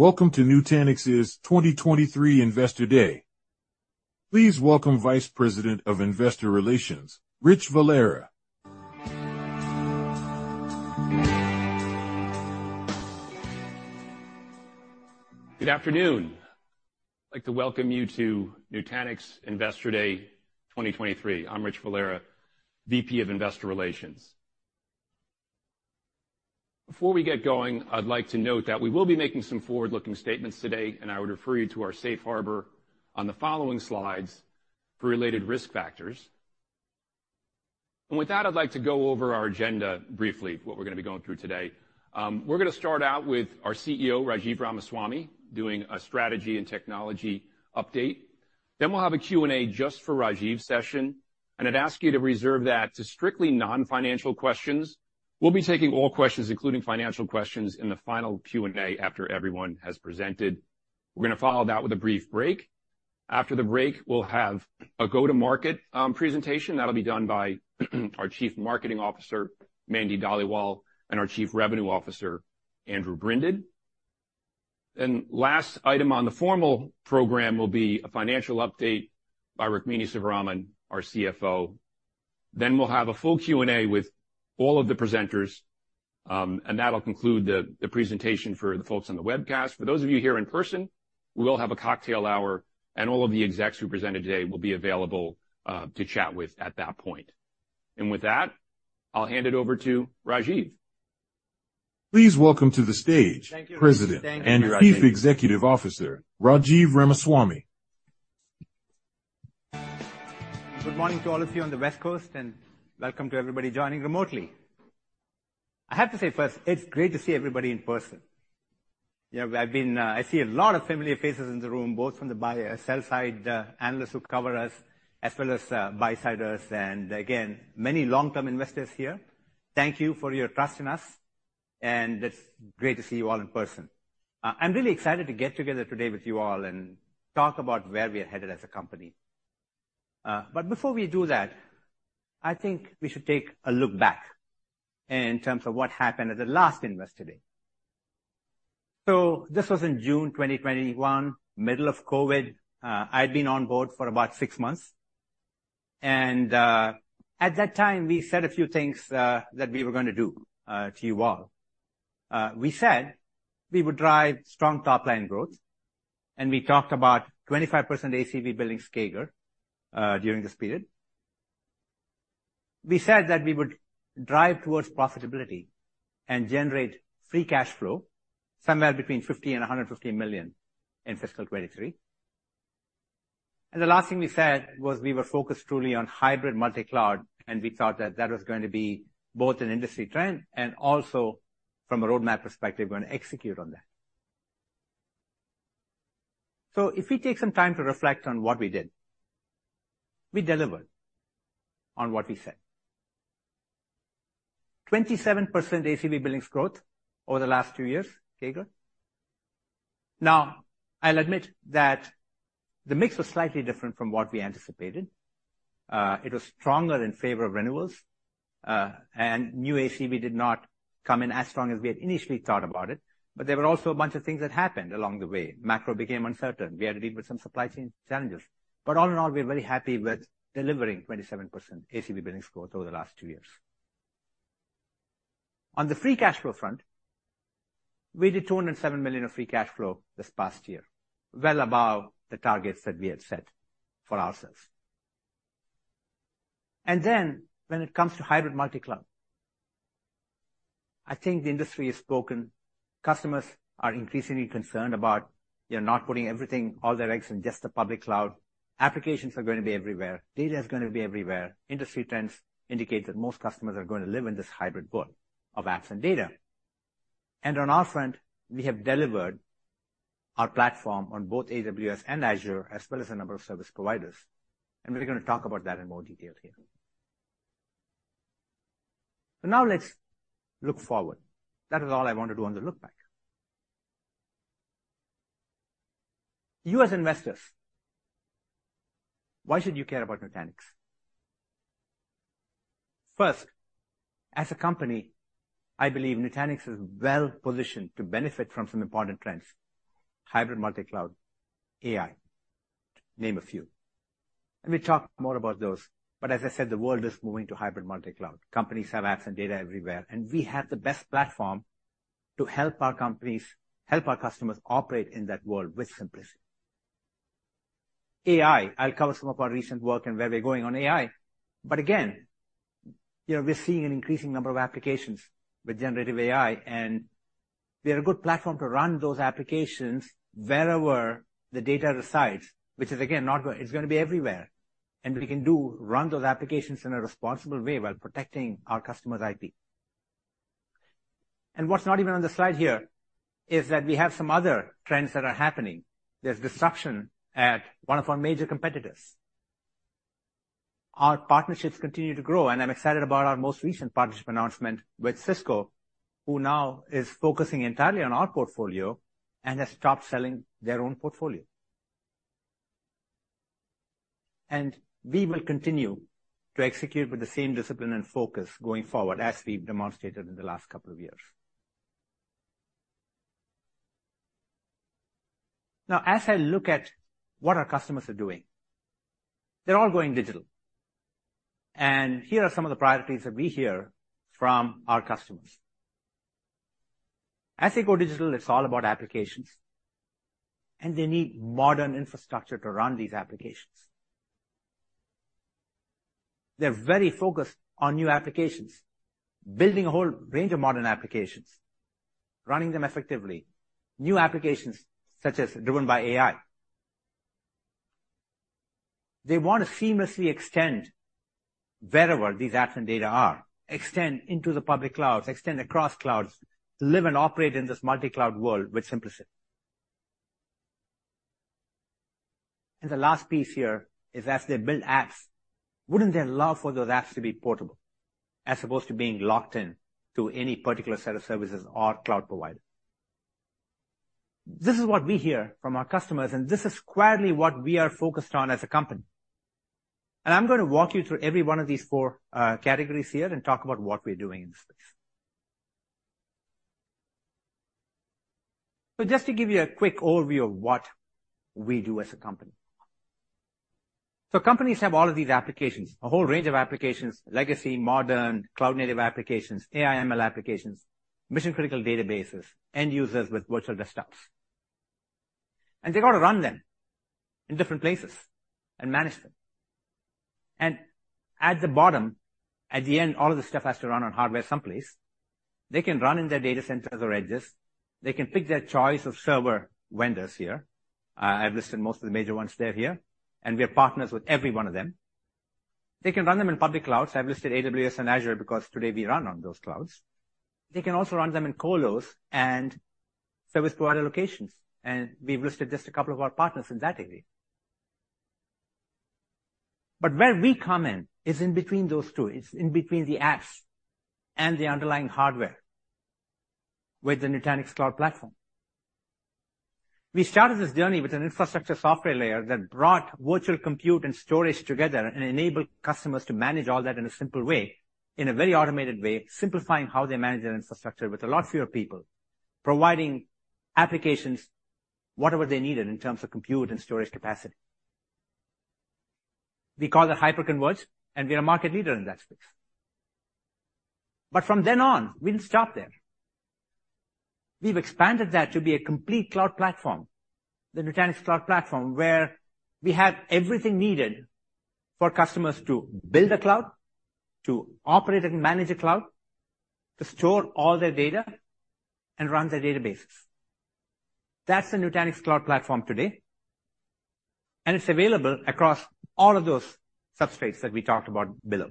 Welcome to Nutanix's 2023 Investor Day. Please welcome Vice President of Investor Relations, Rich Valera. Good afternoon. I'd like to welcome you to Nutanix Investor Day 2023. I'm Rich Valera, VP of Investor Relations. Before we get going, I'd like to note that we will be making some forward-looking statements today, and I would refer you to our safe harbor on the following slides for related risk factors. And with that, I'd like to go over our agenda briefly, what we're gonna be going through today. We're gonna start out with our CEO, Rajiv Ramaswami, doing a strategy and technology update. Then we'll have a Q&A just for Rajiv session, and I'd ask you to reserve that to strictly non-financial questions. We'll be taking all questions, including financial questions, in the final Q&A after everyone has presented. We're gonna follow that with a brief break. After the break, we'll have a go-to-market presentation that'll be done by our Chief Marketing Officer, Mandy Dhaliwal, and our Chief Revenue Officer, Andrew Brinded. Last item on the formal program will be a financial update by Rukmini Sivaraman, our CFO. We'll have a full Q&A with all of the presenters, and that'll conclude the presentation for the folks on the webcast. For those of you here in person, we will have a cocktail hour, and all of the execs who presented today will be available to chat with at that point. With that, I'll hand it over to Rajiv. Please welcome to the stage, President- Thank you. -and Chief Executive Officer, Rajiv Ramaswami. Good morning to all of you on the West Coast, and welcome to everybody joining remotely. I have to say first, it's great to see everybody in person. You know, I've been... I see a lot of familiar faces in the room, both from the buy, sell side, analysts who cover us, as well as, buy-siders, and again, many long-term investors here. Thank you for your trust in us, and it's great to see you all in person. I'm really excited to get together today with you all and talk about where we are headed as a company. But before we do that, I think we should take a look back in terms of what happened at the last Investor Day. So this was in June 2021, middle of COVID. I'd been on board for about six months, and at that time, we said a few things that we were gonna do to you all. We said we would drive strong top-line growth, and we talked about 25% ACV Billings CAGR during this period. We said that we would drive towards profitability and generate free cash flow, somewhere between $50 million and $150 million in fiscal 2023. And the last thing we said was we were focused truly on hybrid multi-cloud, and we thought that that was going to be both an industry trend and also from a roadmap perspective, we're going to execute on that. So if we take some time to reflect on what we did, we delivered on what we said. 27% ACV Billings growth over the last two years, CAGR. Now, I'll admit that the mix was slightly different from what we anticipated. It was stronger in favor of renewals, and new ACV did not come in as strong as we had initially thought about it, but there were also a bunch of things that happened along the way. Macro became uncertain. We had to deal with some supply chain challenges, but all in all, we're very happy with delivering 27% ACV billing growth over the last two years. On the free cash flow front, we did $207 million of free cash flow this past year, well above the targets that we had set for ourselves. And then, when it comes to hybrid multi-cloud, I think the industry has spoken. Customers are increasingly concerned about, you know, not putting everything, all their eggs, in just the public cloud. Applications are going to be everywhere. Data is going to be everywhere. Industry trends indicate that most customers are going to live in this hybrid world of apps and data. And on our front, we have delivered our platform on both AWS and Azure, as well as a number of service providers, and we're going to talk about that in more detail here. But now let's look forward. That is all I want to do on the look back. You as investors, why should you care about Nutanix? First, as a company, I believe Nutanix is well positioned to benefit from some important trends: hybrid multi-cloud, AI, to name a few. Let me talk more about those, but as I said, the world is moving to hybrid multi-cloud. Companies have apps and data everywhere, and we have the best platform to help our companies, help our customers operate in that world with simplicity. AI, I'll cover some of our recent work and where we're going on AI, but again, you know, we're seeing an increasing number of applications with generative AI, and we are a good platform to run those applications wherever the data resides, which is, again, it's gonna be everywhere, and we can run those applications in a responsible way while protecting our customers' IP. And what's not even on the slide here is that we have some other trends that are happening. There's disruption at one of our major competitors. Our partnerships continue to grow, and I'm excited about our most recent partnership announcement with Cisco, who now is focusing entirely on our portfolio and has stopped selling their own portfolio. And we will continue to execute with the same discipline and focus going forward, as we've demonstrated in the last couple of years. Now, as I look at what our customers are doing, they're all going digital. Here are some of the priorities that we hear from our customers. As they go digital, it's all about applications, and they need modern infrastructure to run these applications. They're very focused on new applications, building a whole range of modern applications, running them effectively, new applications, such as driven by AI. They want to seamlessly extend wherever these apps and data are, extend into the public clouds, extend across clouds, to live and operate in this multi-cloud world with simplicity. And the last piece here is as they build apps, wouldn't they love for those apps to be portable, as opposed to being locked in to any particular set of services or cloud provider? This is what we hear from our customers, and this is squarely what we are focused on as a company. I'm going to walk you through every one of these four categories here and talk about what we're doing in this space. But just to give you a quick overview of what we do as a company. Companies have all of these applications, a whole range of applications, legacy, modern, cloud-native applications, AI, ML applications, mission-critical databases, end users with virtual desktops. They've got to run them in different places and manage them. At the bottom, at the end, all of this stuff has to run on hardware someplace. They can run in their data centers or edges. They can pick their choice of server vendors here. I've listed most of the major ones there here, and we are partners with every one of them. They can run them in public clouds. I've listed AWS and Azure because today we run on those clouds. They can also run them in colos and service provider locations, and we've listed just a couple of our partners in that area. Where we come in is in between those two. It's in between the apps and the underlying hardware with the Nutanix Cloud Platform. We started this journey with an infrastructure software layer that brought virtual compute and storage together and enabled customers to manage all that in a simple way, in a very automated way, simplifying how they manage their infrastructure with a lot fewer people, providing applications, whatever they needed in terms of compute and storage capacity. We call it hyperconverged, and we're a market leader in that space. From then on, we didn't stop there. We've expanded that to be a complete cloud platform, the Nutanix Cloud Platform, where we have everything needed for customers to build a cloud, to operate and manage a cloud, to store all their data and run their databases. That's the Nutanix Cloud Platform today, and it's available across all of those substrates that we talked about below.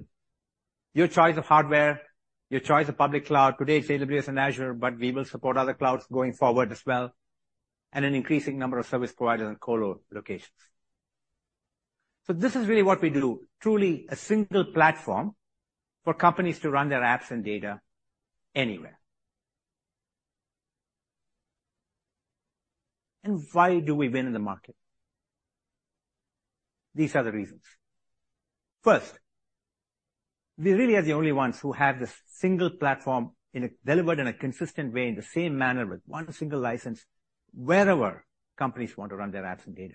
Your choice of hardware, your choice of public cloud. Today, it's AWS and Azure, but we will support other clouds going forward as well, and an increasing number of service providers in colo locations. So this is really what we do, truly a single platform for companies to run their apps and data anywhere. Why do we win in the market? These are the reasons. First, we really are the only ones who have this single platform delivered in a consistent way, in the same manner, with one single license, wherever companies want to run their apps and data.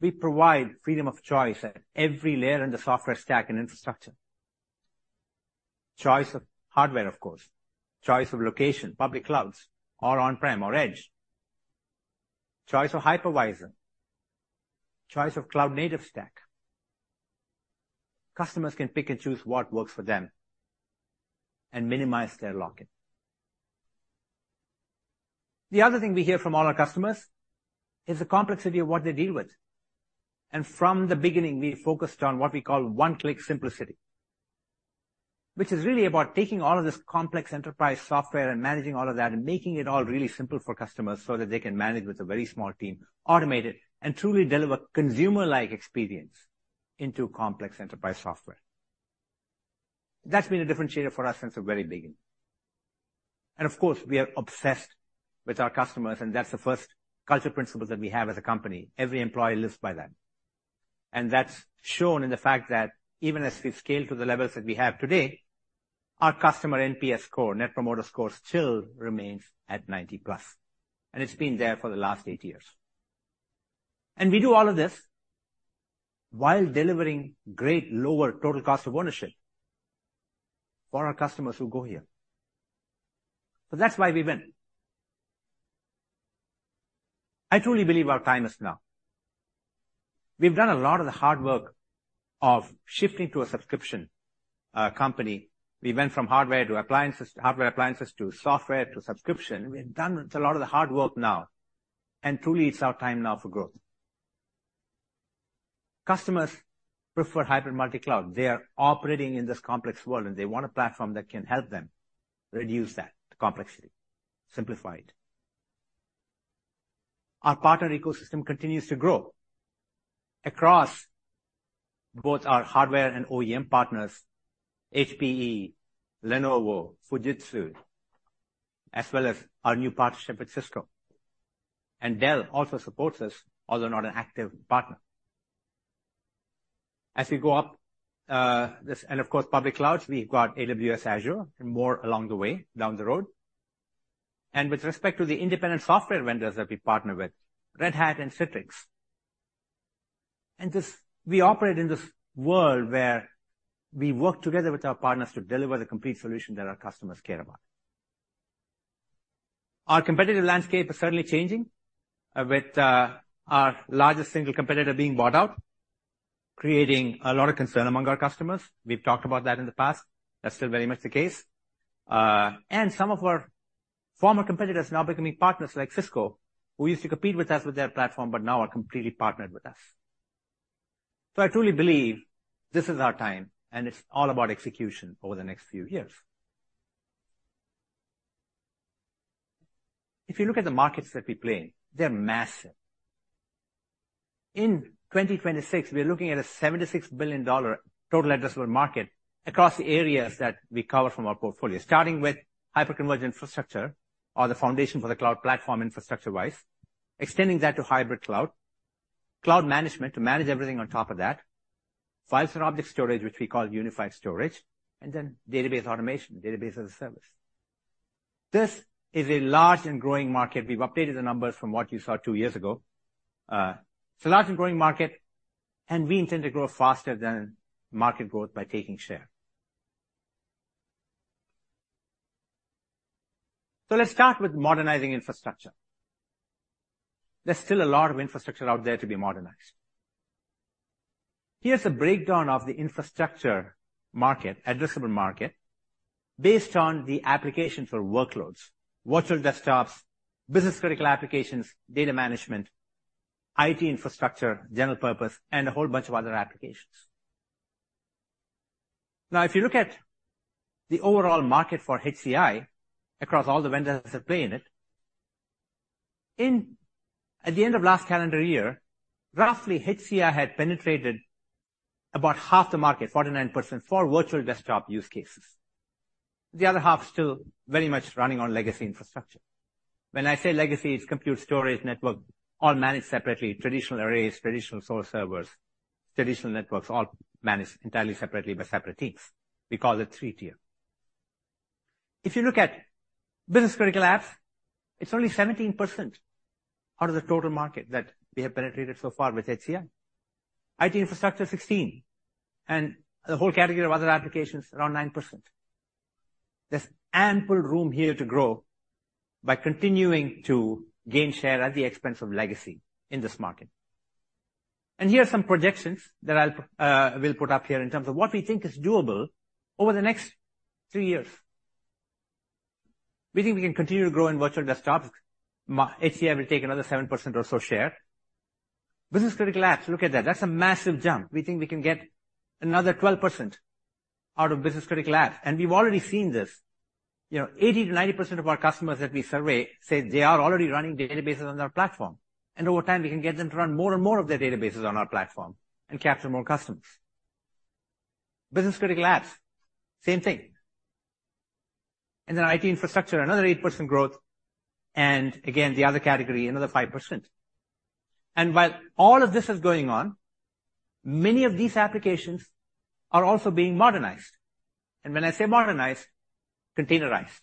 We provide freedom of choice at every layer in the software stack and infrastructure. Choice of hardware, of course, choice of location, public clouds or on-prem or edge, choice of hypervisor, choice of cloud-native stack. Customers can pick and choose what works for them and minimize their lock-in. The other thing we hear from all our customers is the complexity of what they deal with. From the beginning, we focused on what we call one-click simplicity, which is really about taking all of this complex enterprise software and managing all of that and making it all really simple for customers so that they can manage with a very small team, automate it, and truly deliver consumer-like experience into complex enterprise software. That's been a differentiator for us since the very beginning. And of course, we are obsessed with our customers, and that's the first culture principle that we have as a company. Every employee lives by that. That's shown in the fact that even as we've scaled to the levels that we have today, our customer NPS score, Net Promoter Score, still remains at 90+, and it's been there for the last eight years. And we do all of this while delivering great lower total cost of ownership for our customers who go here. So that's why we win. I truly believe our time is now. We've done a lot of the hard work of shifting to a subscription, company. We went from hardware to appliances, hardware appliances to software to subscription. We've done a lot of the hard work now, and truly, it's our time now for growth. Customers prefer hybrid multi-cloud. They are operating in this complex world, and they want a platform that can help them reduce that complexity, simplify it. Our partner ecosystem continues to grow across both our hardware and OEM partners, HPE, Lenovo, Fujitsu, as well as our new partnership with Cisco. And Dell also supports us, although not an active partner. As we go up, and of course, public clouds, we've got AWS, Azure, and more along the way, down the road. With respect to the independent software vendors that we partner with, Red Hat and Citrix. And this, we operate in this world where we work together with our partners to deliver the complete solution that our customers care about. Our competitive landscape is certainly changing, with our largest single competitor being bought out, creating a lot of concern among our customers. We've talked about that in the past. That's still very much the case. And some of our former competitors now becoming partners like Cisco, who used to compete with us with their platform, but now are completely partnered with us. So I truly believe this is our time, and it's all about execution over the next few years. If you look at the markets that we play in, they're massive. In 2026, we are looking at a $76 billion total addressable market across the areas that we cover from our portfolio. Starting with hyperconverged infrastructure, or the foundation for the cloud platform, infrastructure-wise, extending that to hybrid cloud, cloud management, to manage everything on top of that, files and object storage, which we call unified storage, and then database automation, database as a service. This is a large and growing market. We've updated the numbers from what you saw two years ago. It's a large and growing market, and we intend to grow faster than market growth by taking share. So let's start with modernizing infrastructure. There's still a lot of infrastructure out there to be modernized. Here's a breakdown of the infrastructure market, addressable market, based on the application for workloads, virtual desktops, business-critical applications, data management, IT infrastructure, general purpose, and a whole bunch of other applications. Now, if you look at the overall market for HCI across all the vendors that play in it. At the end of last calendar year, roughly, HCI had penetrated about half the market, 49%, for virtual desktop use cases. The other half is still very much running on legacy infrastructure. When I say legacy, it's compute, storage, network, all managed separately, traditional arrays, traditional x86 servers, traditional networks, all managed entirely separately by separate teams. We call it three-tier. If you look at business-critical apps, it's only 17% out of the total market that we have penetrated so far with HCI. IT infrastructure, 16%, and the whole category of other applications, around 9%. There's ample room here to grow by continuing to gain share at the expense of legacy in this market. And here are some projections that I'll will put up here in terms of what we think is doable over the next three years. We think we can continue to grow in virtual desktops. HCI will take another 7% or so share. Business-critical apps, look at that, that's a massive jump. We think we can get another 12% out of business-critical apps, and we've already seen this. You know, 80%-90% of our customers that we survey say they are already running databases on our platform, and over time, we can get them to run more and more of their databases on our platform and capture more customers. Business-critical apps, same thing. And then IT infrastructure, another 8% growth, and again, the other category, another 5%. While all of this is going on, many of these applications are also being modernized. When I say modernized, containerized,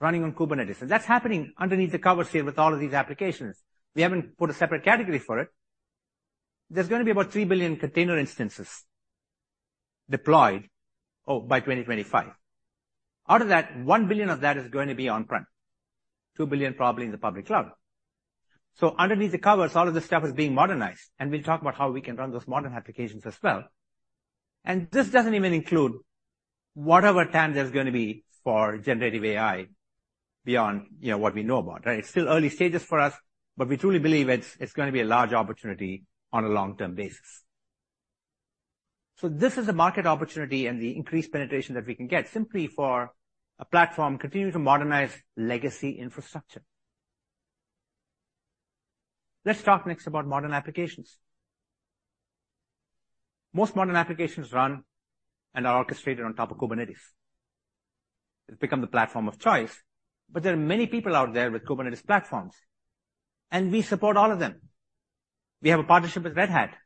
running on Kubernetes. So that's happening underneath the covers here with all of these applications. We haven't put a separate category for it. There's gonna be about 3 billion container instances deployed, oh, by 2025. Out of that, 1 billion of that is going to be on-prem, 2 billion probably in the public cloud. So underneath the covers, all of this stuff is being modernized, and we'll talk about how we can run those modern applications as well. This doesn't even include whatever TAM there's gonna be for generative AI beyond, you know, what we know about, right? It's still early stages for us, but we truly believe it's gonna be a large opportunity on a long-term basis. So this is a market opportunity and the increased penetration that we can get simply for a platform continuing to modernize legacy infrastructure. Let's talk next about modern applications. Most modern applications run and are orchestrated on top of Kubernetes. It's become the platform of choice, but there are many people out there with Kubernetes platforms, and we support all of them. We have a partnership with Red Hat.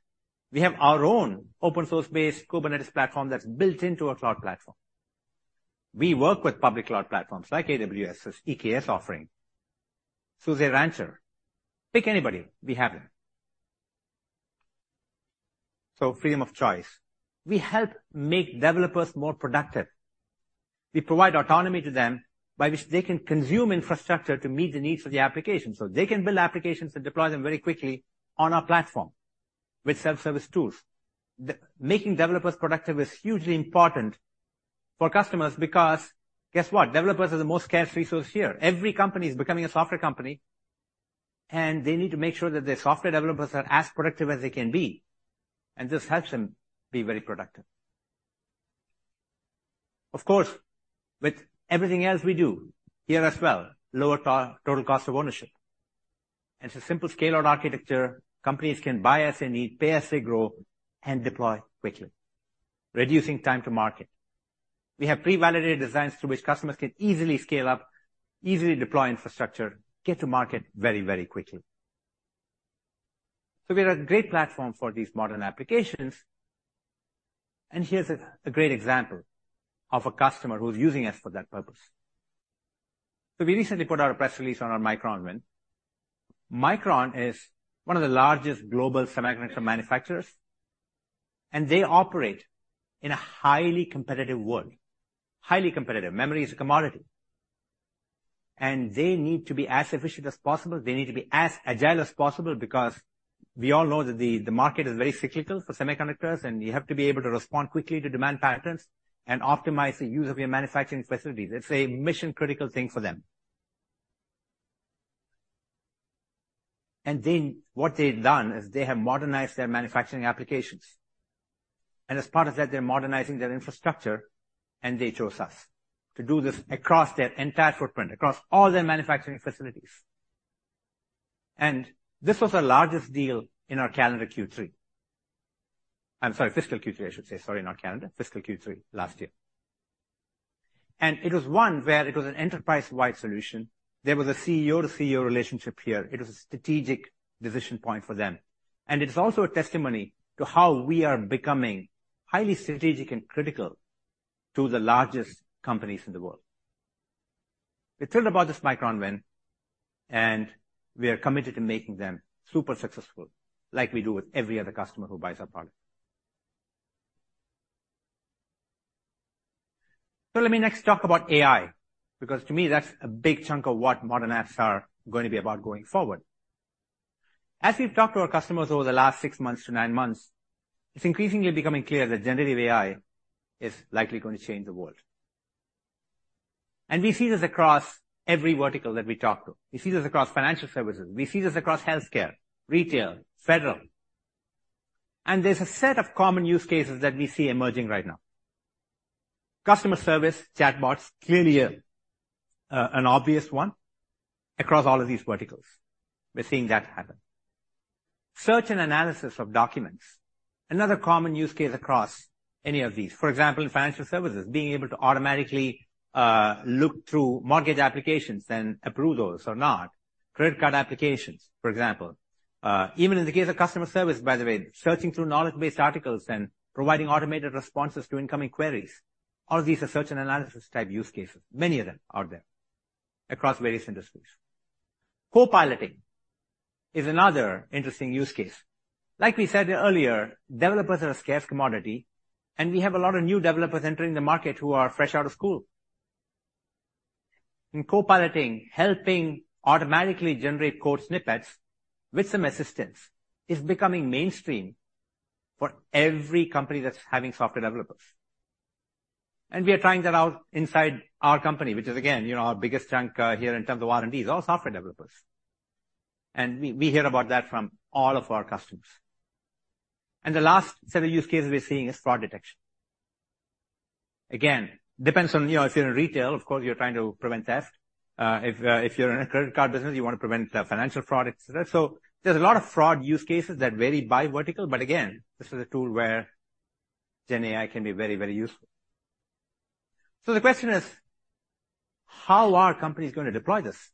We have our own open-source-based Kubernetes platform that's built into our cloud platform. We work with public cloud platforms like AWS's EKS offering, SUSE Rancher. Pick anybody, we have them. So freedom of choice. We help make developers more productive. We provide autonomy to them by which they can consume infrastructure to meet the needs of the application, so they can build applications and deploy them very quickly on our platform with self-service tools. Making developers productive is hugely important for customers because, guess what? Developers are the most scarce resource here. Every company is becoming a software company, and they need to make sure that their software developers are as productive as they can be, and this helps them be very productive. Of course, with everything else we do, here as well, lower total cost of ownership. It's a simple scale out architecture. Companies can buy as they need, pay as they grow, and deploy quickly, reducing time to market. We have pre-validated designs through which customers can easily scale up, easily deploy infrastructure, get to market very, very quickly. So we're a great platform for these modern applications, and here's a great example of a customer who's using us for that purpose. So we recently put out a press release on our Micron win. Micron is one of the largest global semiconductor manufacturers, and they operate in a highly competitive world. Highly competitive. Memory is a commodity, and they need to be as efficient as possible. They need to be as agile as possible, because we all know that the market is very cyclical for semiconductors, and you have to be able to respond quickly to demand patterns and optimize the use of your manufacturing facilities. It's a mission-critical thing for them. What they've done is they have modernized their manufacturing applications, and as part of that, they're modernizing their infrastructure, and they chose us to do this across their entire footprint, across all their manufacturing facilities. This was our largest deal in our calendar Q3. I'm sorry, fiscal Q3, I should say. Sorry, not calendar, fiscal Q3 last year. It was one where it was an enterprise-wide solution. There was a CEO to CEO relationship here. It was a strategic decision point for them, and it is also a testimony to how we are becoming highly strategic and critical to the largest companies in the world. We're thrilled about this Micron win, and we are committed to making them super successful, like we do with every other customer who buys our product. So let me next talk about AI, because to me, that's a big chunk of what modern apps are going to be about going forward. As we've talked to our customers over the last six to nine months, it's increasingly becoming clear that generative AI is likely going to change the world. And we see this across every vertical that we talk to. We see this across financial services. We see this across healthcare, retail, federal. And there's a set of common use cases that we see emerging right now. Customer service, chatbots, clearly a, an obvious one across all of these verticals. We're seeing that happen. Search and analysis of documents, another common use case across any of these. For example, in financial services, being able to automatically, look through mortgage applications, then approve those or not, credit card applications, for example. Even in the case of customer service, by the way, searching through knowledge-based articles and providing automated responses to incoming queries, all of these are search and analysis type use cases. Many of them are there across various industries. Co-piloting is another interesting use case. Like we said earlier, developers are a scarce commodity, and we have a lot of new developers entering the market who are fresh out of school. In co-piloting, helping automatically generate code snippets with some assistance is becoming mainstream for every company that's having software developers. And we are trying that out inside our company, which is, again, you know, our biggest chunk, here in terms of R&D, is all software developers. And we, we hear about that from all of our customers. And the last set of use cases we're seeing is fraud detection. Again, depends on, you know, if you're in retail, of course, you're trying to prevent theft. If you're in a credit card business, you want to prevent financial fraud. So there's a lot of fraud use cases that vary by vertical, but again, this is a tool where gen AI can be very, very useful. So the question is: How are companies going to deploy this?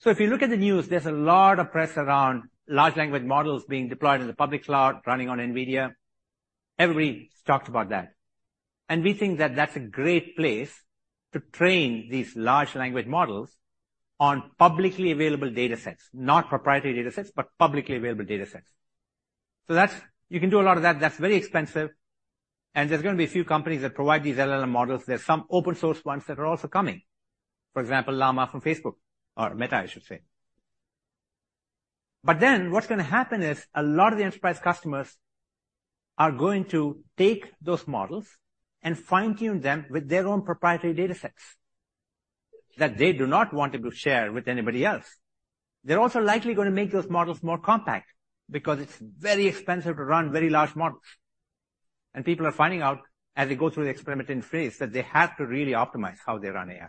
So if you look at the news, there's a lot of press around large language models being deployed in the public cloud, running on NVIDIA. Everybody's talked about that, and we think that that's a great place to train these large language models on publicly available datasets, not proprietary datasets, but publicly available datasets. So that's... You can do a lot of that. That's very expensive, and there's going to be a few companies that provide these LLM models. There are some open source ones that are also coming, for example, Llama from Facebook or Meta, I should say. But then what's going to happen is a lot of the enterprise customers are going to take those models and fine-tune them with their own proprietary datasets that they do not want to go share with anybody else. They're also likely going to make those models more compact because it's very expensive to run very large models, and people are finding out as they go through the experimentation phase, that they have to really optimize how they run AI.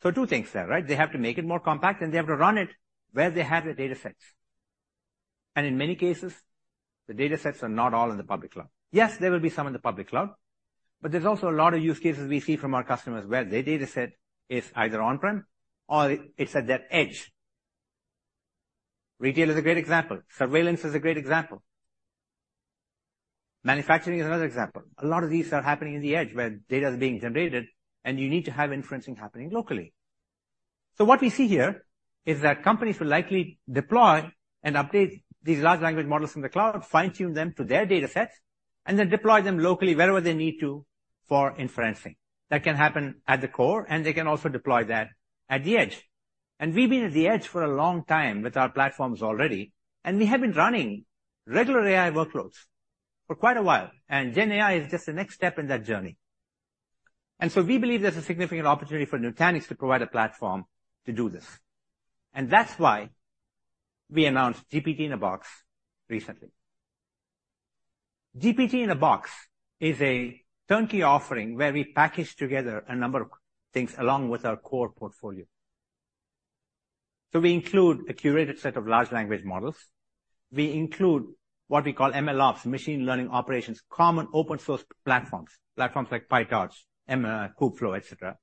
So two things there, right? They have to make it more compact, and they have to run it where they have their datasets. And in many cases, the datasets are not all in the public cloud. Yes, there will be some in the public cloud, but there's also a lot of use cases we see from our customers where their dataset is either on-prem or it's at their edge. Retail is a great example. Surveillance is a great example. Manufacturing is another example. A lot of these are happening in the edge, where data is being generated, and you need to have inferencing happening locally. So what we see here is that companies will likely deploy and update these large language models from the cloud, fine-tune them to their datasets, and then deploy them locally wherever they need to for inferencing. That can happen at the core, and they can also deploy that at the edge. We've been at the edge for a long time with our platforms already, and we have been running regular AI workloads for quite a while, and Gen AI is just the next step in that journey. So we believe there's a significant opportunity for Nutanix to provide a platform to do this, and that's why we announced GPT-in-a-Box recently. GPT-in-a-Box is a turnkey offering where we package together a number of things along with our core portfolio. So we include a curated set of large language models. We include what we call MLOps, machine learning operations, common open source platforms, platforms like PyTorch, Kubeflow, et cetera.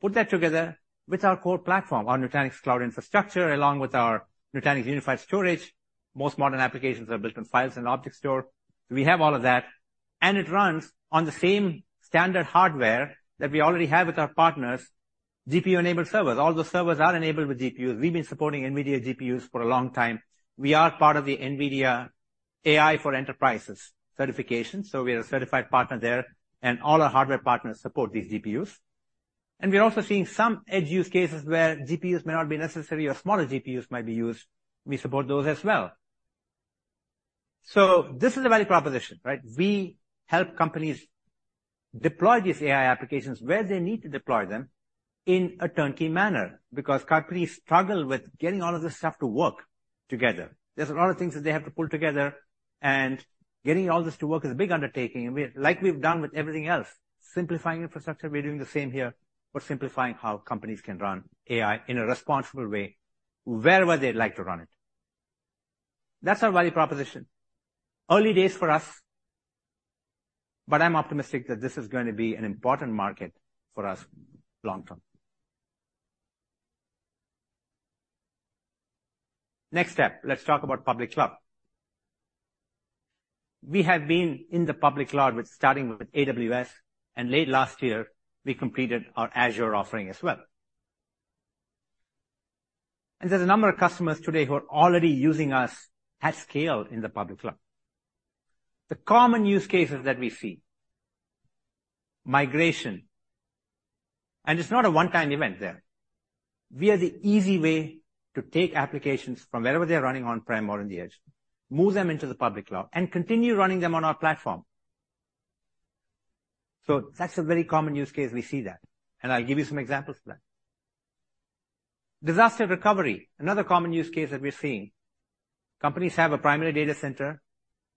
Put that together with our core platform, our Nutanix Cloud Infrastructure, along with our Nutanix Unified Storage. Most modern applications are built on files and object store. We have all of that, and it runs on the same standard hardware that we already have with our partners, GPU-enabled servers. All those servers are enabled with GPUs. We've been supporting NVIDIA GPUs for a long time. We are part of the NVIDIA AI Enterprise certification, so we are a certified partner there, and all our hardware partners support these GPUs. And we're also seeing some edge use cases where GPUs may not be necessary or smaller GPUs might be used. We support those as well. So this is a value proposition, right? We help companies deploy these AI applications where they need to deploy them in a turnkey manner, because companies struggle with getting all of this stuff to work together. There's a lot of things that they have to pull together, and getting all this to work is a big undertaking. And we, like we've done with everything else, simplifying infrastructure, we're doing the same here. We're simplifying how companies can run AI in a responsible way, wherever they'd like to run it. That's our value proposition. Early days for us, but I'm optimistic that this is going to be an important market for us long term. Next step, let's talk about public cloud. We have been in the public cloud with starting with AWS, and late last year, we completed our Azure offering as well. And there's a number of customers today who are already using us at scale in the public cloud. The common use cases that we see: migration, and it's not a one-time event there. We are the easy way to take applications from wherever they are running on-prem or on the edge, move them into the public cloud, and continue running them on our platform. So that's a very common use case, we see that, and I'll give you some examples of that. Disaster recovery, another common use case that we're seeing. Companies have a primary data center,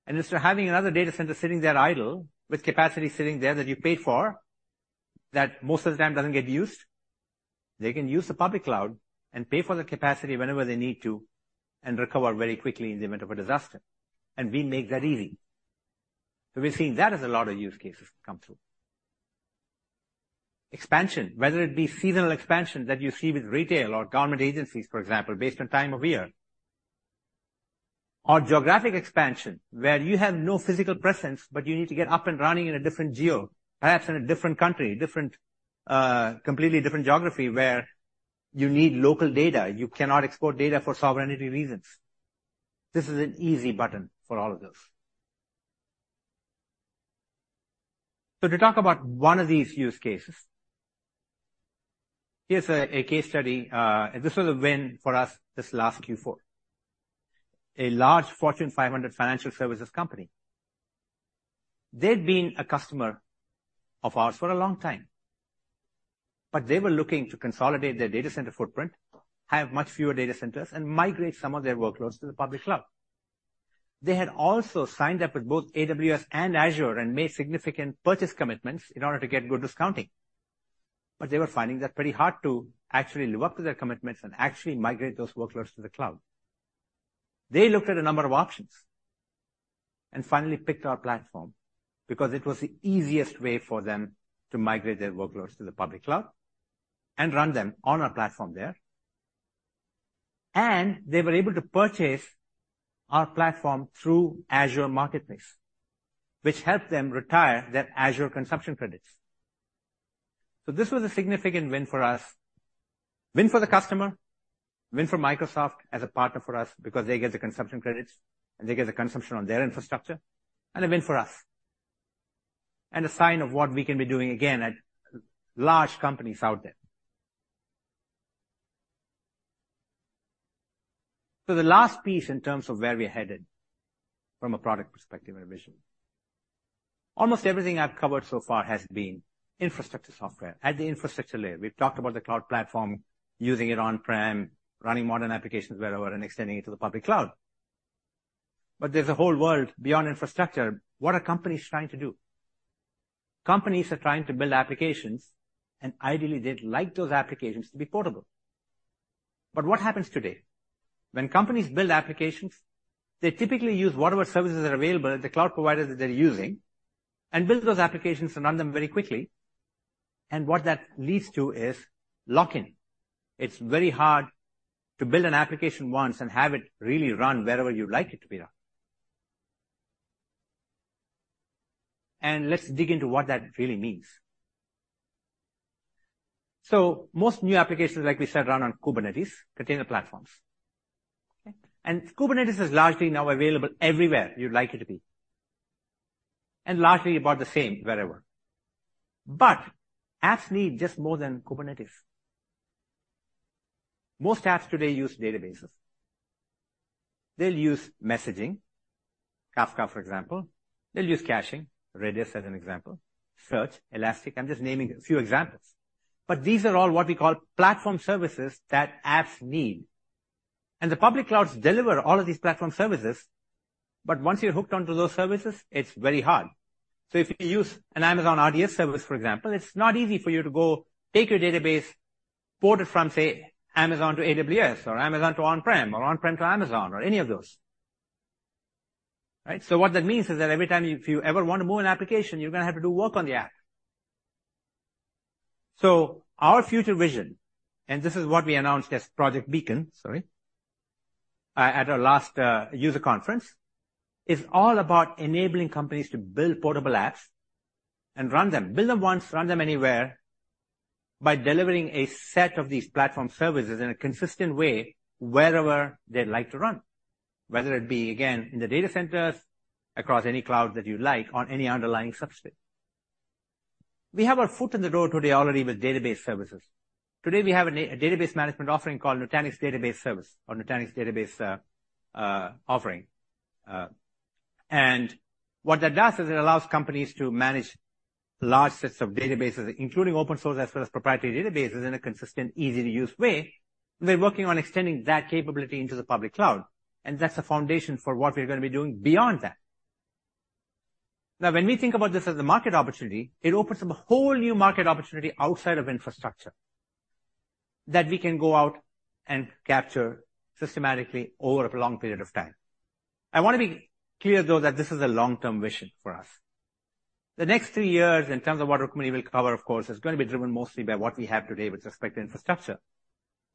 and instead of having another data center sitting there idle with capacity sitting there that you paid for, that most of the time doesn't get used, they can use the public cloud and pay for the capacity whenever they need to and recover very quickly in the event of a disaster. And we make that easy. So we're seeing that as a lot of use cases come through. Expansion, whether it be seasonal expansion that you see with retail or government agencies, for example, based on time of year, or geographic expansion, where you have no physical presence, but you need to get up and running in a different geo, perhaps in a different country, different, completely different geography, where you need local data, you cannot export data for sovereignty reasons. This is an easy button for all of this. So to talk about one of these use cases, here's a case study. This was a win for us this last Q4. A large Fortune 500 financial services company. They've been a customer of ours for a long time, but they were looking to consolidate their data center footprint, have much fewer data centers, and migrate some of their workloads to the public cloud. They had also signed up with both AWS and Azure and made significant purchase commitments in order to get good discounting. But they were finding that pretty hard to actually live up to their commitments and actually migrate those workloads to the cloud. They looked at a number of options and finally picked our platform because it was the easiest way for them to migrate their workloads to the public cloud and run them on our platform there. They were able to purchase our platform through Azure Marketplace, which helped them retire their Azure consumption credits. This was a significant win for us, win for the customer, win for Microsoft as a partner for us because they get the consumption credits, and they get the consumption on their infrastructure, and a win for us. A sign of what we can be doing again at large companies out there. The last piece in terms of where we're headed from a product perspective and vision. Almost everything I've covered so far has been infrastructure software. At the infrastructure layer, we've talked about the cloud platform, using it on-prem, running modern applications wherever, and extending it to the public cloud. But there's a whole world beyond infrastructure. What are companies trying to do? Companies are trying to build applications, and ideally, they'd like those applications to be portable. But what happens today? When companies build applications, they typically use whatever services are available at the cloud providers that they're using and build those applications and run them very quickly. And what that leads to is lock-in. It's very hard to build an application once and have it really run wherever you'd like it to be run. And let's dig into what that really means. So most new applications, like we said, run on Kubernetes, container platforms. Okay? And Kubernetes is largely now available everywhere you'd like it to be, and largely about the same wherever. But apps need just more than Kubernetes.... Most apps today use databases. They'll use messaging, Kafka, for example. They'll use caching, Redis as an example. Search, Elastic. I'm just naming a few examples. But these are all what we call platform services that apps need. And the public clouds deliver all of these platform services, but once you're hooked onto those services, it's very hard. So if you use an Amazon RDS service, for example, it's not easy for you to go take your database, port it from, say, Amazon to AWS or Amazon to on-prem or on-prem to Amazon or any of those, right? So what that means is that every time you—if you ever want to move an application, you're gonna have to do work on the app. So our future vision, and this is what we announced as Project Beacon, sorry, at our last user conference, is all about enabling companies to build portable apps and run them. Build them once, run them anywhere by delivering a set of these platform services in a consistent way wherever they'd like to run. Whether it be, again, in the data centers, across any cloud that you like, on any underlying substrate. We have our foot in the door today already with database services. Today, we have a database management offering called Nutanix Database Service or Nutanix Database offering. And what that does is it allows companies to manage large sets of databases, including open source as well as proprietary databases, in a consistent, easy-to-use way. We're working on extending that capability into the public cloud, and that's the foundation for what we're gonna be doing beyond that. Now, when we think about this as a market opportunity, it opens up a whole new market opportunity outside of infrastructure, that we can go out and capture systematically over a long period of time. I wanna be clear, though, that this is a long-term vision for us. The next three years, in terms of what our company will cover, of course, is gonna be driven mostly by what we have today with respect to infrastructure.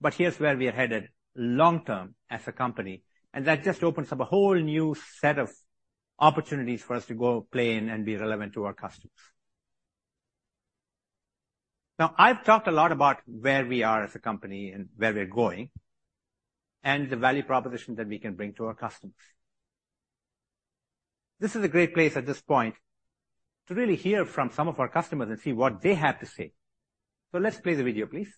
But here's where we are headed long-term as a company, and that just opens up a whole new set of opportunities for us to go play in and be relevant to our customers. Now, I've talked a lot about where we are as a company and where we're going, and the value proposition that we can bring to our customers. This is a great place at this point to really hear from some of our customers and see what they have to say. So let's play the video, please.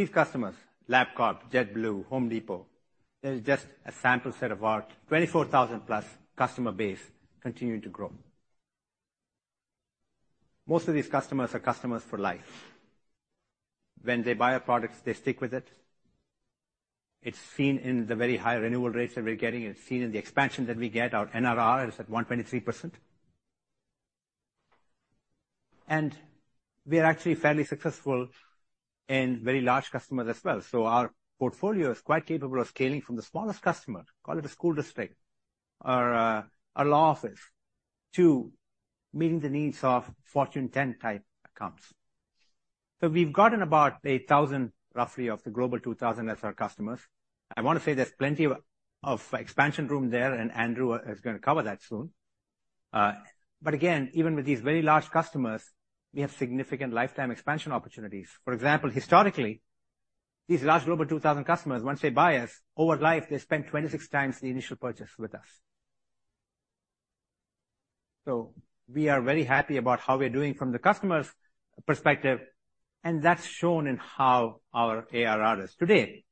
So these customers, LabCorp, JetBlue, Home Depot, they're just a sample set of our 24,000+ customer base continuing to grow. Most of these customers are customers for life. When they buy our products, they stick with it. It's seen in the very high renewal rates that we're getting, it's seen in the expansion that we get. Our NRR is at 123%. And we are actually fairly successful in very large customers as well. So our portfolio is quite capable of scaling from the smallest customer, call it a school district or a, a law office, to meeting the needs of Fortune 10-type accounts. So we've gotten about 8,000, roughly, of the Global 2000 as our customers. I want to say there's plenty of, of expansion room there, and Andrew is gonna cover that soon. But again, even with these very large customers, we have significant lifetime expansion opportunities. For example, historically, these large Global 2000 customers, once they buy us, over life, they spend 26 times the initial purchase with us. So we are very happy about how we're doing from the customers' perspective, and that's shown in how our ARR is. Today,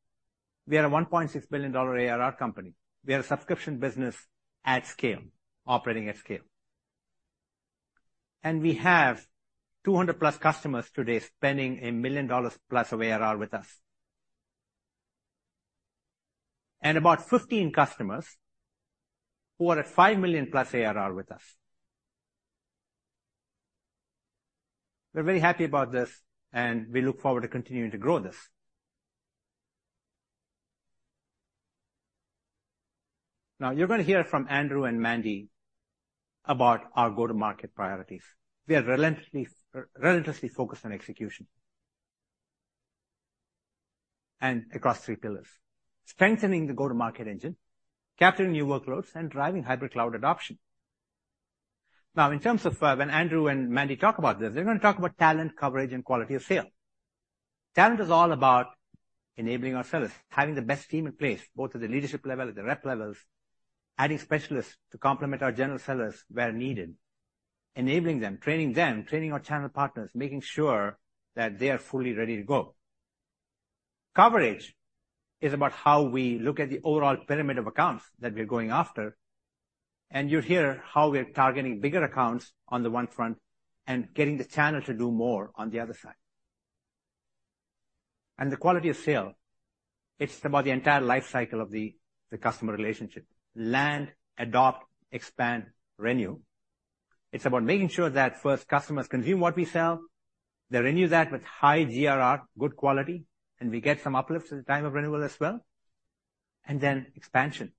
we are a $1.6 billion ARR company. We are a subscription business at scale, operating at scale. And we have 200+ customers today spending $1 million+ of ARR with us. And about 15 customers who are at $5 million+ ARR with us. We're very happy about this, and we look forward to continuing to grow this. Now, you're gonna hear from Andrew and Mandy about our go-to-market priorities. We are relentlessly, relentlessly focused on execution and across three pillars: strengthening the go-to-market engine, capturing new workloads, and driving hybrid cloud adoption. Now, in terms of, when Andrew and Mandy talk about this, they're gonna talk about talent, coverage, and quality of sale. Talent is all about enabling our sellers, having the best team in place, both at the leadership level, at the rep levels, adding specialists to complement our general sellers where needed, enabling them, training them, training our channel partners, making sure that they are fully ready to go. Coverage is about how we look at the overall pyramid of accounts that we are going after, and you'll hear how we are targeting bigger accounts on the one front and getting the channel to do more on the other side. And the quality of sale, it's about the entire life cycle of the customer relationship: land, adopt, expand, renew. It's about making sure that first, customers consume what we sell, they renew that with high GRR, good quality, and we get some uplifts at the time of renewal as well, and then expansion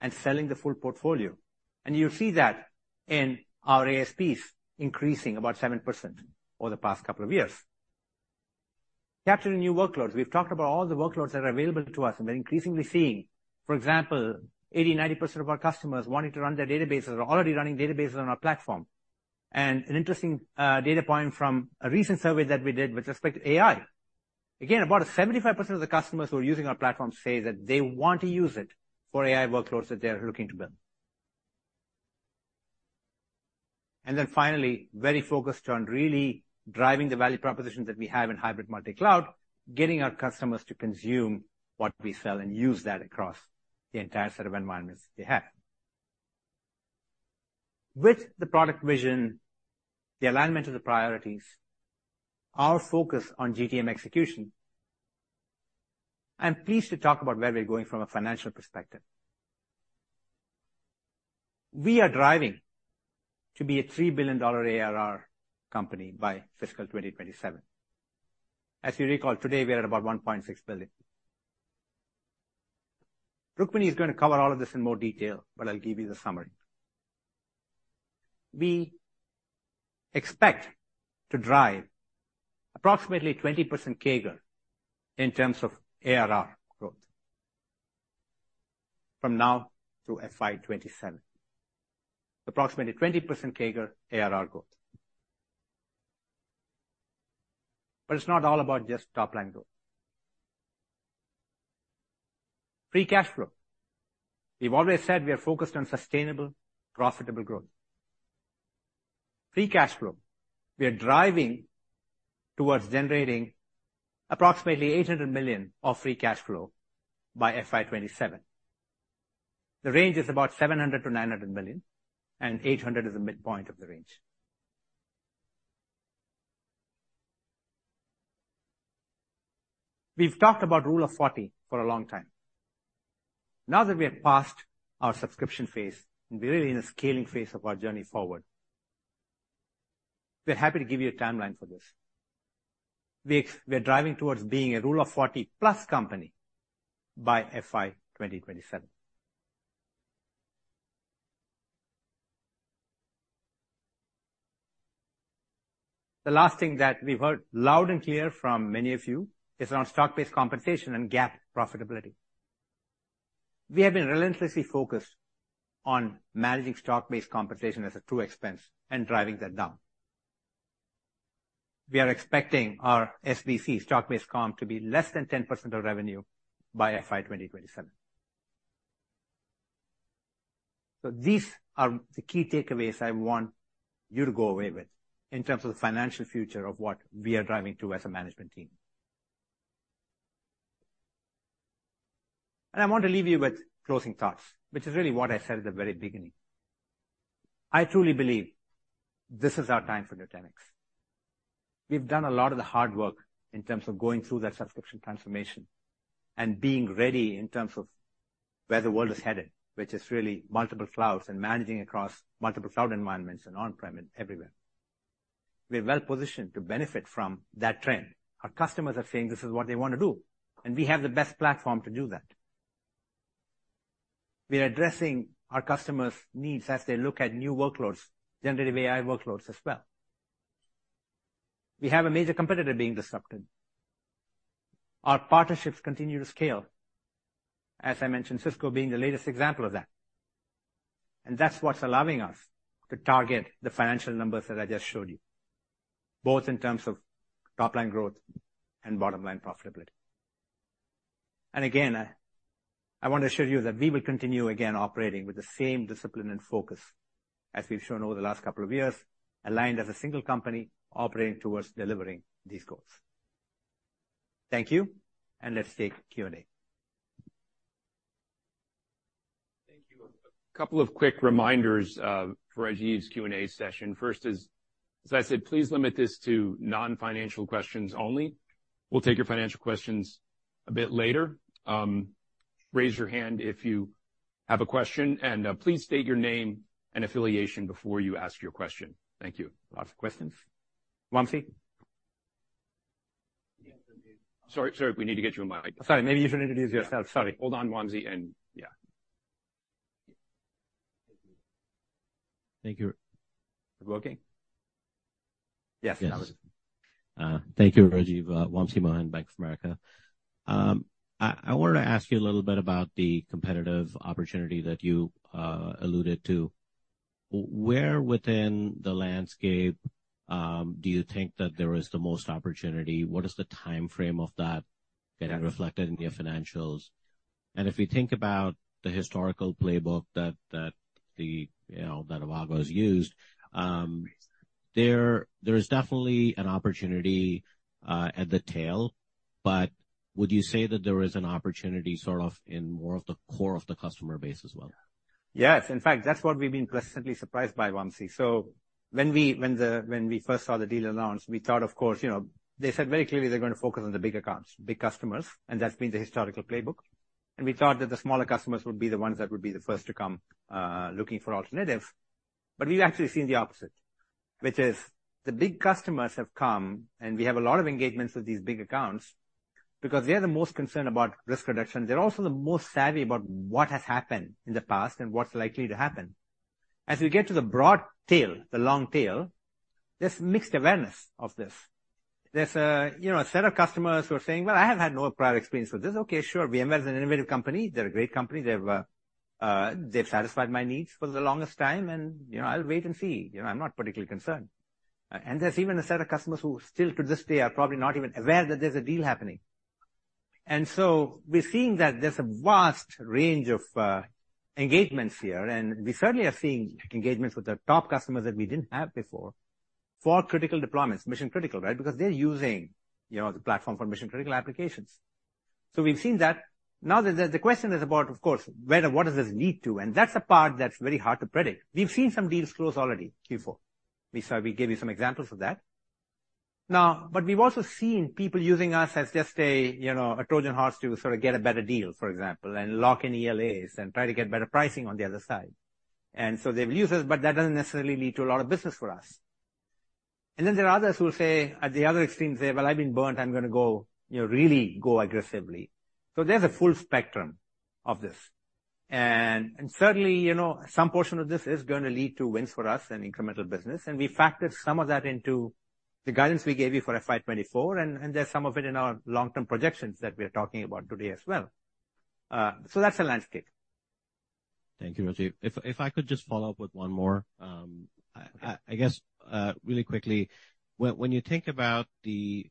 and selling the full portfolio. And you'll see that in our ASPs increasing about 7% over the past couple of years. Capturing new workloads. We've talked about all the workloads that are available to us, and we're increasingly seeing, for example, 80%-90% of our customers wanting to run their databases or already running databases on our platform. And an interesting data point from a recent survey that we did with respect to AI. Again, about 75% of the customers who are using our platform say that they want to use it for AI workloads that they are looking to build. And then finally, very focused on really driving the value propositions that we have in hybrid multi-cloud, getting our customers to consume what we sell and use that across the entire set of environments they have. With the product vision, the alignment of the priorities, our focus on GTM execution, I'm pleased to talk about where we're going from a financial perspective. We are driving to be a $3 billion ARR company by fiscal 2027. As you recall, today, we are at about $1.6 billion. Rukmini is going to cover all of this in more detail, but I'll give you the summary. We expect to drive approximately 20% CAGR in terms of ARR growth from now to FY 2027. Approximately 20% CAGR ARR growth. But it's not all about just top-line growth. Free cash flow. We've always said we are focused on sustainable, profitable growth. Free cash flow, we are driving towards generating approximately $800 million of free cash flow by FY 2027. The range is about $700 million-$900 million, and 800 is the midpoint of the range. We've talked about Rule of 40 for a long time. Now that we have passed our subscription phase, and we're really in a scaling phase of our journey forward, we're happy to give you a timeline for this. We, we're driving towards being a Rule of 40-plus company by FY 2027. The last thing that we've heard loud and clear from many of you is on stock-based compensation and GAAP profitability. We have been relentlessly focused on managing stock-based compensation as a true expense and driving that down. We are expecting our SBC, stock-based comp, to be less than 10% of revenue by FY 2027. These are the key takeaways I want you to go away with in terms of the financial future of what we are driving to as a management team. I want to leave you with closing thoughts, which is really what I said at the very beginning. I truly believe this is our time for Nutanix. We've done a lot of the hard work in terms of going through that subscription transformation and being ready in terms of where the world is headed, which is really multiple clouds and managing across multiple cloud environments and on-prem and everywhere. We're well positioned to benefit from that trend. Our customers are saying this is what they want to do, and we have the best platform to do that. We are addressing our customers' needs as they look at new workloads, generative AI workloads as well. We have a major competitor being disrupted. Our partnerships continue to scale, as I mentioned, Cisco being the latest example of that, and that's what's allowing us to target the financial numbers that I just showed you, both in terms of top-line growth and bottom-line profitability. And again, I want to assure you that we will continue again, operating with the same discipline and focus as we've shown over the last couple of years, aligned as a single company, operating towards delivering these goals. Thank you, and let's take Q&A. Thank you. A couple of quick reminders for Rajiv's Q&A session. First is, as I said, please limit this to non-financial questions only. We'll take your financial questions a bit later. Raise your hand if you have a question, and please state your name and affiliation before you ask your question. Thank you. Lots of questions. Vamshi? Yes, Rajiv. Sorry, sorry, we need to get you a mic. Sorry. Maybe you should introduce yourself. Sorry. Hold on, Vamshi. And yeah. Thank you. Are you working? Yes, Vamshi. Thank you, Rajiv. Vamshi Mohan, Bank of America. I wanted to ask you a little bit about the competitive opportunity that you alluded to. Where within the landscape do you think that there is the most opportunity? What is the timeframe of that getting reflected in your financials? And if we think about the historical playbook that the Avago has used, there is definitely an opportunity at the tail, but would you say that there is an opportunity sort of in more of the core of the customer base as well? Yes. In fact, that's what we've been pleasantly surprised by, Vamshi. So when we first saw the deal announced, we thought, of course, you know, they said very clearly they're gonna focus on the big accounts, big customers, and that's been the historical playbook. And we thought that the smaller customers would be the ones that would be the first to come looking for alternatives. But we've actually seen the opposite, which is the big customers have come, and we have a lot of engagements with these big accounts, because they are the most concerned about risk reduction. They're also the most savvy about what has happened in the past and what's likely to happen. As we get to the broad tail, the long tail, there's mixed awareness of this. There's a, you know, set of customers who are saying, "Well, I have had no prior experience with this. Okay, sure, VMware is an innovative company. They're a great company. They've, they've satisfied my needs for the longest time, and, you know, I'll wait and see. You know, I'm not particularly concerned." And there's even a set of customers who still, to this day, are probably not even aware that there's a deal happening. And so we're seeing that there's a vast range of engagements here, and we certainly are seeing engagements with the top customers that we didn't have before for critical deployments, mission-critical, right? Because they're using, you know, the platform for mission-critical applications. So we've seen that. Now, the question is about, of course, where and what does this lead to? And that's a part that's very hard to predict. We've seen some deals close already, Q4. We saw-- We gave you some examples of that. Now, but we've also seen people using us as just a, you know, a Trojan horse to sort of get a better deal, for example, and lock in ELAs and try to get better pricing on the other side. And so they've used us, but that doesn't necessarily lead to a lot of business for us. And then there are others who will say, at the other extreme, say, "Well, I've been burnt. I'm gonna go, you know, really go aggressively." So there's a full spectrum of this. Certainly, you know, some portion of this is gonna lead to wins for us and incremental business, and we factored some of that into the guidance we gave you for FY 2024, and there's some of it in our long-term projections that we are talking about today as well. So that's the landscape. Thank you, Rajiv. If I could just follow up with one more. I guess, really quickly, when you think about the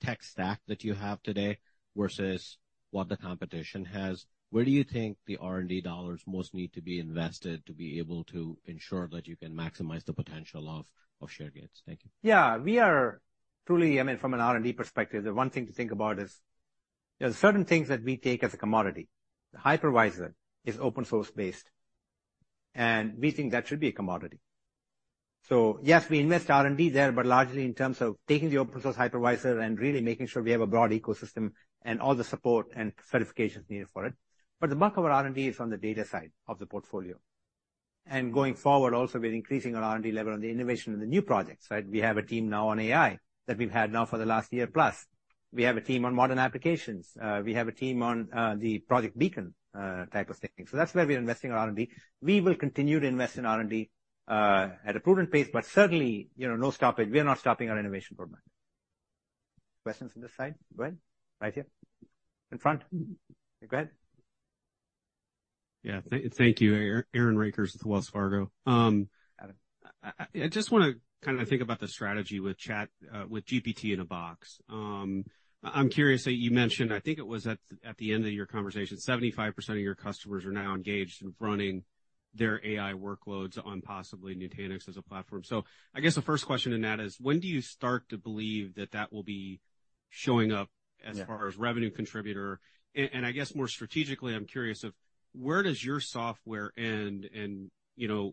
tech stack that you have today versus what the competition has, where do you think the R&D dollars most need to be invested to be able to ensure that you can maximize the potential of share gains? Thank you. Yeah, we are truly, I mean, from an R&D perspective, the one thing to think about is there are certain things that we take as a commodity. The hypervisor is open source based, and we think that should be a commodity. So yes, we invest R&D there, but largely in terms of taking the open source hypervisor and really making sure we have a broad ecosystem and all the support and certifications needed for it. But the bulk of our R&D is on the data side of the portfolio. And going forward, also, we're increasing our R&D level on the innovation in the new projects, right? We have a team now on AI that we've had now for the last year plus. We have a team on modern applications. We have a team on the Project Beacon type of thinking. That's where we are investing in R&D. We will continue to invest in R&D at a prudent pace, but certainly, you know, no stopping. We are not stopping our innovation program. Questions on this side? Go ahead. Right here. In front. Go ahead. Yeah. Thank you. Aaron Rakers with Wells Fargo. Aaron. I just wanna kinda think about the strategy with chat with GPT-in-a-Box. I'm curious that you mentioned, I think it was at the end of your conversation, 75% of your customers are now engaged in running their AI workloads on possibly Nutanix as a platform. So I guess the first question in that is, when do you start to believe that that will be showing up- Yeah... as far as revenue contributor? And, and I guess, more strategically, I'm curious of where does your software end and, you know,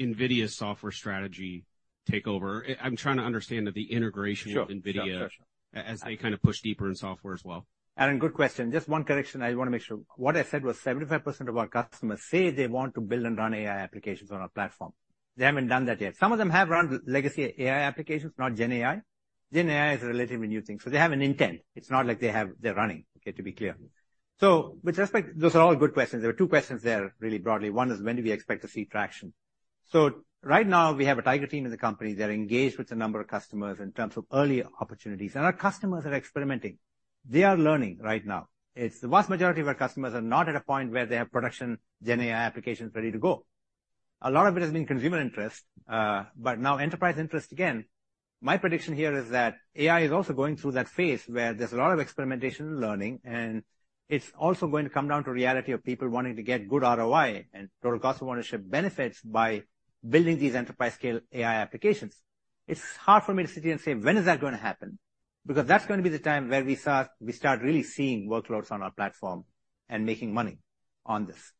NVIDIA's software strategy take over? I'm trying to understand the integration- Sure... with NVIDIA as they kind of push deeper in software as well. Aaron, good question. Just one correction, I wanna make sure. What I said was 75% of our customers say they want to build and run AI applications on our platform. They haven't done that yet. Some of them have run legacy AI applications, not Gen AI. Gen AI is a relatively new thing. So they have an intent. It's not like they have... They're running, okay, to be clear. So with respect, those are all good questions. There are two questions there, really broadly. One is, when do we expect to see traction? So right now, we have a tiger team in the company. They're engaged with a number of customers in terms of early opportunities, and our customers are experimenting. They are learning right now. It's, the vast majority of our customers are not at a point where they have production Gen AI applications ready to go. A lot of it has been consumer interest, but now enterprise interest again. My prediction here is that AI is also going through that phase where there's a lot of experimentation and learning, and it's also going to come down to reality of people wanting to get good ROI and total cost of ownership benefits by building these enterprise-scale AI applications. It's hard for me to sit here and say, "When is that gonna happen?" Because that's gonna be the time where we start really seeing workloads on our platform and making money on this.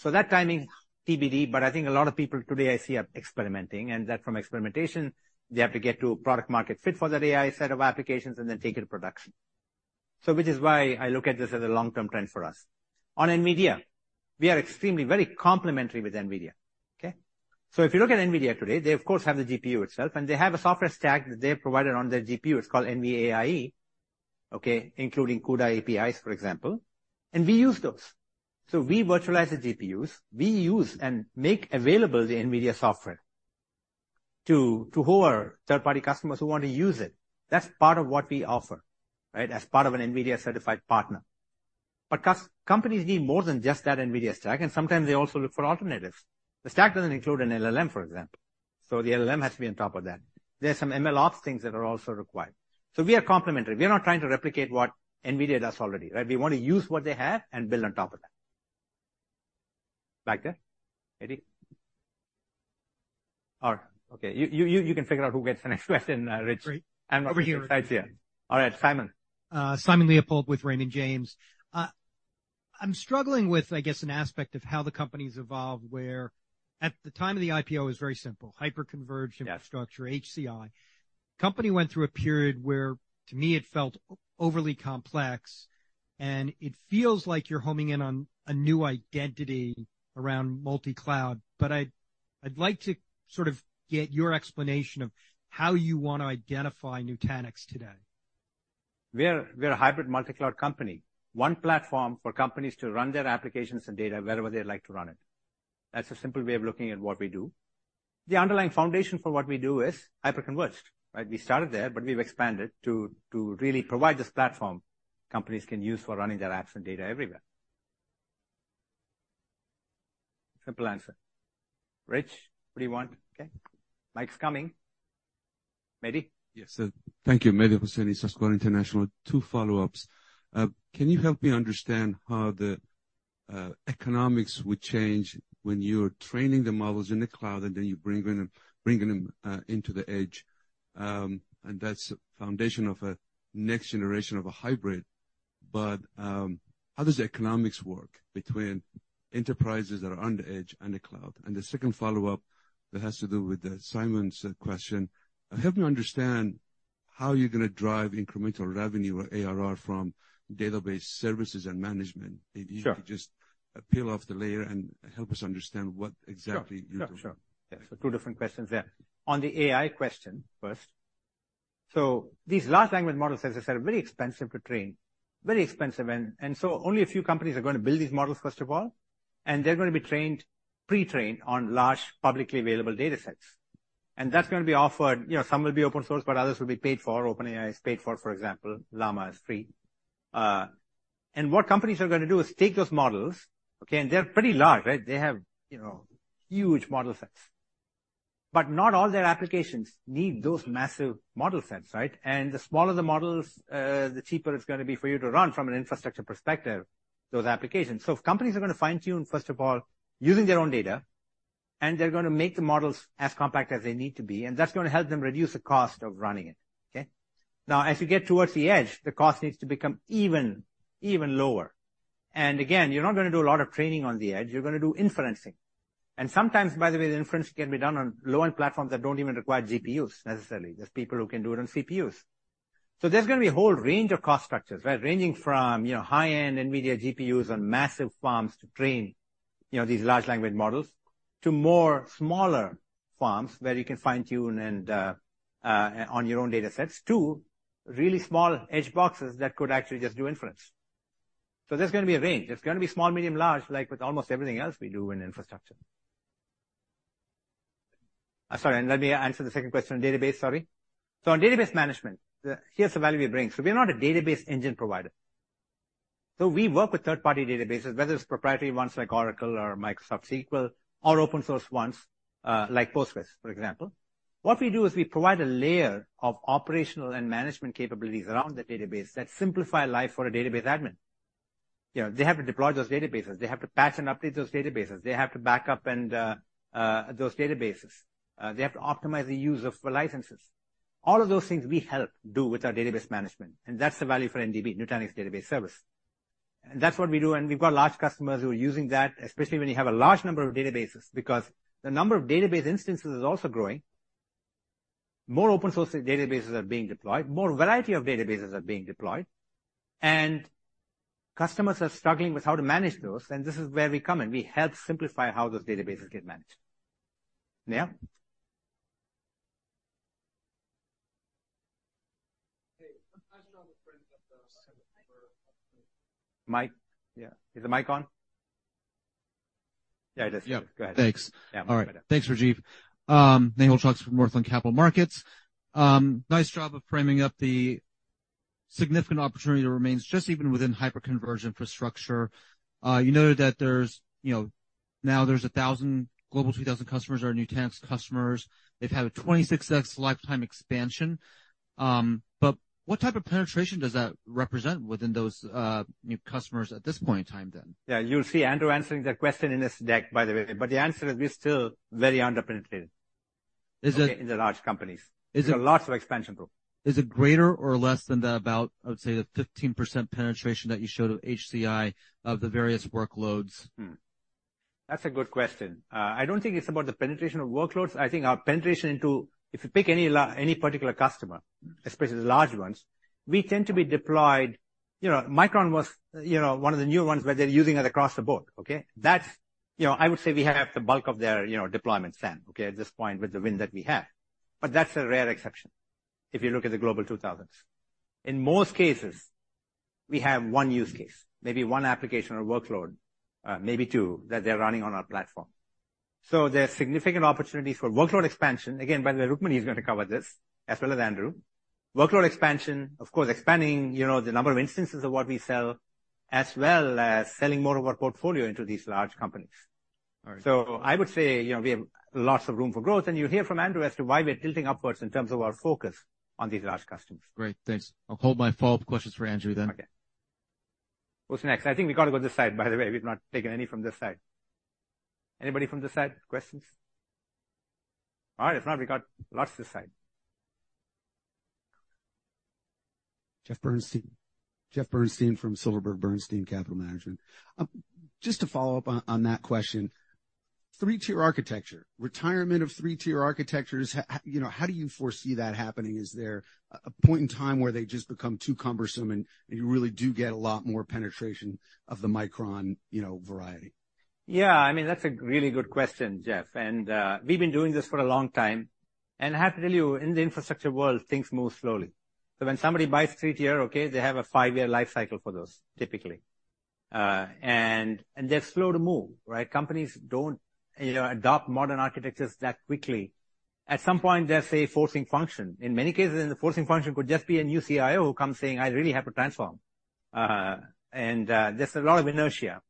So that timing, TBD, but I think a lot of people today I see are experimenting, and that from experimentation, they have to get to a product market fit for that AI set of applications and then take it to production. So which is why I look at this as a long-term trend for us. On NVIDIA, we are extremely, very complementary with NVIDIA, okay? So if you look at NVIDIA today, they of course, have the GPU itself, and they have a software stack that they have provided on their GPU. It's called NVIDIA AI, okay, including CUDA APIs, for example, and we use those. So we virtualize the GPUs. We use and make available the NVIDIA software to all our third-party customers who want to use it. That's part of what we offer, right? As part of an NVIDIA certified partner. But companies need more than just that NVIDIA stack, and sometimes they also look for alternatives. The stack doesn't include an LLM, for example. So the LLM has to be on top of that. There are some MLOps things that are also required. So we are complementary. We are not trying to replicate what NVIDIA does already, right? We want to use what they have and build on top of that. Back there, Eddie? All right. Okay, you can figure out who gets the next question, Rich. Over here. Right here. All right, Simon. Simon Leopold with Raymond James. I'm struggling with, I guess, an aspect of how the company's evolved, where at the time of the IPO, it was very simple: hyperconverged infrastructure- Yeah... HCI. Company went through a period where, to me, it felt overly complex, and it feels like you're homing in on a new identity around multi-cloud, but I'd like to sort of get your explanation of how you want to identify Nutanix today. We're a hybrid multi-cloud company, one platform for companies to run their applications and data wherever they'd like to run it. That's a simple way of looking at what we do. The underlying foundation for what we do is hyperconverged, right? We started there, but we've expanded to really provide this platform companies can use for running their apps and data everywhere. Simple answer. Rich, what do you want? Okay, mic's coming. Mehdi? Yes, sir. Thank you. Mehdi Hosseini, Susquehanna International. Two follow-ups. Can you help me understand how the economics would change when you're training the models in the cloud, and then you're bringing them into the edge? And that's the foundation of a next generation of a hybrid. But how does the economics work between enterprises that are on the edge and the cloud? And the second follow-up that has to do with Simon's question. Help me understand how you're gonna drive incremental revenue or ARR from database services and management. Sure. Maybe if you could just peel off the layer and help us understand what exactly you're doing. Sure, sure, sure. Yeah, so two different questions there. On the AI question first, so these large language models, as I said, are very expensive to train, very expensive. And so only a few companies are gonna build these models, first of all, and they're gonna be trained, pre-trained on large, publicly available datasets. And that's gonna be offered. You know, some will be open source, but others will be paid for. OpenAI is paid for, for example. Llama is free. And what companies are gonna do is take those models, okay, and they're pretty large, right? They have, you know, huge model sets. But not all their applications need those massive model sets, right? And the smaller the models, the cheaper it's gonna be for you to run from an infrastructure perspective, those applications. So companies are gonna fine-tune, first of all, using their own data, and they're gonna make the models as compact as they need to be, and that's gonna help them reduce the cost of running it, okay? Now, as you get towards the edge, the cost needs to become even, even lower. And again, you're not gonna do a lot of training on the edge. You're gonna do inferencing. And sometimes, by the way, the inference can be done on low-end platforms that don't even require GPUs necessarily. There's people who can do it on CPUs. So there's gonna be a whole range of cost structures, right? Ranging from, you know, high-end NVIDIA GPUs on massive farms to train, you know, these large language models, to more smaller farms, where you can fine-tune and on your own datasets, to really small edge boxes that could actually just do inference. So there's gonna be a range. There's gonna be small, medium, large, like with almost everything else we do in infrastructure. I'm sorry, and let me answer the second question on database. Sorry. So on database management, the, here's the value we bring. So we're not a database engine provider. So we work with third-party databases, whether it's proprietary ones like Oracle or Microsoft SQL, or open source ones, like Postgres, for example. What we do is we provide a layer of operational and management capabilities around the database that simplify life for a database admin. You know, they have to deploy those databases. They have to patch and update those databases. They have to back up and those databases. They have to optimize the use of licenses. All of those things we help do with our database management, and that's the value for NDB, Nutanix Database Service. And that's what we do, and we've got large customers who are using that, especially when you have a large number of databases, because the number of database instances is also growing. More open source databases are being deployed, more variety of databases are being deployed, and customers are struggling with how to manage those, and this is where we come in. We help simplify how those databases get managed. Neil? Hey, nice job of framing up those- Mic? Yeah, is the mic on? Yeah, it is. Yeah. Go ahead. Thanks. Yeah. All right. Thanks, Rajiv. Nehal Chokshi from Northland Capital Markets. Nice job of framing up the significant opportunity that remains just even within hyperconverged infrastructure. You noted that there's, you know, now there's 1,000 Global 2000 customers are Nutanix customers. They've had a 26x lifetime expansion. But what type of penetration does that represent within those new customers at this point in time then? Yeah, you'll see Andrew answering that question in this deck, by the way, but the answer is we're still very underpenetrated- Is it- in the large companies. Is it- So lots of expansion growth. Is it greater or less than about, I would say, the 15% penetration that you showed of HCI of the various workloads? Hmm. That's a good question. I don't think it's about the penetration of workloads. I think our penetration into... If you pick any any particular customer, especially the large ones, we tend to be deployed... You know, Micron was, you know, one of the new ones, where they're using it across the board, okay? That's, you know, I would say we have the bulk of their, you know, deployment plan, okay, at this point with the win that we have. But that's a rare exception if you look at the Global 2,000s. In most cases, we have one use case, maybe one application or workload, maybe two, that they're running on our platform. So there's significant opportunity for workload expansion. Again, by the way, Rukmini is gonna cover this, as well as Andrew. Workload expansion, of course, expanding, you know, the number of instances of what we sell... as well as selling more of our portfolio into these large companies. All right. So I would say, you know, we have lots of room for growth, and you'll hear from Andrew as to why we're tilting upwards in terms of our focus on these large customers. Great. Thanks. I'll hold my follow-up questions for Andrew then. Okay. Who's next? I think we got to go this side, by the way. We've not taken any from this side. Anybody from this side, questions? All right, if not, we got lots this side. Jeff Bernstein. Jeff Bernstein from Silverberg Bernstein Capital Management. Just to follow up on that question, three-tier architecture, retirement of three-tier architectures, how, you know, how do you foresee that happening? Is there a point in time where they just become too cumbersome, and you really do get a lot more penetration of the Micron, you know, variety? Yeah, I mean, that's a really good question, Jeff, and we've been doing this for a long time. And I have to tell you, in the infrastructure world, things move slowly. So when somebody buys three-tier, okay, they have a five-year life cycle for those, typically. And they're slow to move, right? Companies don't, you know, adopt modern architectures that quickly. At some point, there's a forcing function. In many cases, the forcing function could just be a new CIO who comes saying, "I really have to transform." And there's a lot of inertia,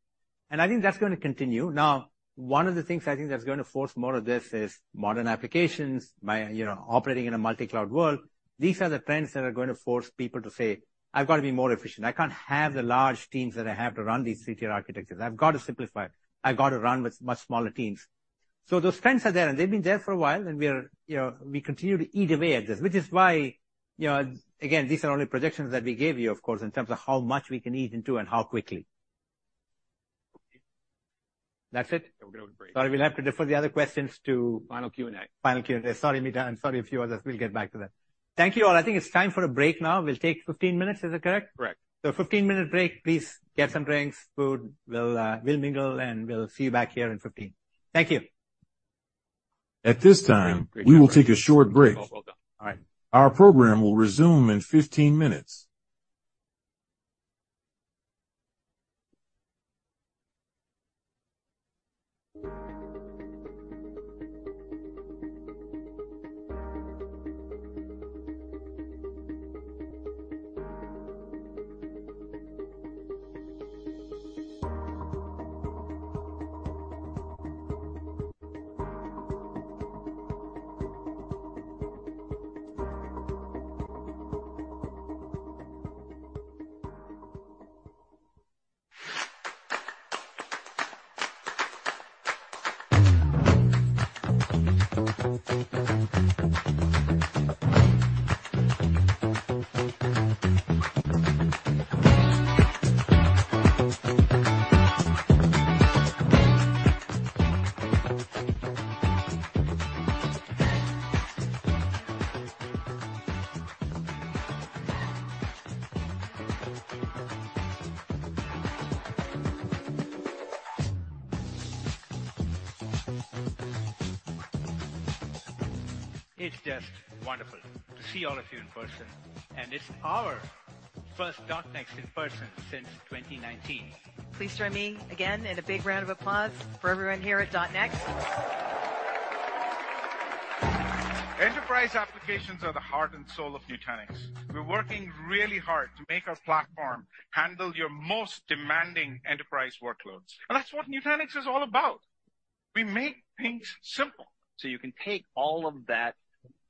and I think that's going to continue. Now, one of the things I think that's going to force more of this is modern applications by, you know, operating in a multi-cloud world. These are the trends that are going to force people to say, "I've got to be more efficient. I can't have the large teams that I have to run these three-tier architectures. I've got to simplify. I've got to run with much smaller teams." So those trends are there, and they've been there for a while, and we are... You know, we continue to eat away at this, which is why, you know, again, these are only projections that we gave you, of course, in terms of how much we can eat into and how quickly. That's it? We're going to break. Sorry, we'll have to defer the other questions to- Final Q&A. Final Q&A. Sorry, Meta, and sorry, a few others. We'll get back to that. Thank you, all. I think it's time for a break now. We'll take 15 minutes. Is that correct? Correct. So 15-minute break. Please get some drinks, food. We'll, we'll mingle, and we'll see you back here in 15. Thank you. At this time, we will take a short break. Well done. Our program will resume in 15 minutes. It's just wonderful to see all of you in person, and it's our first .NEXT. in person since 2019. Please join me again in a big round of applause for everyone here at .NEXT. Enterprise applications are the heart and soul of Nutanix. We're working really hard to make our platform handle your most demanding enterprise workloads, and that's what Nutanix is all about. We make things simple. You can take all of that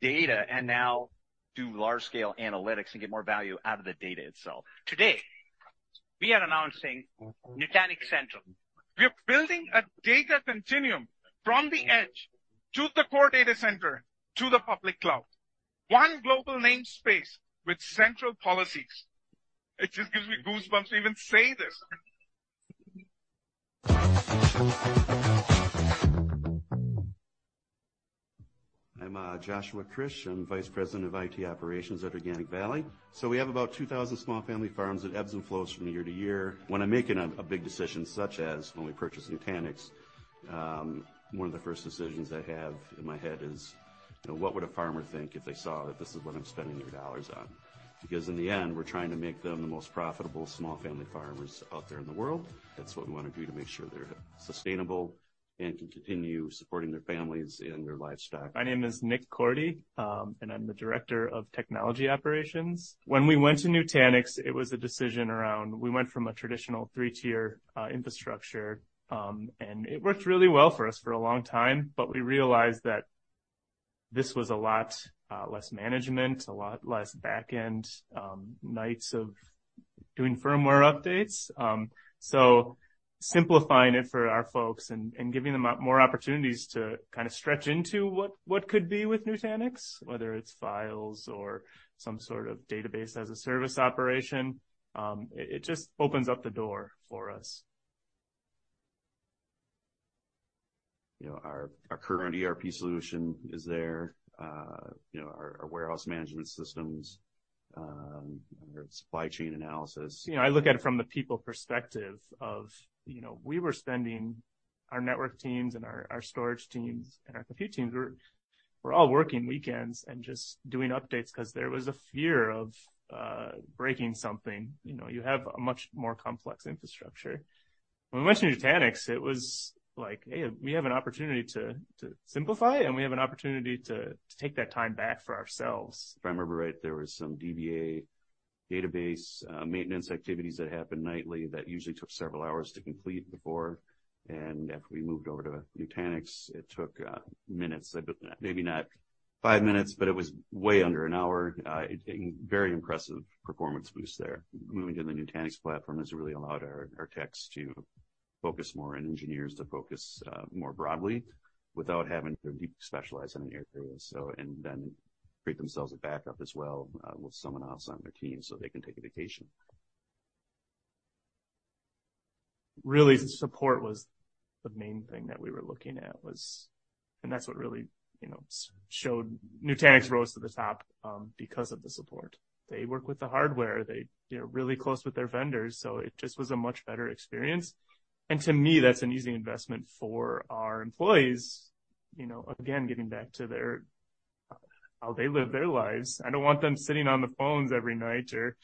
data and now do large-scale analytics and get more value out of the data itself. Today, we are announcing Nutanix Central. We're building a data continuum from the edge to the core data center to the public cloud. One global namespace with central policies. It just gives me goosebumps to even say this. I'm Joshua Krzych. I'm Vice President of IT Operations at Organic Valley. So we have about 2,000 small family farms that ebbs and flows from year to year. When I'm making a big decision, such as when we purchase Nutanix, one of the first decisions I have in my head is, you know, what would a farmer think if they saw that this is what I'm spending their dollars on? Because in the end, we're trying to make them the most profitable small family farmers out there in the world. That's what we want to do to make sure they're sustainable and can continue supporting their families and their livestock. My name is Nick Korte, and I'm the Director of Technology Operations. When we went to Nutanix, it was a decision around... We went from a traditional three-tier infrastructure, and it worked really well for us for a long time, but we realized that this was a lot less management, a lot less back-end nights of doing firmware updates. So simplifying it for our folks and giving them more opportunities to kind of stretch into what could be with Nutanix, whether it's files or some sort of database-as-a-service operation, it just opens up the door for us. You know, our current ERP solution is there, you know, our warehouse management systems, our supply chain analysis. You know, I look at it from the people perspective of, you know, we were spending our network teams and our storage teams and our compute teams were all working weekends and just doing updates 'cause there was a fear of breaking something. You know, you have a much more complex infrastructure.... When we went to Nutanix, it was like, "Hey, we have an opportunity to simplify, and we have an opportunity to take that time back for ourselves. If I remember right, there was some DBA database maintenance activities that happened nightly that usually took several hours to complete before. After we moved over to Nutanix, it took minutes, but maybe not 5 minutes, but it was way under an hour. Very impressive performance boost there. Moving to the Nutanix platform has really allowed our techs to focus more, and engineers to focus more broadly without having to deep specialize in an area, so and then create themselves a backup as well with someone else on their team so they can take a vacation. Really, support was the main thing that we were looking at was – and that's what really, you know, showed. Nutanix rose to the top because of the support. They work with the hardware. They, they're really close with their vendors, so it just was a much better experience. And to me, that's an easy investment for our employees. You know, again, getting back to their how they live their lives. I don't want them sitting on the phones every night or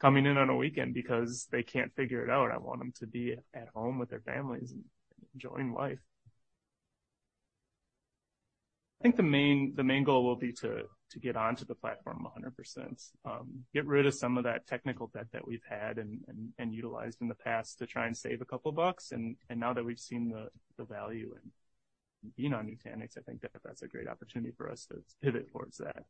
coming in on a weekend because they can't figure it out. I want them to be at home with their families and enjoying life. I think the main goal will be to get onto the platform 100%, get rid of some of that technical debt that we've had and utilized in the past to try and save a couple bucks, and now that we've seen the value in being on Nutanix, I think that's a great opportunity for us to pivot towards that.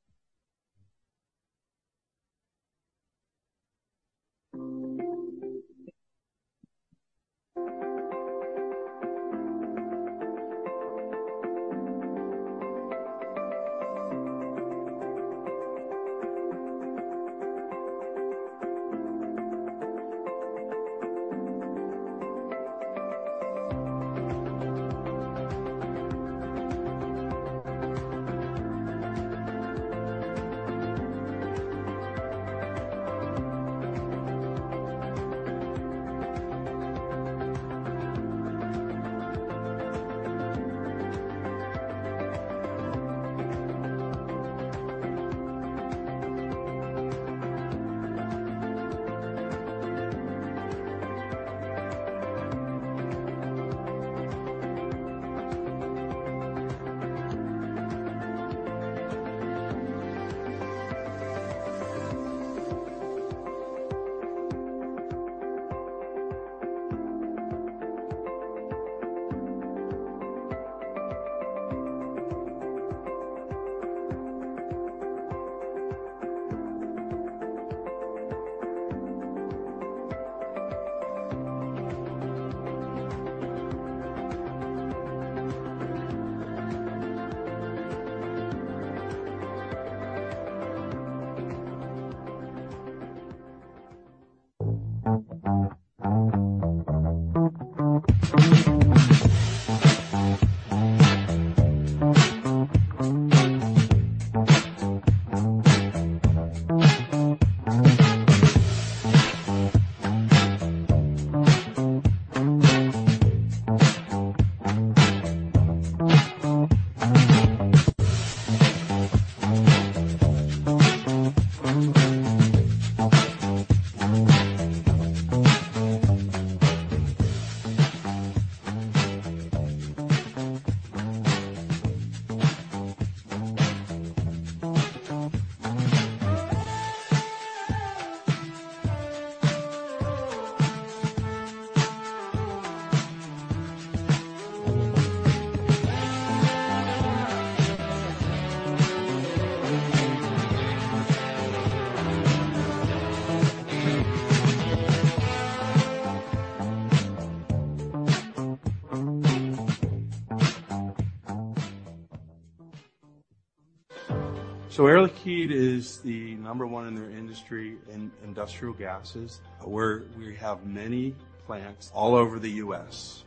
So Air Liquide is the number 1 in their industry in industrial gases, where we have many plants all over the U.S.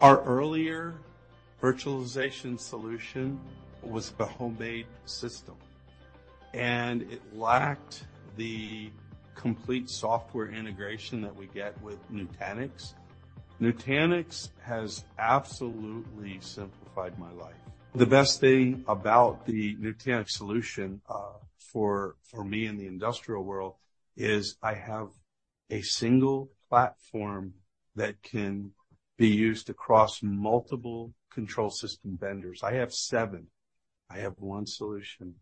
Our earlier virtualization solution was a homemade system, and it lacked the complete software integration that we get with Nutanix. Nutanix has absolutely simplified my life. The best thing about the Nutanix solution, for, for me in the industrial world, is I have a single platform that can be used across multiple control system vendors. I have seven. I have one solution.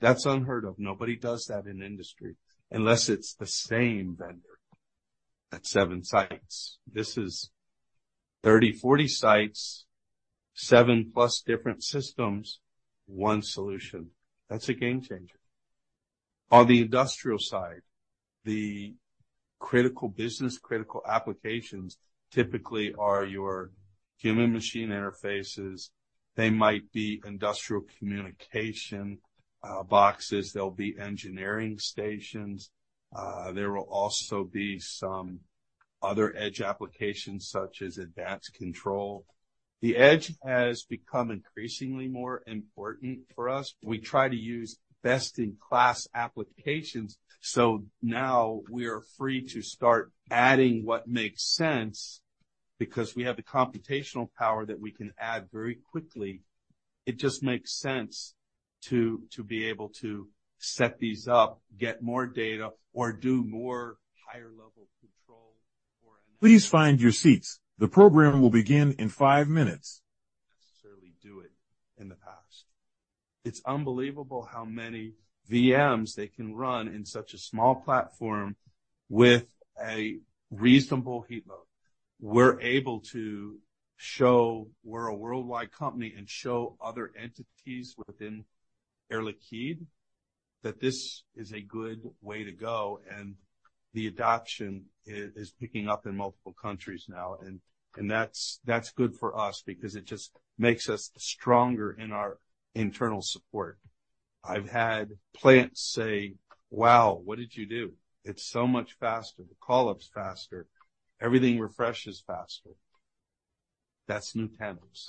That's unheard of. Nobody does that in industry unless it's the same vendor at seven sites. This is 30, 40 sites, seven plus different systems, one solution. That's a game changer. On the industrial side, the critical business, critical applications, typically are your human machine interfaces. They might be industrial communication boxes. They'll be engineering stations. There will also be some other edge applications, such as advanced control. The edge has become increasingly more important for us. We try to use best-in-class applications, so now we are free to start adding what makes sense because we have the computational power that we can add very quickly. It just makes sense to be able to set these up, get more data, or do more higher level control or- Please find your seats. The program will begin in five minutes. Necessarily do it in the past. It's unbelievable how many VMs they can run in such a small platform with a reasonable heat load. We're able to show we're a worldwide company and show other entities within Air Liquide that this is a good way to go, and the adoption is picking up in multiple countries now. And that's good for us because it just makes us stronger in our internal support. I've had plants say: "Wow, what did you do? It's so much faster. The call-up's faster. Everything refreshes faster." That's Nutanix.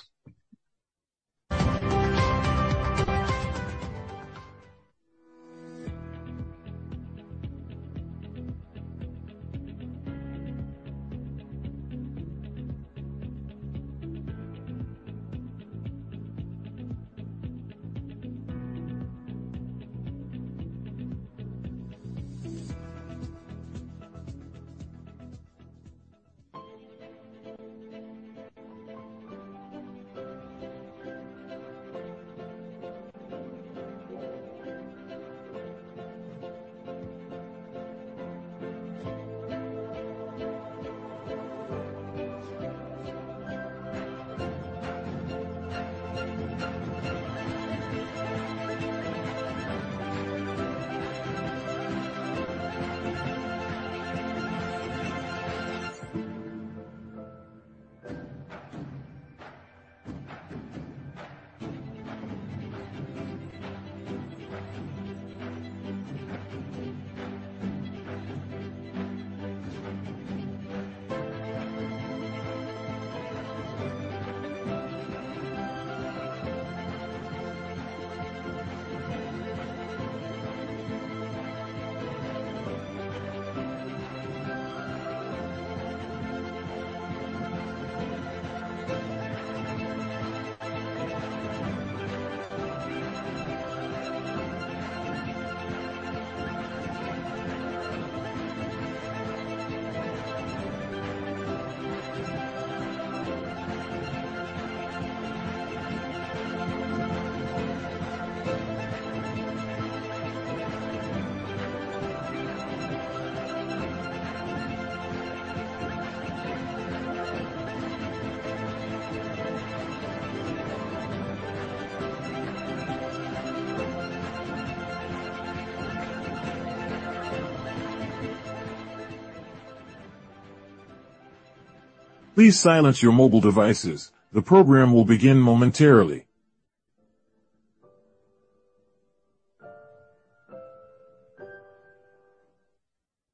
Please silence your mobile devices. The program will begin momentarily.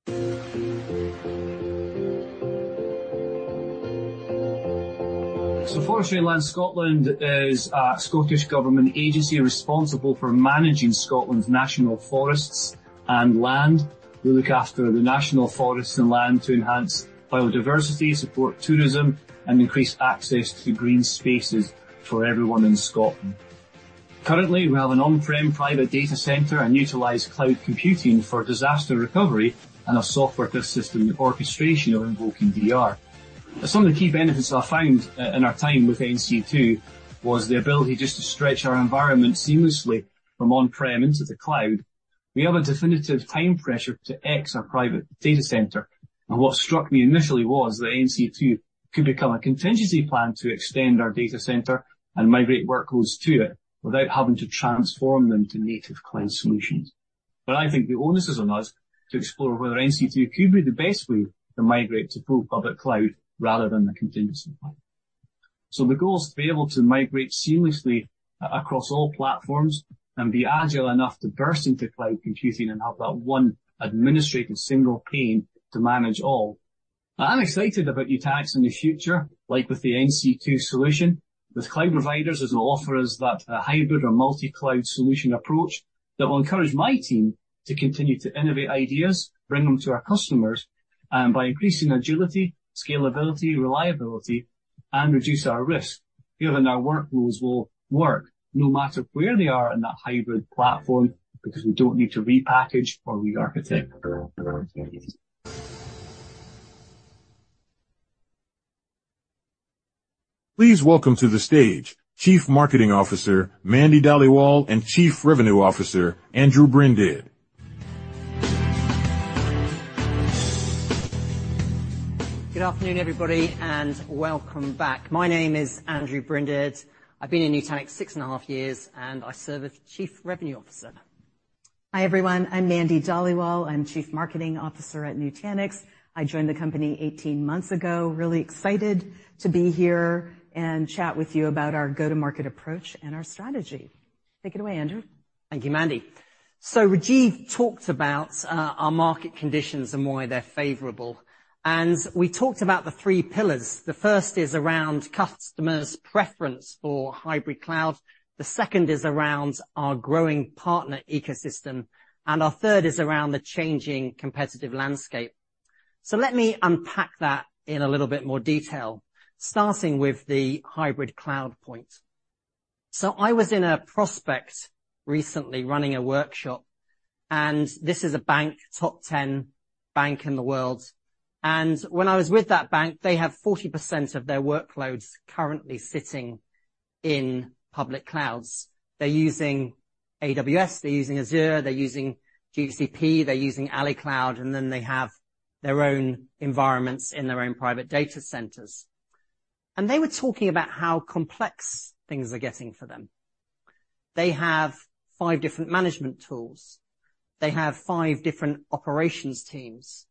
So Forestry and Land Scotland is a Scottish government agency responsible for managing Scotland's national forests and land. We look after the national forests and land to enhance biodiversity, support tourism, and increase access to green spaces for everyone in Scotland. Currently, we have an on-prem private data center and utilize cloud computing for disaster recovery and a software-based system orchestration of invoking DR. Some of the key benefits I found in our time with NC2 was the ability just to stretch our environment seamlessly from on-prem into the cloud. We have a definitive time pressure to exit our private data center, and what struck me initially was that NC2 could become a contingency plan to extend our data center and migrate workloads to it without having to transform them to native cloud solutions. But I think the onus is on us to explore whether NC2 could be the best way to migrate to full public cloud rather than the contingency plan. So the goal is to be able to migrate seamlessly across all platforms and be agile enough to burst into cloud computing and have that one administrative single pane to manage all. I'm excited about Nutanix in the future, like with the NC2 solution. With cloud providers, as it will offer us that hybrid or multi-cloud solution approach that will encourage my team to continue to innovate ideas, bring them to our customers, and by increasing agility, scalability, reliability, and reduce our risk, given our workflows will work no matter where they are in that hybrid platform, because we don't need to repackage or re-architect. Please welcome to the stage Chief Marketing Officer, Mandy Dhaliwal, and Chief Revenue Officer, Andrew Brinded. Good afternoon, everybody, and welcome back. My name is Andrew Brinded. I've been in Nutanix six and a half years, and I serve as Chief Revenue Officer. Hi, everyone. I'm Mandy Dhaliwal. I'm Chief Marketing Officer at Nutanix. I joined the company 18 months ago. Really excited to be here and chat with you about our go-to-market approach and our strategy. Take it away, Andrew. Thank you, Mandy. So Rajiv talked about our market conditions and why they're favorable, and we talked about the three pillars. The first is around customers' preference for hybrid cloud, the second is around our growing partner ecosystem, and our third is around the changing competitive landscape. So let me unpack that in a little bit more detail, starting with the hybrid cloud point. So I was in a prospect recently, running a workshop, and this is a bank, top 10 bank in the world. And when I was with that bank, they have 40% of their workloads currently sitting in public clouds. They're using AWS, they're using Azure, they're using GCP, they're using AliCloud, and then they have their own environments in their own private data centers. And they were talking about how complex things are getting for them. They have five different management tools. They have five different operations teams.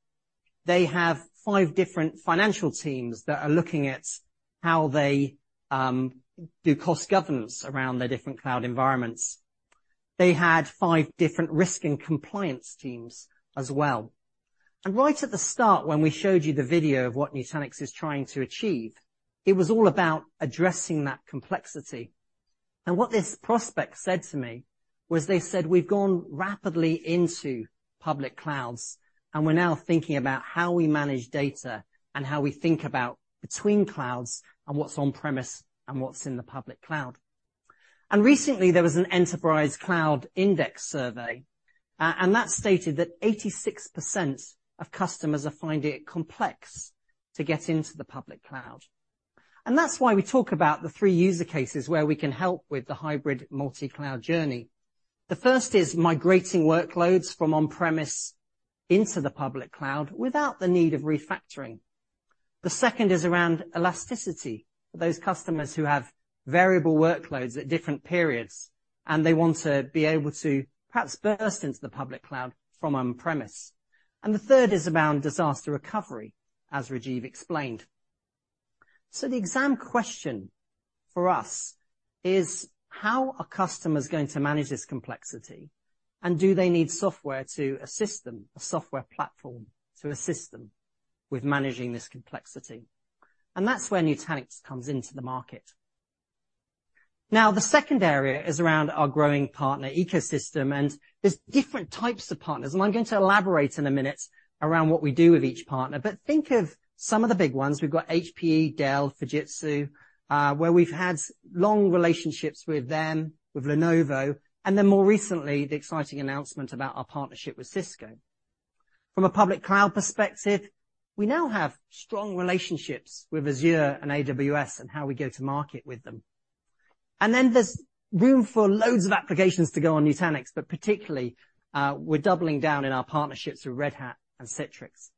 They have five different financial teams that are looking at how they do cost governance around their different cloud environments. They had five different risk and compliance teams as well. And right at the start, when we showed you the video of what Nutanix is trying to achieve, it was all about addressing that complexity. And what this prospect said to me was, they said, "We've gone rapidly into public clouds, and we're now thinking about how we manage data and how we think about between clouds and what's on-premise and what's in the public cloud." And recently, there was an Enterprise Cloud Index survey, and that stated that 86% of customers are finding it complex to get into the public cloud. And that's why we talk about the three use cases where we can help with the hybrid multicloud journey. The first is migrating workloads from on-premise into the public cloud without the need of refactoring. The second is around elasticity. Those customers who have variable workloads at different periods, and they want to be able to perhaps burst into the public cloud from on-premise. And the third is around disaster recovery, as Rajiv explained. So the exam question for us is: How are customers going to manage this complexity? And do they need software to assist them, a software platform to assist them with managing this complexity? And that's where Nutanix comes into the market. Now, the second area is around our growing partner ecosystem, and there's different types of partners, and I'm going to elaborate in a minute around what we do with each partner. But think of some of the big ones. We've got HPE, Dell, Fujitsu, where we've had long relationships with them, with Lenovo, and then more recently, the exciting announcement about our partnership with Cisco. From a public cloud perspective, we now have strong relationships with Azure and AWS and how we go to market with them. And then there's room for loads of applications to go on Nutanix, but particularly, we're doubling down in our partnerships with Red Hat and Citrix.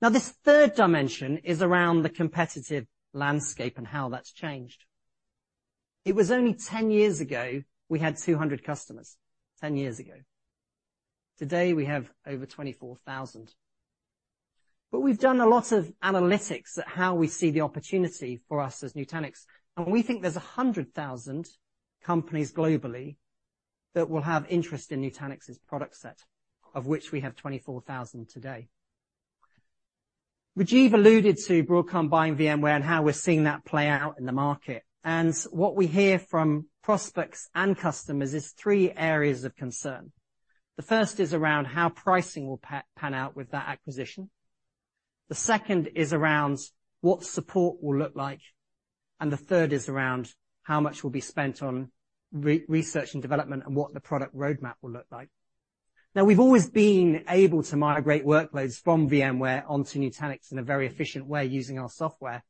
Now, this third dimension is around the competitive landscape and how that's changed. It was only ten years ago, we had 200 customers. 10 years ago. Today, we have over 24,000. But we've done a lot of analytics at how we see the opportunity for us as Nutanix, and we think there's 100,000 companies globally that will have interest in Nutanix's product set, of which we have 24,000 today. Rajiv alluded to Broadcom buying VMware and how we're seeing that play out in the market, and what we hear from prospects and customers is three areas of concern. The first is around how pricing will pan out with that acquisition. The second is around what support will look like, and the third is around how much will be spent on research and development and what the product roadmap will look like. Now, we've always been able to migrate workloads from VMware onto Nutanix in a very efficient way using our software.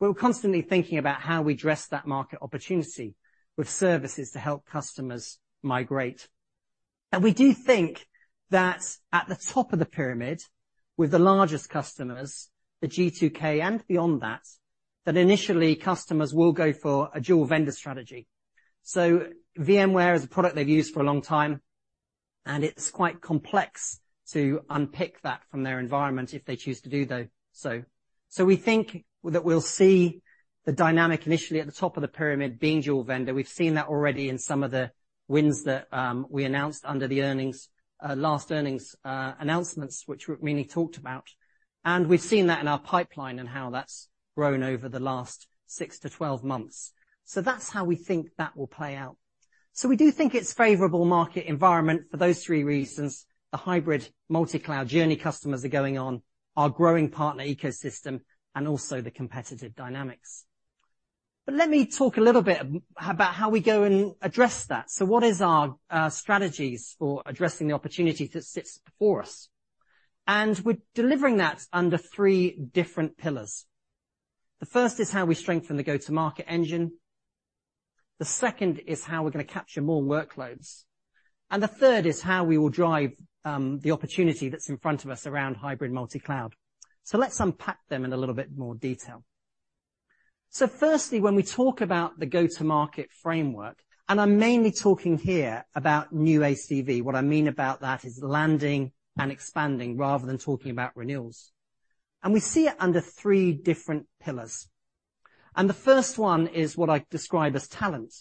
We're constantly thinking about how we address that market opportunity with services to help customers migrate. We do think that at the top of the pyramid, with the largest customers, the G2K and beyond that, that initially customers will go for a dual vendor strategy. So VMware is a product they've used for a long time, and it's quite complex to unpick that from their environment if they choose to do though, so. So we think that we'll see the dynamic initially at the top of the pyramid being dual vendor. We've seen that already in some of the wins that we announced under the earnings last earnings announcements, which Mini talked about. And we've seen that in our pipeline and how that's grown over the last 6-12 months. So that's how we think that will play out. So we do think it's favorable market environment for those three reasons, the hybrid multi-cloud journey customers are going on, our growing partner ecosystem, and also the competitive dynamics. But let me talk a little bit about how we go and address that. So what is our strategies for addressing the opportunity that sits before us? And we're delivering that under three different pillars. The first is how we strengthen the go-to-market engine, the second is how we're going to capture more workloads, and the third is how we will drive the opportunity that's in front of us around hybrid multi-cloud. So let's unpack them in a little bit more detail. So firstly, when we talk about the go-to-market framework, and I'm mainly talking here about new ACV. What I mean about that is landing and expanding rather than talking about renewals. And we see it under three different pillars. And the first one is what I describe as talent.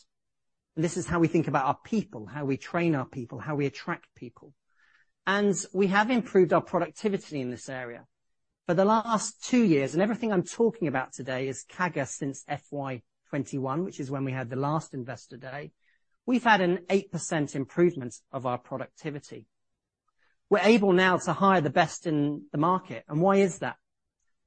This is how we think about our people, how we train our people, how we attract people. And we have improved our productivity in this area.... For the last two years, and everything I'm talking about today is CAGR since FY 2021, which is when we had the last Investor Day. We've had an 8% improvement of our productivity. We're able now to hire the best in the market, and why is that?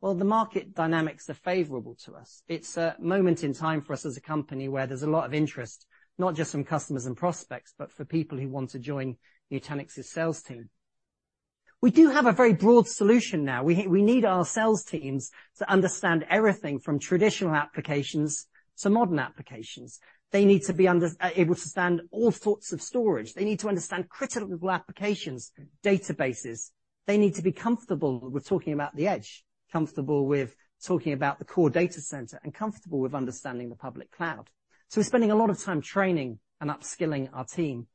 Well, the market dynamics are favorable to us. It's a moment in time for us as a company where there's a lot of interest, not just from customers and prospects, but for people who want to join Nutanix's sales team. We do have a very broad solution now. We need our sales teams to understand everything from traditional applications to modern applications. They need to be able to understand all sorts of storage. They need to understand critical applications, databases. They need to be comfortable with talking about the edge, comfortable with talking about the core data center, and comfortable with understanding the public cloud. So we're spending a lot of time training and upskilling our team.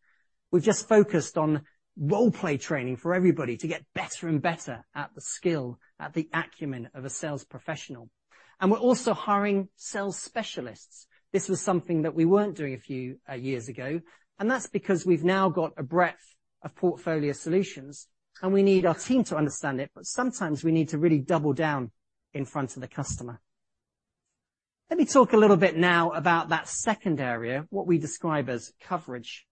We've just focused on role-play training for everybody to get better and better at the skill, at the acumen of a sales professional, and we're also hiring sales specialists. This was something that we weren't doing a few years ago, and that's because we've now got a breadth of portfolio solutions, and we need our team to understand it, but sometimes we need to really double down in front of the customer. Let me talk a little bit now about that second area, what we describe as coverage.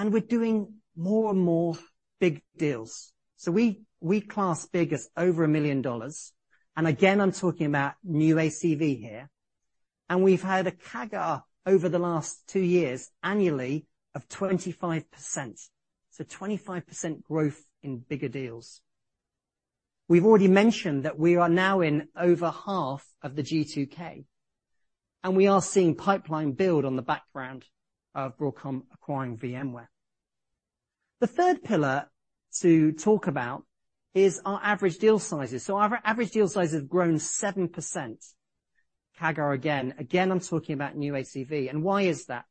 We're doing more and more big deals. So we, we class big as over $1 million, and again, I'm talking about new ACV here. We've had a CAGR over the last two years, annually, of 25%. So 25% growth in bigger deals. We've already mentioned that we are now in over half of the G2K, and we are seeing pipeline build on the background of Broadcom acquiring VMware. The third pillar to talk about is our average deal sizes. So our average deal size has grown 7%, CAGR again. Again, I'm talking about new ACV. And why is that?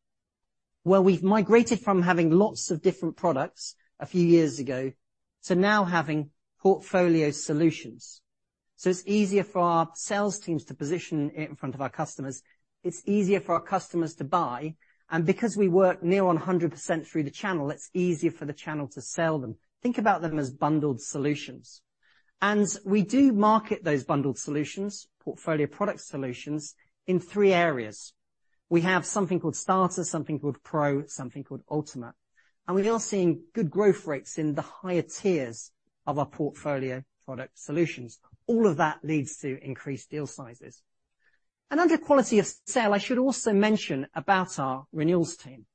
Well, we've migrated from having lots of different products a few years ago, to now having portfolio solutions. So it's easier for our sales teams to position it in front of our customers. It's easier for our customers to buy, and because we work near 100% through the channel, it's easier for the channel to sell them. Think about them as bundled solutions. We do market those bundled solutions, portfolio product solutions, in three areas. We have something called Starter, something called Pro, something called Ultimate, and we are seeing good growth rates in the higher tiers of our portfolio product solutions. All of that leads to increased deal sizes. Under quality of sale, I should also mention about our renewals team.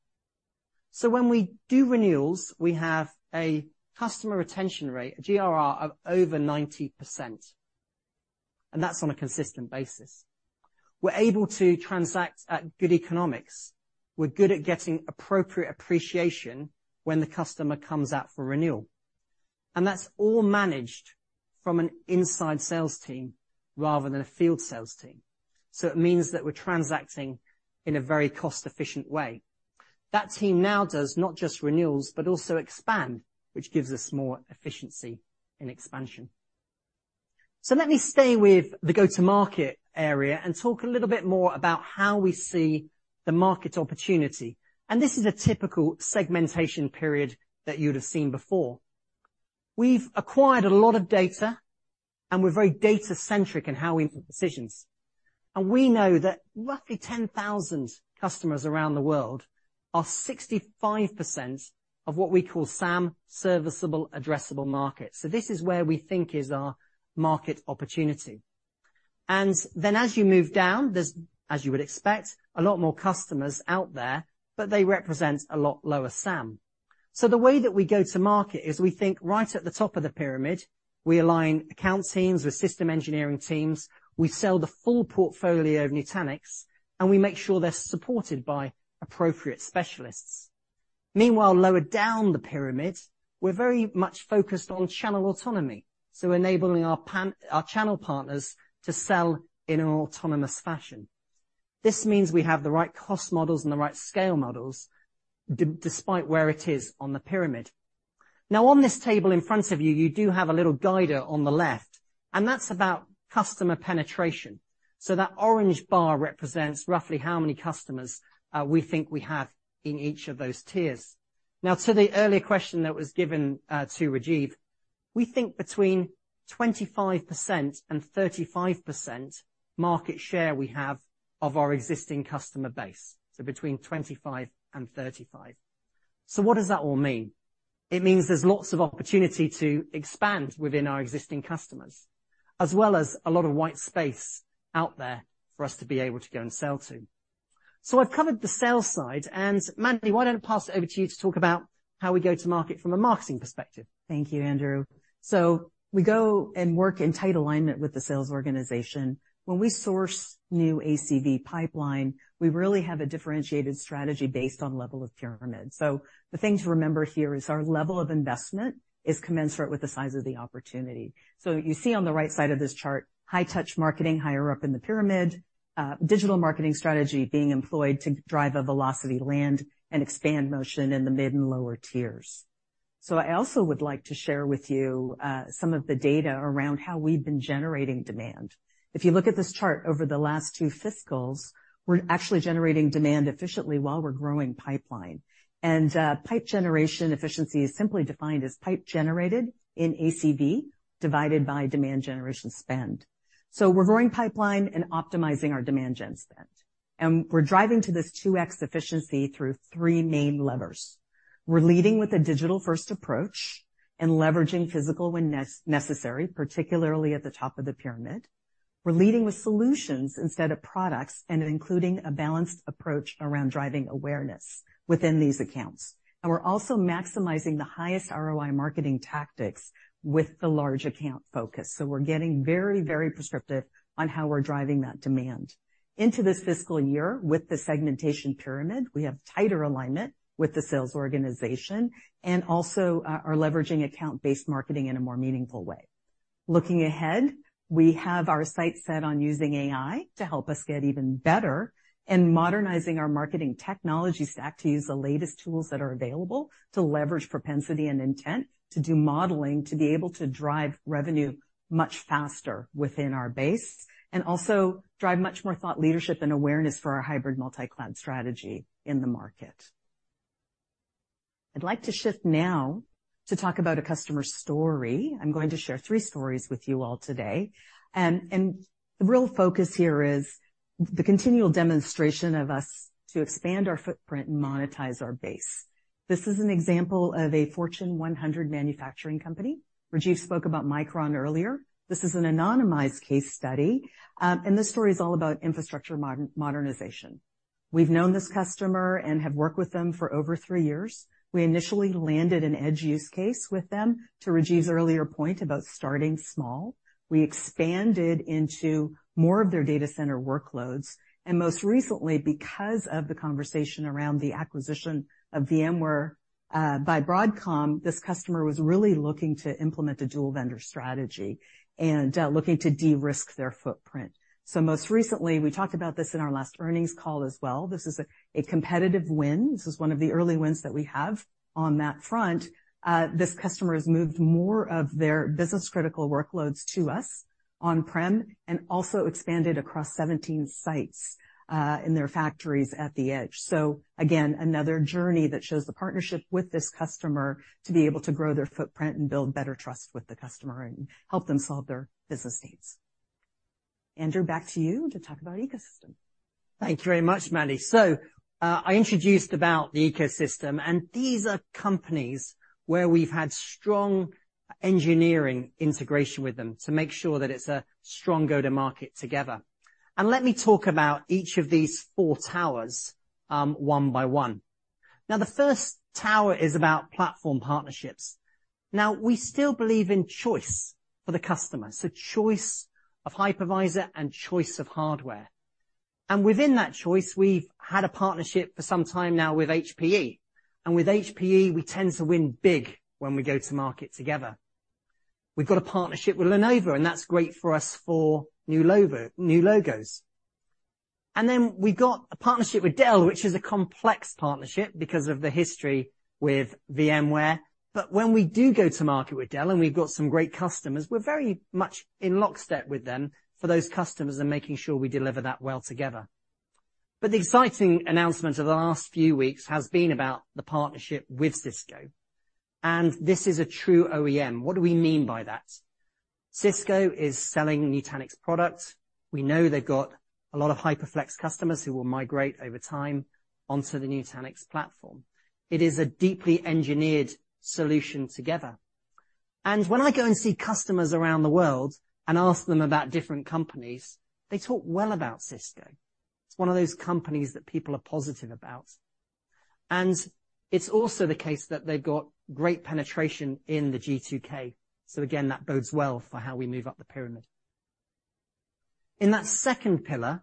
When we do renewals, we have a customer retention rate, a GRR, of over 90%, and that's on a consistent basis. We're able to transact at good economics. We're good at getting appropriate appreciation when the customer comes out for renewal, and that's all managed from an inside sales team rather than a field sales team. So it means that we're transacting in a very cost-efficient way. That team now does not just renewals, but also expand, which gives us more efficiency in expansion. So let me stay with the go-to-market area and talk a little bit more about how we see the market opportunity. And this is a typical segmentation period that you'd have seen before. We've acquired a lot of data, and we're very data-centric in how we make decisions. And we know that roughly 10,000 customers around the world are 65% of what we call SAM, serviceable addressable market. So this is where we think is our market opportunity. Then, as you move down, there's, as you would expect, a lot more customers out there, but they represent a lot lower SAM. So the way that we go to market is we think right at the top of the pyramid, we align account teams with system engineering teams, we sell the full portfolio of Nutanix, and we make sure they're supported by appropriate specialists. Meanwhile, lower down the pyramid, we're very much focused on channel autonomy, so enabling our channel partners to sell in an autonomous fashion. This means we have the right cost models and the right scale models, despite where it is on the pyramid. Now, on this table in front of you, you do have a little guide on the left, and that's about customer penetration. So that orange bar represents roughly how many customers we think we have in each of those tiers. Now, to the earlier question that was given to Rajiv, we think between 25% and 35% market share we have of our existing customer base, so between 25 and 35. So what does that all mean? It means there's lots of opportunity to expand within our existing customers, as well as a lot of white space out there for us to be able to go and sell to. So I've covered the sales side, and Mandy, why don't I pass it over to you to talk about how we go to market from a marketing perspective? Thank you, Andrew. So we go and work in tight alignment with the sales organization. When we source new ACV pipeline, we really have a differentiated strategy based on level of pyramid. So the thing to remember here is our level of investment is commensurate with the size of the opportunity. So you see on the right side of this chart, high-touch marketing, higher up in the pyramid, digital marketing strategy being employed to drive a velocity land and expand motion in the mid and lower tiers. So I also would like to share with you, some of the data around how we've been generating demand. If you look at this chart over the last two fiscals, we're actually generating demand efficiently while we're growing pipeline. And, pipe generation efficiency is simply defined as pipe generated in ACV, divided by demand generation spend. So we're growing pipeline and optimizing our demand gen spend, and we're driving to this 2x efficiency through three main levers. We're leading with a digital-first approach and leveraging physical when necessary, particularly at the top of the pyramid. We're leading with solutions instead of products, and including a balanced approach around driving awareness within these accounts. And we're also maximizing the highest ROI marketing tactics with the large account focus. So we're getting very, very prescriptive on how we're driving that demand. Into this fiscal year, with the segmentation pyramid, we have tighter alignment with the sales organization and also are leveraging account-based marketing in a more meaningful way. Looking ahead, we have our sights set on using AI to help us get even better, and modernizing our marketing technology stack to use the latest tools that are available, to leverage propensity and intent, to do modeling, to be able to drive revenue much faster within our base. And also drive much more thought leadership and awareness for our hybrid multi-cloud strategy in the market. I'd like to shift now to talk about a customer story. I'm going to share three stories with you all today, and the real focus here is the continual demonstration of us to expand our footprint and monetize our base. This is an example of a Fortune 100 manufacturing company. Rajiv spoke about Micron earlier. This is an anonymized case study, and this story is all about infrastructure modernization. We've known this customer and have worked with them for over three years. We initially landed an edge use case with them. To Rajiv's earlier point about starting small, we expanded into more of their data center workloads, and most recently, because of the conversation around the acquisition of VMware by Broadcom, this customer was really looking to implement a dual vendor strategy and looking to de-risk their footprint. So most recently, we talked about this in our last earnings call as well. This is a competitive win. This is one of the early wins that we have on that front. This customer has moved more of their business-critical workloads to us on-prem, and also expanded across 17 sites in their factories at the edge. So again, another journey that shows the partnership with this customer to be able to grow their footprint and build better trust with the customer and help them solve their business needs. Andrew, back to you to talk about ecosystem. Thank you very much, Mandy. So, I introduced about the ecosystem, and these are companies where we've had strong engineering integration with them to make sure that it's a strong go-to-market together. And let me talk about each of these four towers, one by one. Now, the first tower is about platform partnerships. Now, we still believe in choice for the customer, so choice of hypervisor and choice of hardware. And within that choice, we've had a partnership for some time now with HPE, and with HPE, we tend to win big when we go to market together. We've got a partnership with Lenovo, and that's great for us for new logo, new logos. And then we got a partnership with Dell, which is a complex partnership because of the history with VMware. But when we do go to market with Dell, and we've got some great customers, we're very much in lockstep with them for those customers and making sure we deliver that well together. But the exciting announcement of the last few weeks has been about the partnership with Cisco, and this is a true OEM. What do we mean by that? Cisco is selling Nutanix products. We know they've got a lot of HyperFlex customers who will migrate over time onto the Nutanix platform. It is a deeply engineered solution together, and when I go and see customers around the world and ask them about different companies, they talk well about Cisco. It's one of those companies that people are positive about, and it's also the case that they've got great penetration in the G2K. So again, that bodes well for how we move up the pyramid. In that second pillar,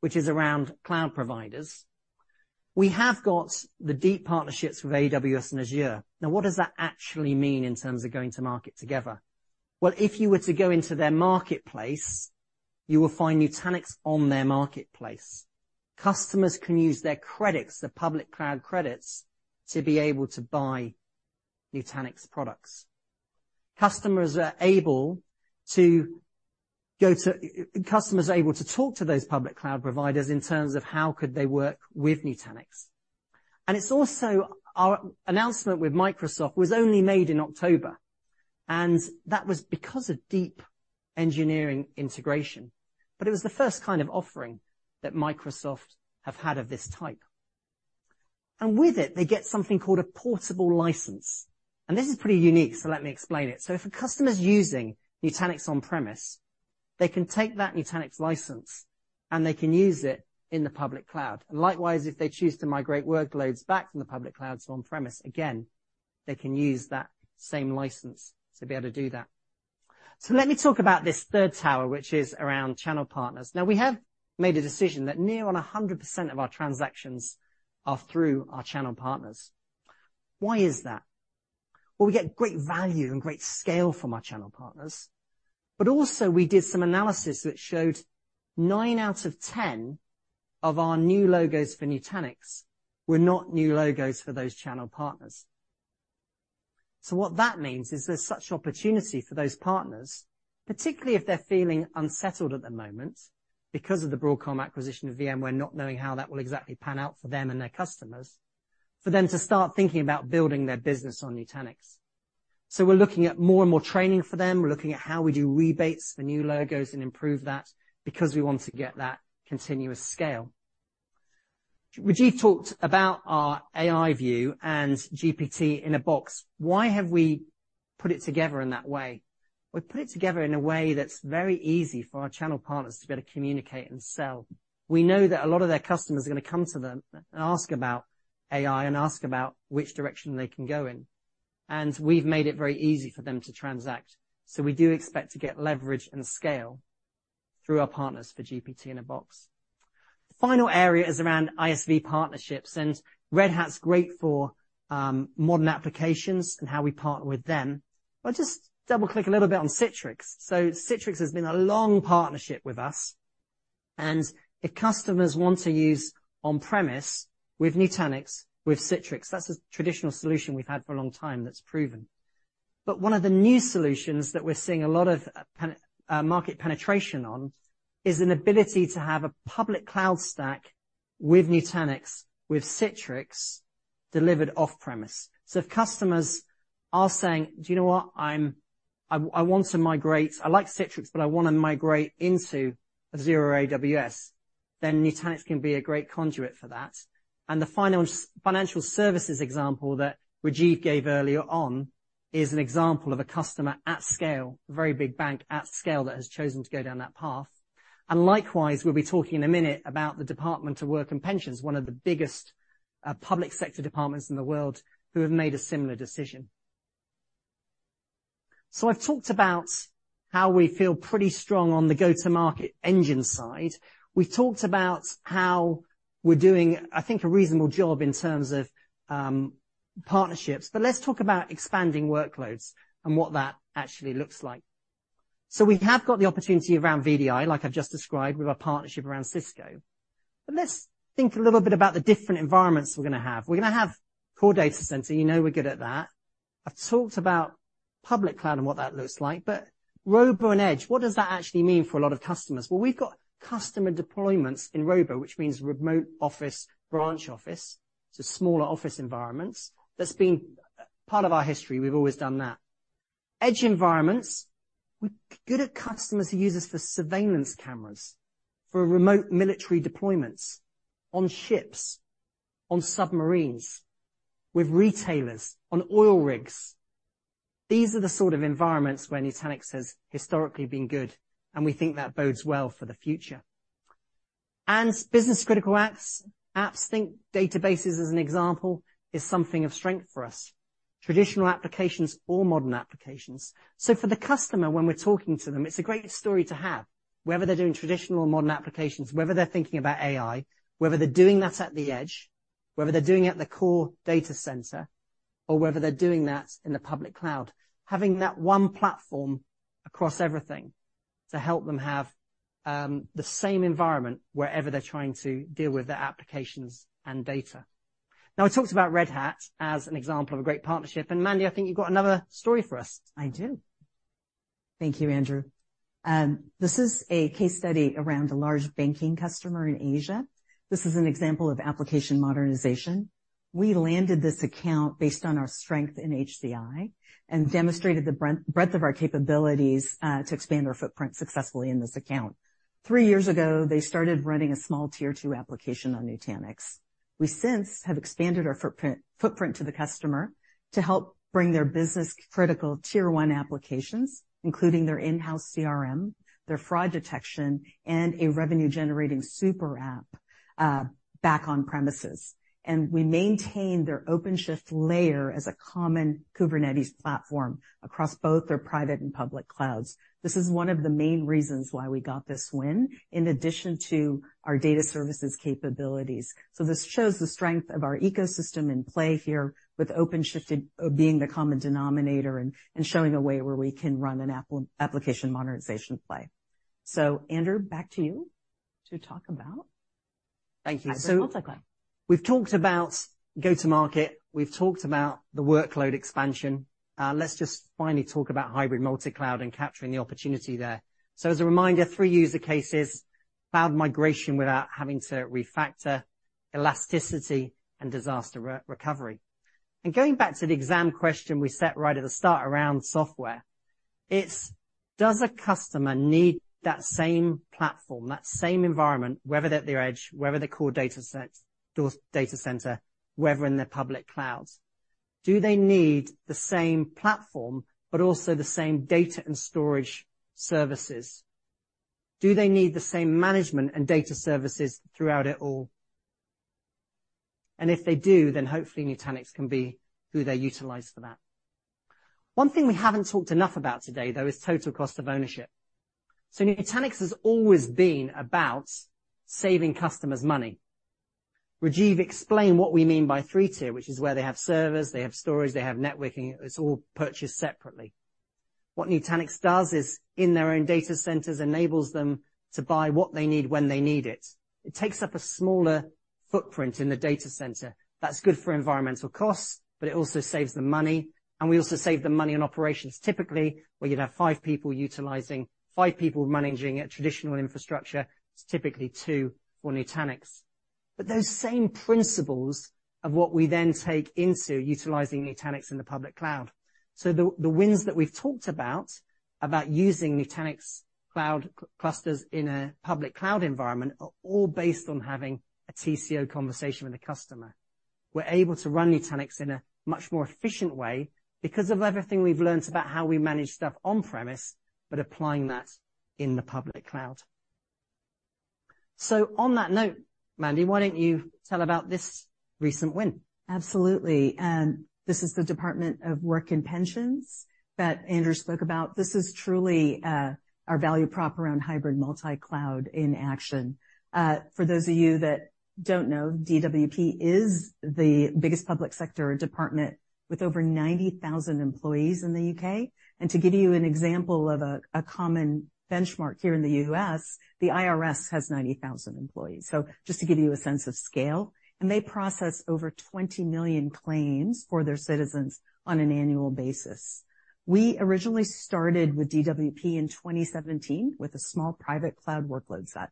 which is around cloud providers, we have got the deep partnerships with AWS and Azure. Now, what does that actually mean in terms of going to market together? Well, if you were to go into their marketplace, you will find Nutanix on their marketplace. Customers can use their credits, the public cloud credits, to be able to buy Nutanix products. Customers are able to talk to those public cloud providers in terms of how could they work with Nutanix. And it's also... Our announcement with Microsoft was only made in October, and that was because of deep engineering integration. But it was the first kind of offering that Microsoft have had of this type. And with it, they get something called a portable license, and this is pretty unique, so let me explain it. So if a customer is using Nutanix on premise, they can take that Nutanix license, and they can use it in the public cloud. And likewise, if they choose to migrate workloads back from the public cloud to on premise, again, they can use that same license to be able to do that. So let me talk about this third tower, which is around channel partners. Now, we have made a decision that near on 100% of our transactions are through our channel partners. Why is that? Well, we get great value and great scale from our channel partners, but also we did some analysis that showed nine out of 10 of our new logos for Nutanix were not new logos for those channel partners. So what that means is there's such opportunity for those partners, particularly if they're feeling unsettled at the moment because of the Broadcom acquisition of VMware, not knowing how that will exactly pan out for them and their customers, for them to start thinking about building their business on Nutanix. So we're looking at more and more training for them. We're looking at how we do rebates for new logos and improve that, because we want to get that continuous scale. Rajiv talked about our AI view and GPT-in-a-Box. Why have we put it together in that way? We've put it together in a way that's very easy for our channel partners to be able to communicate and sell. We know that a lot of their customers are gonna come to them and ask about AI and ask about which direction they can go in, and we've made it very easy for them to transact. So we do expect to get leverage and scale through our partners for GPT-in-a-Box. The final area is around ISV partnerships, and Red Hat's great for modern applications and how we partner with them. I'll just double-click a little bit on Citrix. So Citrix has been a long partnership with us, and if customers want to use on-premise with Nutanix, with Citrix, that's a traditional solution we've had for a long time that's proven. But one of the new solutions that we're seeing a lot of penetration on, is an ability to have a public cloud stack with Nutanix, with Citrix, delivered off-premise. So if customers are saying, "Do you know what? I'm, I want to migrate. I like Citrix, but I wanna migrate into Azure or AWS," then Nutanix can be a great conduit for that. And the final financial services example that Rajiv gave earlier on is an example of a customer at scale, a very big bank at scale, that has chosen to go down that path. And likewise, we'll be talking in a minute about the Department for Work and Pensions, one of the biggest public sector departments in the world, who have made a similar decision. So I've talked about how we feel pretty strong on the go-to-market engine side. We've talked about how we're doing, I think, a reasonable job in terms of partnerships, but let's talk about expanding workloads and what that actually looks like. So we have got the opportunity around VDI, like I've just described, with our partnership around Cisco. But let's think a little bit about the different environments we're gonna have. We're gonna have core data center. You know we're good at that. I've talked about public cloud and what that looks like, but ROBO and edge, what does that actually mean for a lot of customers? Well, we've got customer deployments in ROBO, which means remote office, branch office, so smaller office environments. That's been part of our history. We've always done that. Edge environments, we're good at customers who use us for surveillance cameras, for remote military deployments, on ships, on submarines, with retailers, on oil rigs. These are the sort of environments where Nutanix has historically been good, and we think that bodes well for the future. Business-critical apps, apps, think databases as an example, is something of strength for us. Traditional applications or modern applications. So for the customer, when we're talking to them, it's a great story to have, whether they're doing traditional or modern applications, whether they're thinking about AI, whether they're doing that at the edge, whether they're doing it at the core data center, or whether they're doing that in the public cloud. Having that one platform across everything to help them have the same environment wherever they're trying to deal with their applications and data. Now, I talked about Red Hat as an example of a great partnership, and Mandy, I think you've got another story for us. I do. Thank you, Andrew. This is a case study around a large banking customer in Asia. This is an example of application modernization. We landed this account based on our strength in HCI and demonstrated the breadth of our capabilities to expand our footprint successfully in this account. Three years ago, they started running a small tier two application on Nutanix. We since have expanded our footprint to the customer to help bring their business-critical tier one applications, including their in-house CRM, their fraud detection, and a revenue-generating super app back on premises. We maintained their OpenShift layer as a common Kubernetes platform across both their private and public clouds. This is one of the main reasons why we got this win, in addition to our data services capabilities. So this shows the strength of our ecosystem in play here, with OpenShift being the common denominator and showing a way where we can run an application modernization play. So Andrew, back to you to talk about- Thank you. Hybrid multicloud. We've talked about go-to-market, we've talked about the workload expansion. Let's just finally talk about hybrid multicloud and capturing the opportunity there. So as a reminder, three use cases, cloud migration without having to refactor, elasticity, and disaster recovery. And going back to the exam question we set right at the start around software, it's, does a customer need that same platform, that same environment, whether they're at the edge, whether they're core data center, whether in their public clouds, do they need the same platform, but also the same data and storage services? Do they need the same management and data services throughout it all? And if they do, then hopefully Nutanix can be who they utilize for that. One thing we haven't talked enough about today, though, is total cost of ownership. So Nutanix has always been about saving customers money. Rajiv explained what we mean by three-tier, which is where they have servers, they have storage, they have networking. It's all purchased separately. What Nutanix does is, in their own data centers, enables them to buy what they need when they need it. It takes up a smaller footprint in the data center. That's good for environmental costs, but it also saves them money, and we also save them money on operations. Typically, where you'd have five people managing a traditional infrastructure, it's typically two for Nutanix. But those same principles of what we then take into utilizing Nutanix in the public cloud. So the wins that we've talked about, about using Nutanix Cloud Clusters in a public cloud environment are all based on having a TCO conversation with a customer. We're able to run Nutanix in a much more efficient way because of everything we've learned about how we manage stuff on-premise, but applying that in the public cloud. So on that note, Mandy, why don't you tell about this recent win? Absolutely, and this is the Department for Work and Pensions that Andrew spoke about. This is truly, our value prop around hybrid multi-cloud in action. For those of you that don't know, DWP is the biggest public sector department with over 90,000 employees in the U.K. And to give you an example of a, a common benchmark here in the U.S., the IRS has 90,000 employees. So just to give you a sense of scale, and they process over 20 million claims for their citizens on an annual basis. We originally started with DWP in 2017, with a small private cloud workload set.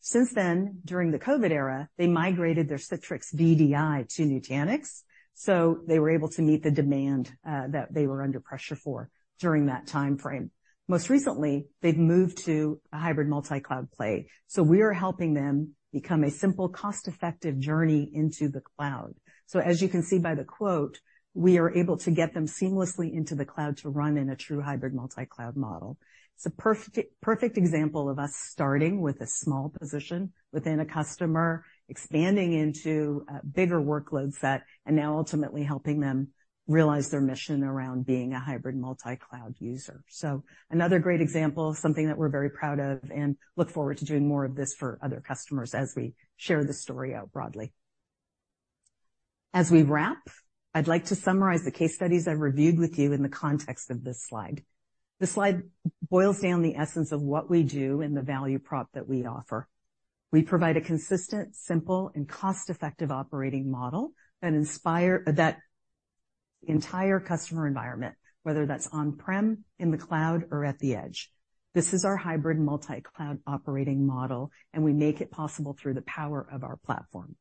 Since then, during the COVID era, they migrated their Citrix VDI to Nutanix, so they were able to meet the demand, that they were under pressure for during that time frame. Most recently, they've moved to a hybrid multi-cloud play, so we are helping them become a simple, cost-effective journey into the cloud. So as you can see by the quote, we are able to get them seamlessly into the cloud to run in a true hybrid multi-cloud model. It's a perfect, perfect example of us starting with a small position within a customer, expanding into, bigger workload set, and now ultimately helping them realize their mission around being a hybrid multi-cloud user. So another great example of something that we're very proud of, and look forward to doing more of this for other customers as we share this story out broadly. As we wrap, I'd like to summarize the case studies I've reviewed with you in the context of this slide. This slide boils down the essence of what we do and the value prop that we offer. We provide a consistent, simple, and cost-effective operating model that inspires that entire customer environment, whether that's on-prem, in the cloud, or at the edge. This is our hybrid multi-cloud operating model, and we make it possible through the power of our platform.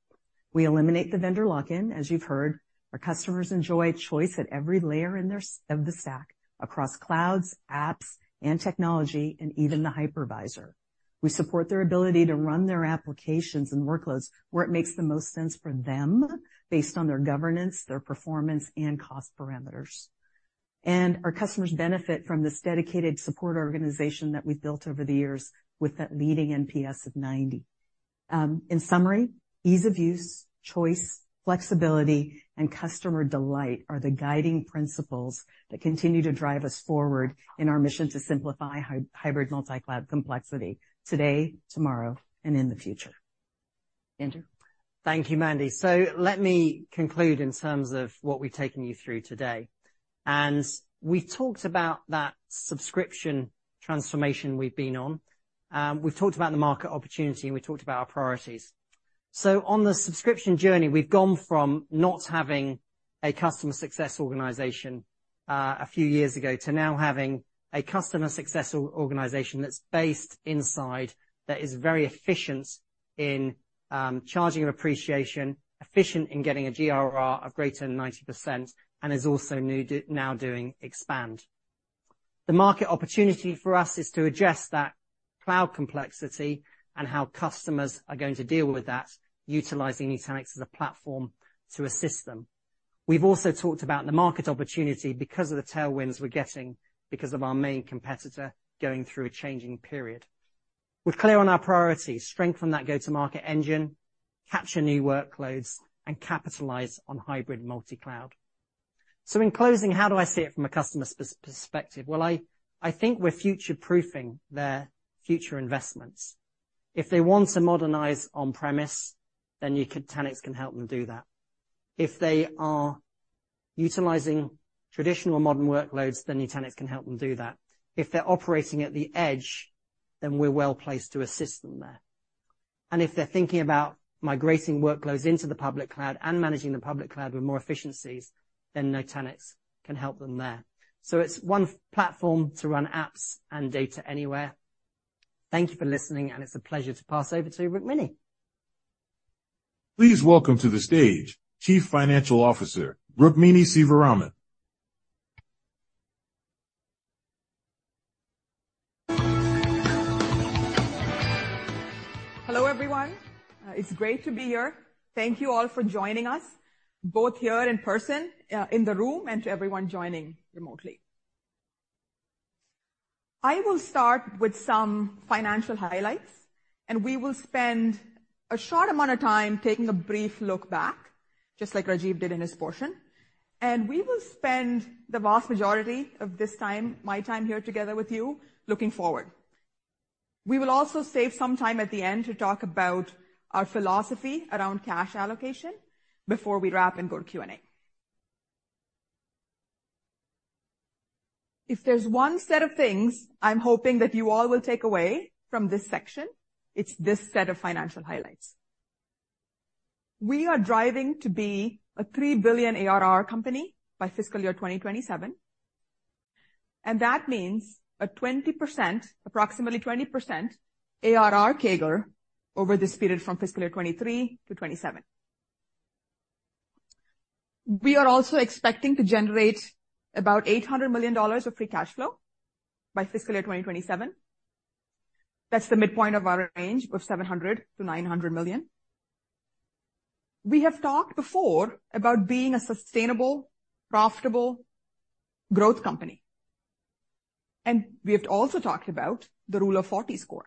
We eliminate the vendor lock-in, as you've heard. Our customers enjoy choice at every layer in their of the stack, across clouds, apps, and technology, and even the hypervisor. We support their ability to run their applications and workloads where it makes the most sense for them, based on their governance, their performance, and cost parameters. Our customers benefit from this dedicated support organization that we've built over the years with that leading NPS of 90. In summary, ease of use, choice, flexibility, and customer delight are the guiding principles that continue to drive us forward in our mission to simplify hybrid multicloud complexity, today, tomorrow, and in the future. Andrew? Thank you, Mandy. So let me conclude in terms of what we've taken you through today. We've talked about that subscription transformation we've been on. We've talked about the market opportunity, and we talked about our priorities. So on the subscription journey, we've gone from not having a customer success organization a few years ago, to now having a customer success organization that's based inside, that is very efficient in churn and expansion, efficient in getting a GRR of greater than 90%, and is also now doing expansion. The market opportunity for us is to address that cloud complexity and how customers are going to deal with that, utilizing Nutanix as a platform to assist them. We've also talked about the market opportunity because of the tailwinds we're getting because of our main competitor going through a changing period. We're clear on our priorities, strengthen that go-to-market engine, capture new workloads, and capitalize on hybrid multi-cloud. So in closing, how do I see it from a customer's perspective? Well, I, I think we're future-proofing their future investments. If they want to modernize on-premise, then Nutanix can help them do that. If they are utilizing traditional modern workloads, then Nutanix can help them do that. If they're operating at the edge, then we're well placed to assist them there. And if they're thinking about migrating workloads into the public cloud and managing the public cloud with more efficiencies, then Nutanix can help them there. So it's one platform to run apps and data anywhere. Thank you for listening, and it's a pleasure to pass over to Rukmini. Please welcome to the stage Chief Financial Officer, Rukmini Sivaraman. Hello, everyone. It's great to be here. Thank you all for joining us, both here in person in the room, and to everyone joining remotely. I will start with some financial highlights, and we will spend a short amount of time taking a brief look back, just like Rajiv did in his portion. We will spend the vast majority of this time, my time here together with you, looking forward. We will also save some time at the end to talk about our philosophy around cash allocation before we wrap and go to Q&A. If there's one set of things I'm hoping that you all will take away from this section, it's this set of financial highlights. We are driving to be a $3 billion ARR company by fiscal year 2027. And that means a 20%, approximately 20% ARR CAGR over this period from fiscal year 2023 to 2027. We are also expecting to generate about $800 million of free cash flow by fiscal year 2027. That's the midpoint of our range of $700 million-$900 million. We have talked before about being a sustainable, profitable growth company, and we have also talked about the rule of 40 score.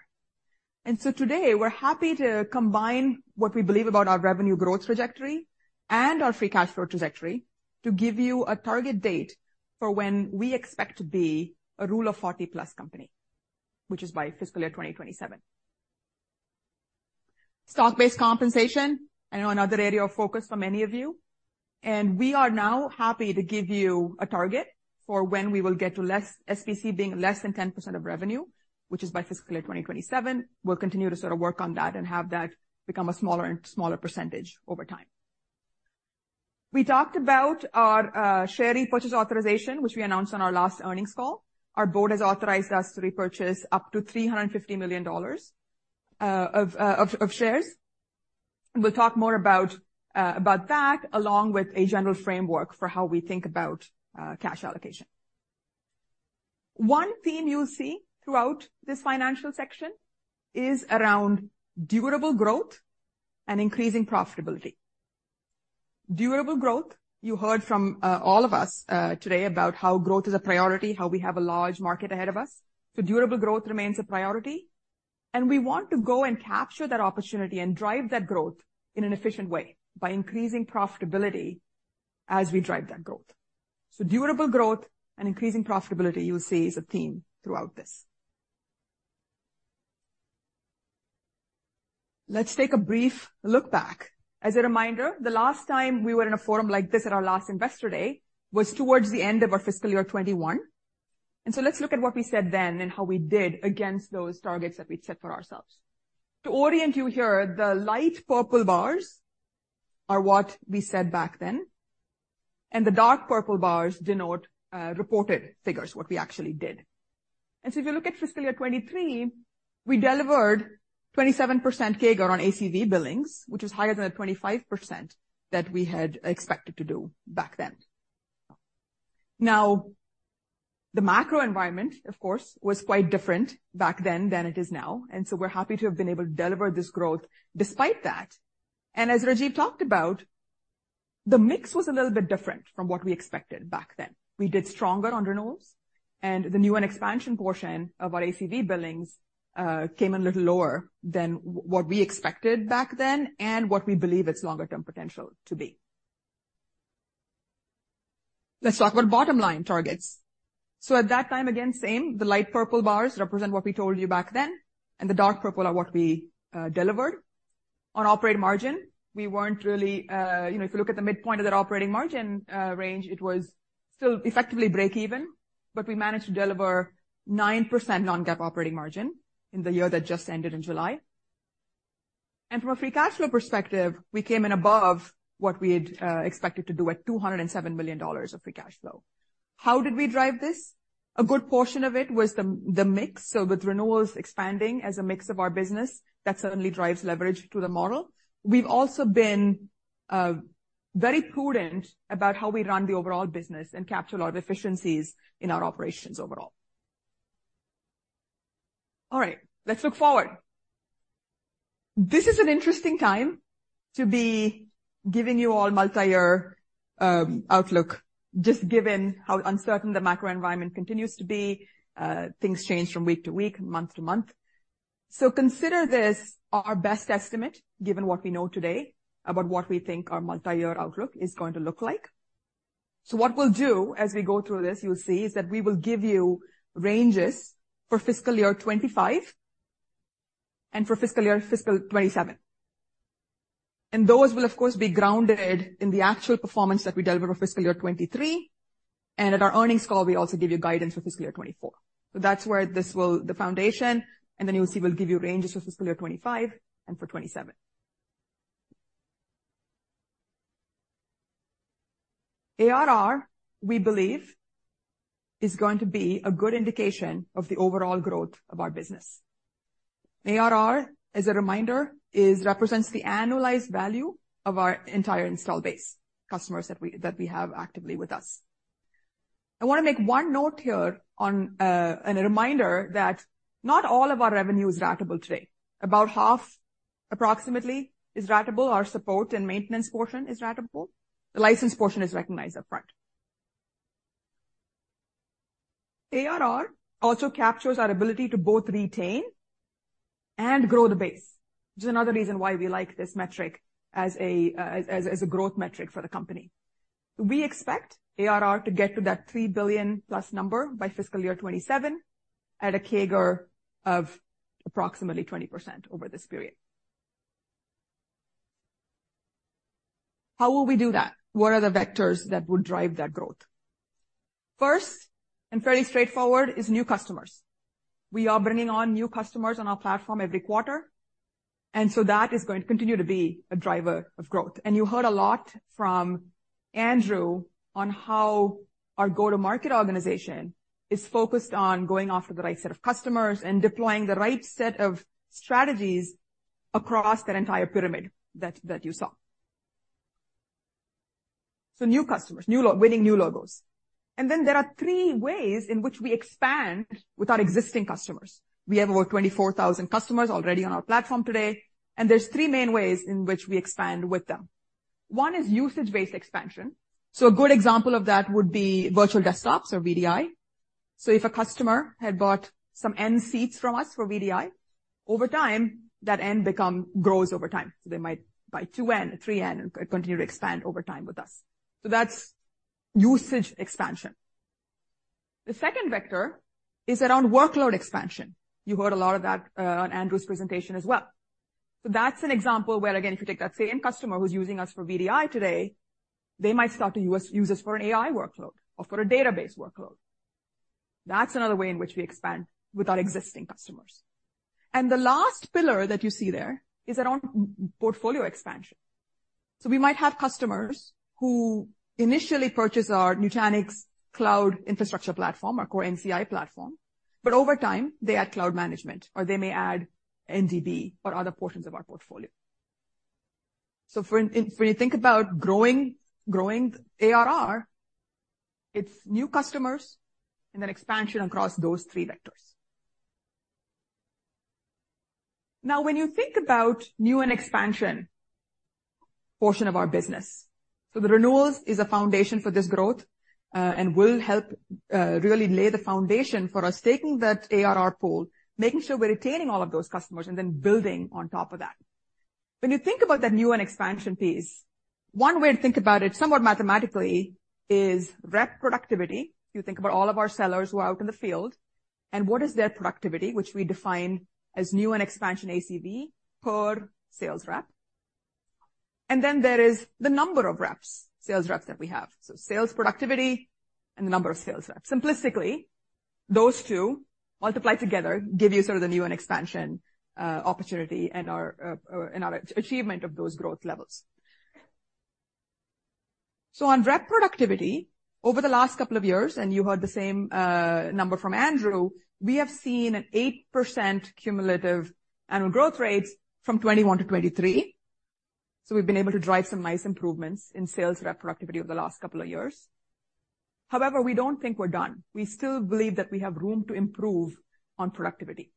And so today, we're happy to combine what we believe about our revenue growth trajectory and our free cash flow trajectory to give you a target date for when we expect to be a rule of 40+ company, which is by fiscal year 2027. Stock-based compensation, I know another area of focus for many of you, and we are now happy to give you a target for when we will get to less, SBC being less than 10% of revenue, which is by fiscal year 2027. We'll continue to sort of work on that and have that become a smaller and smaller percentage over time. We talked about our share repurchase authorization, which we announced on our last earnings call. Our board has authorized us to repurchase up to $350 million of shares. We'll talk more about that, along with a general framework for how we think about cash allocation. One theme you'll see throughout this financial section is around durable growth and increasing profitability. Durable growth, you heard from all of us today, about how growth is a priority, how we have a large market ahead of us. So durable growth remains a priority, and we want to go and capture that opportunity and drive that growth in an efficient way by increasing profitability as we drive that growth. So durable growth and increasing profitability, you will see, is a theme throughout this. Let's take a brief look back. As a reminder, the last time we were in a forum like this at our last Investor Day, was towards the end of our fiscal year 2021. And so let's look at what we said then and how we did against those targets that we'd set for ourselves. To orient you here, the light purple bars are what we said back then, and the dark purple bars denote reported figures, what we actually did. And so if you look at fiscal year 2023, we delivered 27% CAGR on ACV Billings, which is higher than the 25% that we had expected to do back then. Now, the macro environment, of course, was quite different back then than it is now, and so we're happy to have been able to deliver this growth despite that. And as Rajiv talked about, the mix was a little bit different from what we expected back then. We did stronger on renewals, and the new and expansion portion of our ACV Billings came in a little lower than what we expected back then and what we believe its longer-term potential to be. Let's talk about bottom-line targets. So at that time, again, same, the light purple bars represent what we told you back then, and the dark purple are what we delivered. On operating margin, we weren't really... You know, if you look at the midpoint of that operating margin range, it was still effectively breakeven, but we managed to deliver 9% non-GAAP operating margin in the year that just ended in July. And from a free cash flow perspective, we came in above what we had expected to do at $207 million of free cash flow. How did we drive this? A good portion of it was the, the mix. So with renewals expanding as a mix of our business, that certainly drives leverage to the model. We've also been very prudent about how we run the overall business and capture a lot of efficiencies in our operations overall. All right, let's look forward. This is an interesting time to be giving you all multiyear outlook, just given how uncertain the macro environment continues to be. Things change from week to week, month to month. So consider this our best estimate, given what we know today about what we think our multiyear outlook is going to look like. So what we'll do as we go through this, you'll see, is that we will give you ranges for fiscal year 2025 and for fiscal year 2027. And those will, of course, be grounded in the actual performance that we delivered for fiscal year 2023. And at our earnings call, we also give you guidance for fiscal year 2024. So that's where this will be the foundation, and then you'll see, we'll give you ranges for fiscal year 2025 and for 2027. ARR, we believe, is going to be a good indication of the overall growth of our business. ARR, as a reminder, represents the annualized value of our entire installed base, customers that we have actively with us. I wanna make one note here on and a reminder that not all of our revenue is ratable today. About half, approximately, is ratable. Our support and maintenance portion is ratable. The license portion is recognized upfront. ARR also captures our ability to both retain and grow the base, which is another reason why we like this metric as a growth metric for the company. We expect ARR to get to that $3 billion+ number by fiscal year 2027 at a CAGR of approximately 20% over this period. How will we do that? What are the vectors that would drive that growth? First, and fairly straightforward, is new customers. We are bringing on new customers on our platform every quarter.... And so that is going to continue to be a driver of growth. And you heard a lot from Andrew on how our go-to-market organization is focused on going after the right set of customers and deploying the right set of strategies across that entire pyramid that, that you saw. So new customers, new logos, winning new logos. And then there are three ways in which we expand with our existing customers. We have over 24,000 customers already on our platform today, and there's three main ways in which we expand with them. One is usage-based expansion. So a good example of that would be virtual desktops or VDI. So if a customer had bought some N seats from us for VDI, over time, that N grows over time. So they might buy 2N, 3N, and continue to expand over time with us. So that's usage expansion. The second vector is around workload expansion. You heard a lot of that on Andrew's presentation as well. So that's an example where, again, if you take that same customer who's using us for VDI today, they might start to use us for an AI workload or for a database workload. That's another way in which we expand with our existing customers. And the last pillar that you see there is around portfolio expansion. So we might have customers who initially purchase our Nutanix Cloud Infrastructure platform, our core NCI platform, but over time, they add cloud management, or they may add NDB or other portions of our portfolio. So for when you think about growing, growing ARR, it's new customers and then expansion across those three vectors. Now, when you think about new and expansion portion of our business, so the renewals is a foundation for this growth, and will help really lay the foundation for us taking that ARR pool, making sure we're retaining all of those customers, and then building on top of that. When you think about that new and expansion piece, one way to think about it, somewhat mathematically, is rep productivity. You think about all of our sellers who are out in the field and what is their productivity, which we define as new and expansion ACV per sales rep. Then there is the number of reps, sales reps that we have. So sales productivity and the number of sales reps. Simplistically, those two multiplied together give you sort of the new and expansion opportunity and our achievement of those growth levels. So on rep productivity, over the last couple of years, and you heard the same number from Andrew, we have seen an 8% cumulative annual growth rate from 2021 to 2023. So we've been able to drive some nice improvements in sales rep productivity over the last couple of years. However, we don't think we're done. We still believe that we have room to improve on productivity.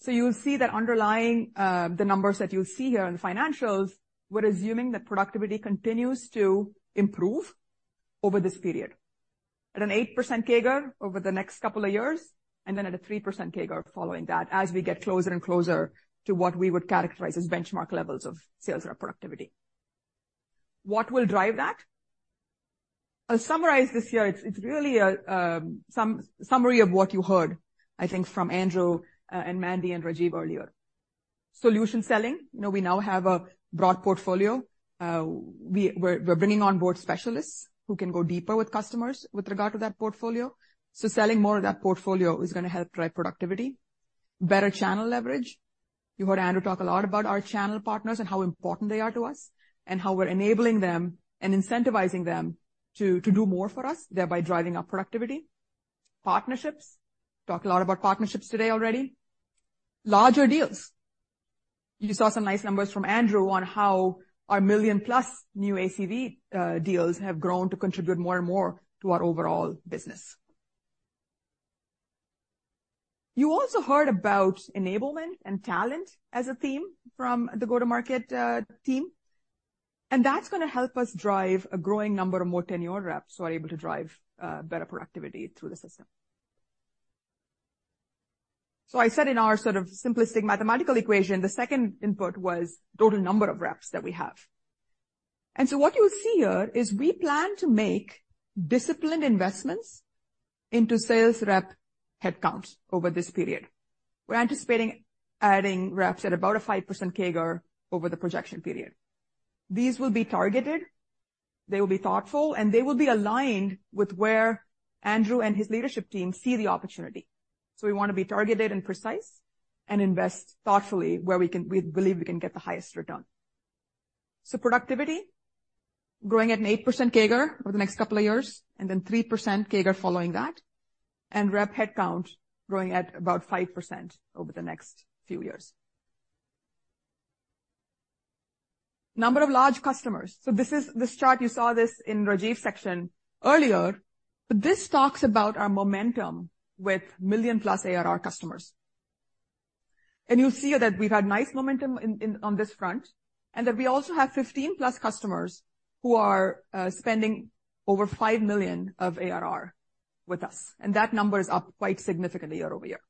So you'll see that underlying, the numbers that you see here in the financials, we're assuming that productivity continues to improve over this period at an 8% CAGR over the next couple of years, and then at a 3% CAGR following that, as we get closer and closer to what we would characterize as benchmark levels of sales rep productivity. What will drive that? I'll summarize this here. It's really a summary of what you heard, I think, from Andrew, and Mandy and Rajiv earlier. Solution selling. You know, we now have a broad portfolio. We're bringing on board specialists who can go deeper with customers with regard to that portfolio. So selling more of that portfolio is gonna help drive productivity. Better channel leverage. You heard Andrew talk a lot about our channel partners and how important they are to us, and how we're enabling them and incentivizing them to, to do more for us, thereby driving up productivity. Partnerships. Talked a lot about partnerships today already. Larger deals. You saw some nice numbers from Andrew on how our million-plus new ACV deals have grown to contribute more and more to our overall business. You also heard about enablement and talent as a theme from the go-to-market team, and that's gonna help us drive a growing number of more tenured reps who are able to drive better productivity through the system. So I said in our sort of simplistic mathematical equation, the second input was total number of reps that we have. And so what you see here is we plan to make disciplined investments into sales rep headcounts over this period. We're anticipating adding reps at about a 5% CAGR over the projection period. These will be targeted, they will be thoughtful, and they will be aligned with where Andrew and his leadership team see the opportunity. So we want to be targeted and precise and invest thoughtfully where we can, we believe we can get the highest return. So productivity, growing at an 8% CAGR over the next couple of years, and then 3% CAGR following that, and rep headcount growing at about 5% over the next few years. Number of large customers. So this is... This chart, you saw this in Rajiv's section earlier, but this talks about our momentum with million-plus ARR customers. You'll see that we've had nice momentum in on this front, and that we also have 15+ customers who are spending over $5 million of ARR with us, and that number is up quite significantly year-over-year.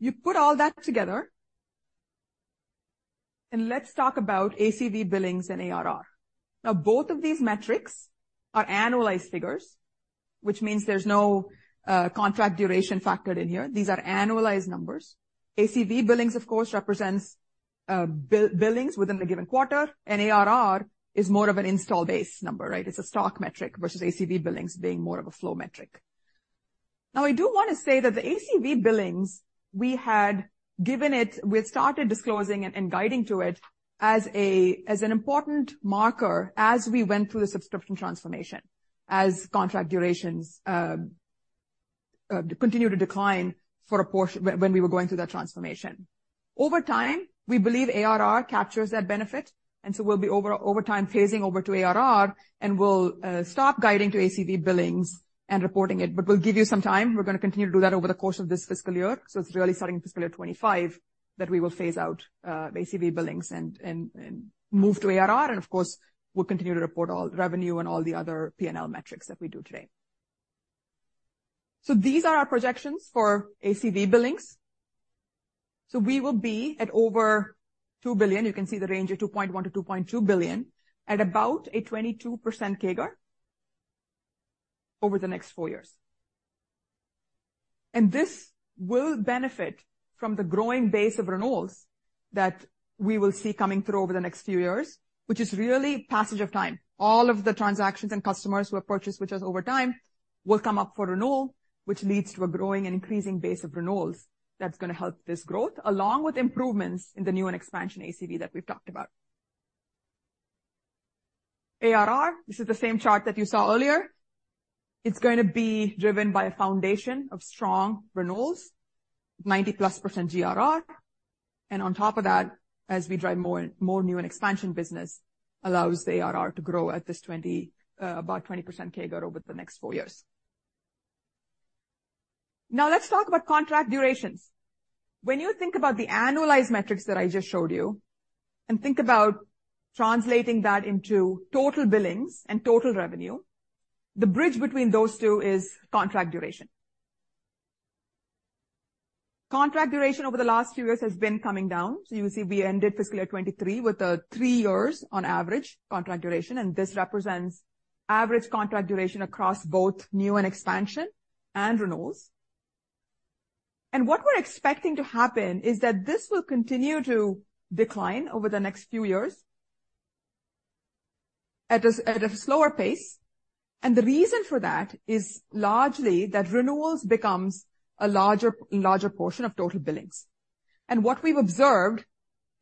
You put all that together... Let's talk about ACV Billings and ARR. Now, both of these metrics are annualized figures, which means there's no contract duration factored in here. These are annualized numbers. ACV Billings, of course, represents billings within a given quarter, and ARR is more of an install base number, right? It's a stock metric, versus ACV Billings being more of a flow metric. Now, I do wanna say that the ACV Billings, we had given it. We had started disclosing and guiding to it as a, as an important marker as we went through the subscription transformation, as contract durations continued to decline when we were going through that transformation. Over time, we believe ARR captures that benefit, and so we'll be over time phasing over to ARR, and we'll stop guiding to ACV Billings and reporting it. But we'll give you some time. We're gonna continue to do that over the course of this fiscal year, so it's really starting fiscal year 2025, that we will phase out ACV Billings and move to ARR, and of course, we'll continue to report all the revenue and all the other PNL metrics that we do today. These are our projections for ACV Billings. We will be at over $2 billion. You can see the range of $2.1 billion-$2.2 billion, at about a 22% CAGR over the next four years. This will benefit from the growing base of renewals that we will see coming through over the next few years, which is really passage of time. All of the transactions and customers who have purchased with us over time will come up for renewal, which leads to a growing and increasing base of renewals that's gonna help this growth, along with improvements in the new and expansion ACV that we've talked about. ARR, this is the same chart that you saw earlier. It's going to be driven by a foundation of strong renewals, 90+% GRR, and on top of that, as we drive more, more new and expansion business, allows the ARR to grow at this 20, about 20% CAGR over the next four years. Now let's talk about contract durations. When you think about the annualized metrics that I just showed you, and think about translating that into total billings and total revenue, the bridge between those two is contract duration. Contract duration over the last few years has been coming down, so you will see we ended fiscal year 2023 with a three years on average contract duration, and this represents average contract duration across both new and expansion and renewals. What we're expecting to happen is that this will continue to decline over the next few years at a slower pace, and the reason for that is largely that renewals becomes a larger, larger portion of total billings. What we've observed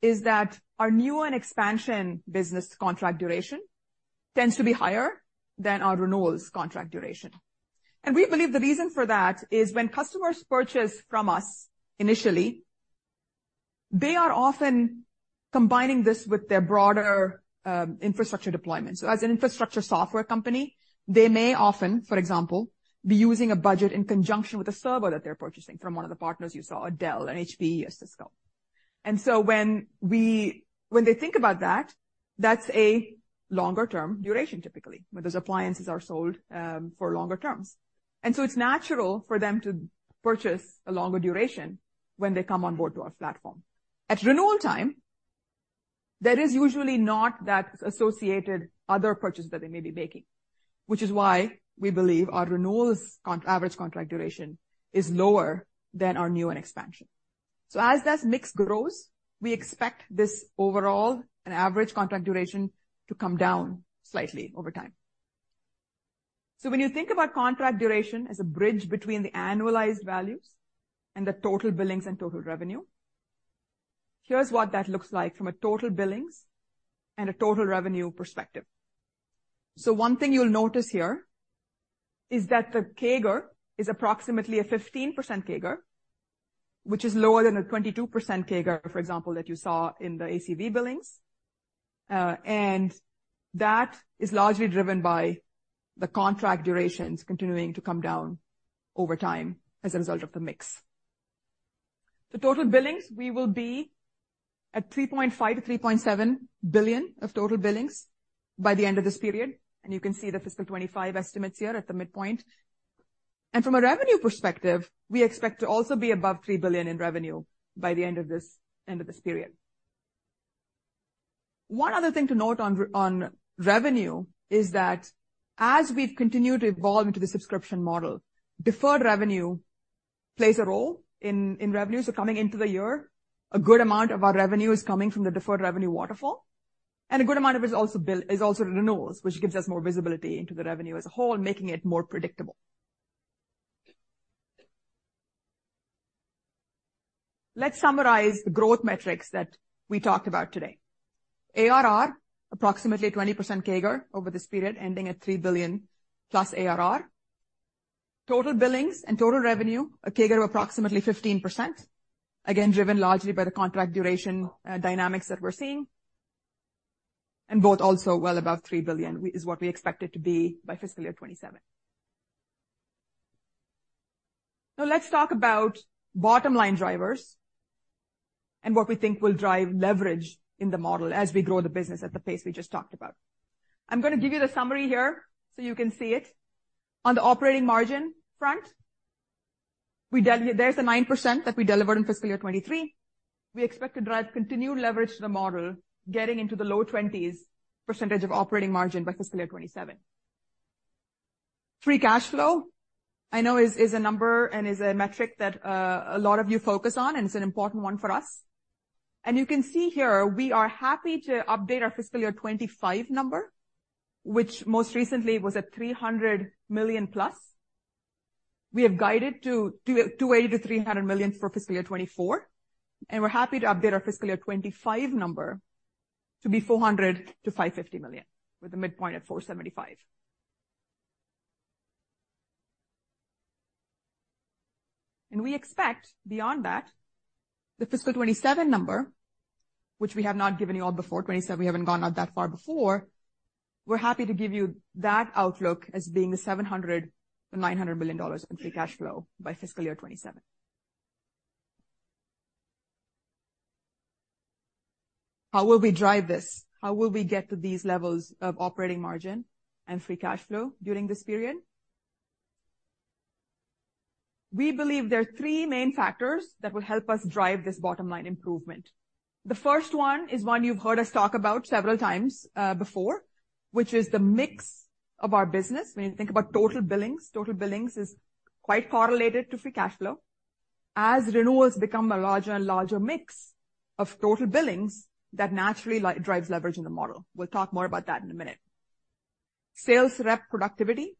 is that our new and expansion business contract duration tends to be higher than our renewals contract duration. We believe the reason for that is when customers purchase from us initially, they are often combining this with their broader infrastructure deployment. So as an infrastructure software company, they may often, for example, be using a budget in conjunction with a server that they're purchasing from one of the partners you saw, a Dell, an HPE, a Cisco. So when they think about that, that's a longer-term duration, typically, where those appliances are sold for longer terms. And so it's natural for them to purchase a longer duration when they come on board to our platform. At renewal time, there is usually not that associated other purchase that they may be making, which is why we believe our renewals average contract duration is lower than our new and expansion. So as that mix grows, we expect this overall and average contract duration to come down slightly over time. So when you think about contract duration as a bridge between the annualized values and the total billings and total revenue, here's what that looks like from a total billings and a total revenue perspective. So one thing you'll notice here is that the CAGR is approximately a 15% CAGR, which is lower than a 22% CAGR, for example, that you saw in the ACV Billings. And that is largely driven by the contract durations continuing to come down over time as a result of the mix. The total billings, we will be at $3.5 billion-$3.7 billion of total billings by the end of this period, and you can see the fiscal 2025 estimates here at the midpoint. From a revenue perspective, we expect to also be above $3 billion in revenue by the end of this, end of this period. One other thing to note on revenue is that as we've continued to evolve into the subscription model, deferred revenue plays a role in revenue. So coming into the year, a good amount of our revenue is coming from the deferred revenue waterfall, and a good amount of it is also renewals, which gives us more visibility into the revenue as a whole, making it more predictable. Let's summarize the growth metrics that we talked about today. ARR, approximately a 20% CAGR over this period, ending at $3 billion+ ARR. Total billings and total revenue, a CAGR of approximately 15%, again, driven largely by the contract duration dynamics that we're seeing, and both also well above $3 billion is what we expect it to be by fiscal year 2027. Now let's talk about bottom-line drivers and what we think will drive leverage in the model as we grow the business at the pace we just talked about. I'm gonna give you the summary here so you can see it. On the operating margin front, we, there's a 9% that we delivered in fiscal year 2023. We expect to drive continued leverage to the model, getting into the low 20s% of operating margin by fiscal year 2027.... Free cash flow, I know is a number and is a metric that a lot of you focus on, and it's an important one for us. You can see here, we are happy to update our fiscal year 2025 number, which most recently was at $300 million+. We have guided to $280 million-$300 million for fiscal year 2024, and we're happy to update our fiscal year 2025 number to be $400 million-$550 million, with a midpoint at $475 million. We expect, beyond that, the fiscal 2027 number, which we have not given you all before. 2027, we haven't gone out that far before. We're happy to give you that outlook as being the $700 million-$900 million in free cash flow by fiscal year 2027. How will we drive this? How will we get to these levels of operating margin and free cash flow during this period? We believe there are three main factors that will help us drive this bottom line improvement. The first one is one you've heard us talk about several times before, which is the mix of our business. When you think about total billings, total billings is quite correlated to free cash flow. As renewals become a larger and larger mix of total billings, that naturally drives leverage in the model. We'll talk more about that in a minute. Sales rep productivity.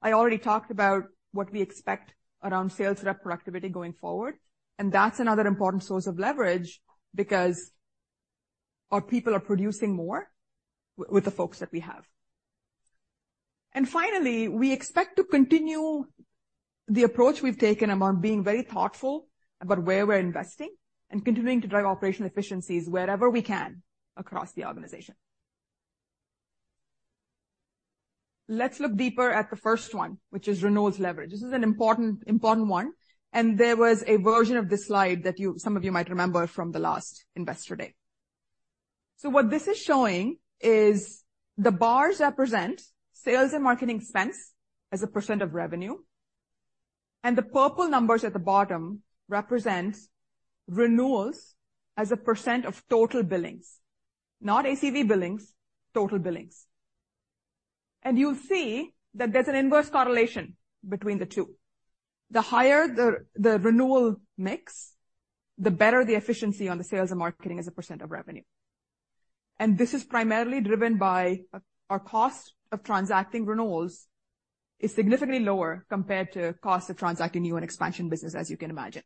I already talked about what we expect around sales rep productivity going forward, and that's another important source of leverage because our people are producing more with the folks that we have. Finally, we expect to continue the approach we've taken around being very thoughtful about where we're investing and continuing to drive operational efficiencies wherever we can across the organization. Let's look deeper at the first one, which is renewals leverage. This is an important, important one, and there was a version of this slide that you, some of you might remember from the last Investor Day. So what this is showing is the bars represent sales and marketing expense as a % of revenue, and the purple numbers at the bottom represent renewals as a % of total billings, not ACV Billings, total billings. You'll see that there's an inverse correlation between the two. The higher the, the renewal mix, the better the efficiency on the sales and marketing as a percent of revenue. And this is primarily driven by our cost of transacting renewals is significantly lower compared to cost of transacting new and expansion business, as you can imagine.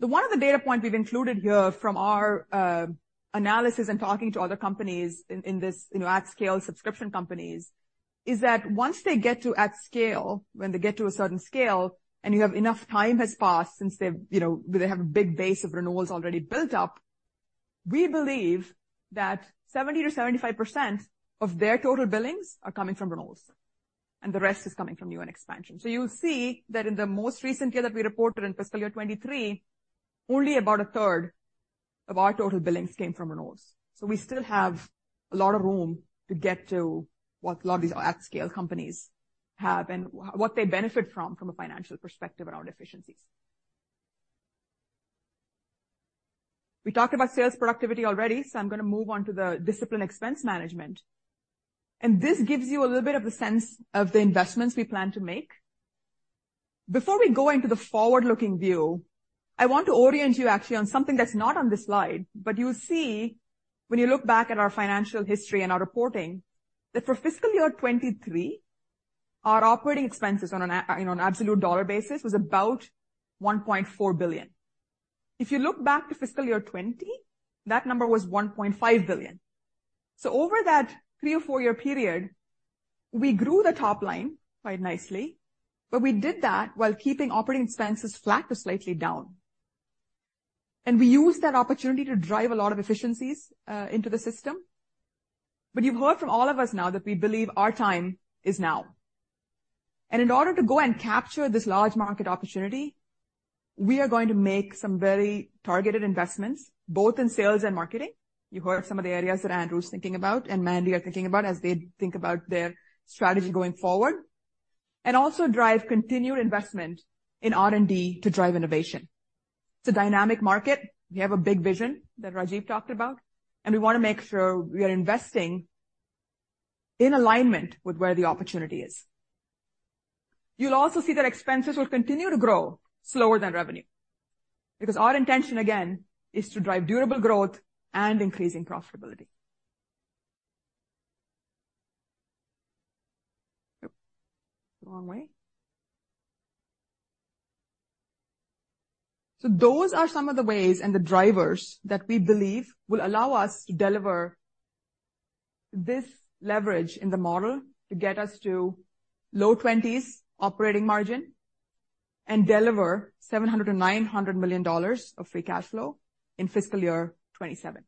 The one other data point we've included here from our analysis and talking to other companies in this, you know, at-scale subscription companies, is that once they get to at scale, when they get to a certain scale, and you have enough time has passed since they've... You know, they have a big base of renewals already built up, we believe that 70%-75% of their total billings are coming from renewals, and the rest is coming from new and expansion. So you'll see that in the most recent year that we reported, in fiscal year 2023, only about a third of our total billings came from renewals. So we still have a lot of room to get to what a lot of these at-scale companies have and what they benefit from, from a financial perspective around efficiencies. We talked about sales productivity already, so I'm gonna move on to the disciplined expense management. And this gives you a little bit of a sense of the investments we plan to make. Before we go into the forward-looking view, I want to orient you actually on something that's not on this slide, but you'll see when you look back at our financial history and our reporting, that for fiscal year 2023, our operating expenses on an, you know, on an absolute dollar basis, was about $1.4 billion. If you look back to fiscal year 2020, that number was $1.5 billion. So over that three- or four-year period, we grew the top line quite nicely, but we did that while keeping operating expenses flat or slightly down. And we used that opportunity to drive a lot of efficiencies into the system. But you've heard from all of us now that we believe our time is now. And in order to go and capture this large market opportunity, we are going to make some very targeted investments, both in sales and marketing. You heard some of the areas that Andrew's thinking about and Mandy are thinking about as they think about their strategy going forward, and also drive continued investment in R&D to drive innovation. It's a dynamic market. We have a big vision that Rajiv talked about, and we want to make sure we are investing in alignment with where the opportunity is. You'll also see that expenses will continue to grow slower than revenue, because our intention, again, is to drive durable growth and increasing profitability. Yep, wrong way. So those are some of the ways and the drivers that we believe will allow us to deliver this leverage in the model to get us to low 20s operating margin and deliver $700 million-$900 million of free cash flow in fiscal year 2027.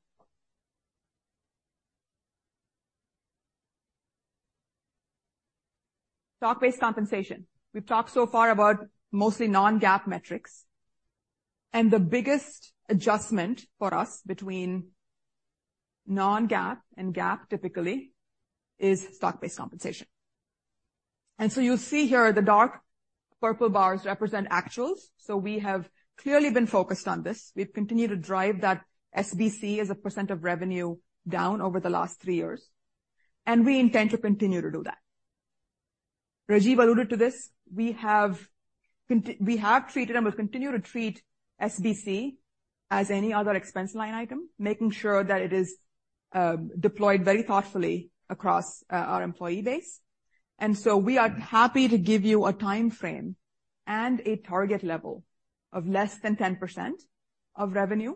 Stock-based compensation. We've talked so far about mostly non-GAAP metrics, and the biggest adjustment for us between non-GAAP and GAAP, typically, is stock-based compensation. And so you'll see here the dark purple bars represent actuals, so we have clearly been focused on this. We've continued to drive that SBC as a percent of revenue down over the last three years, and we intend to continue to do that. Rajiv alluded to this, we have treated and will continue to treat SBC as any other expense line item, making sure that it is deployed very thoughtfully across our employee base. And so we are happy to give you a time frame and a target level of less than 10% of revenue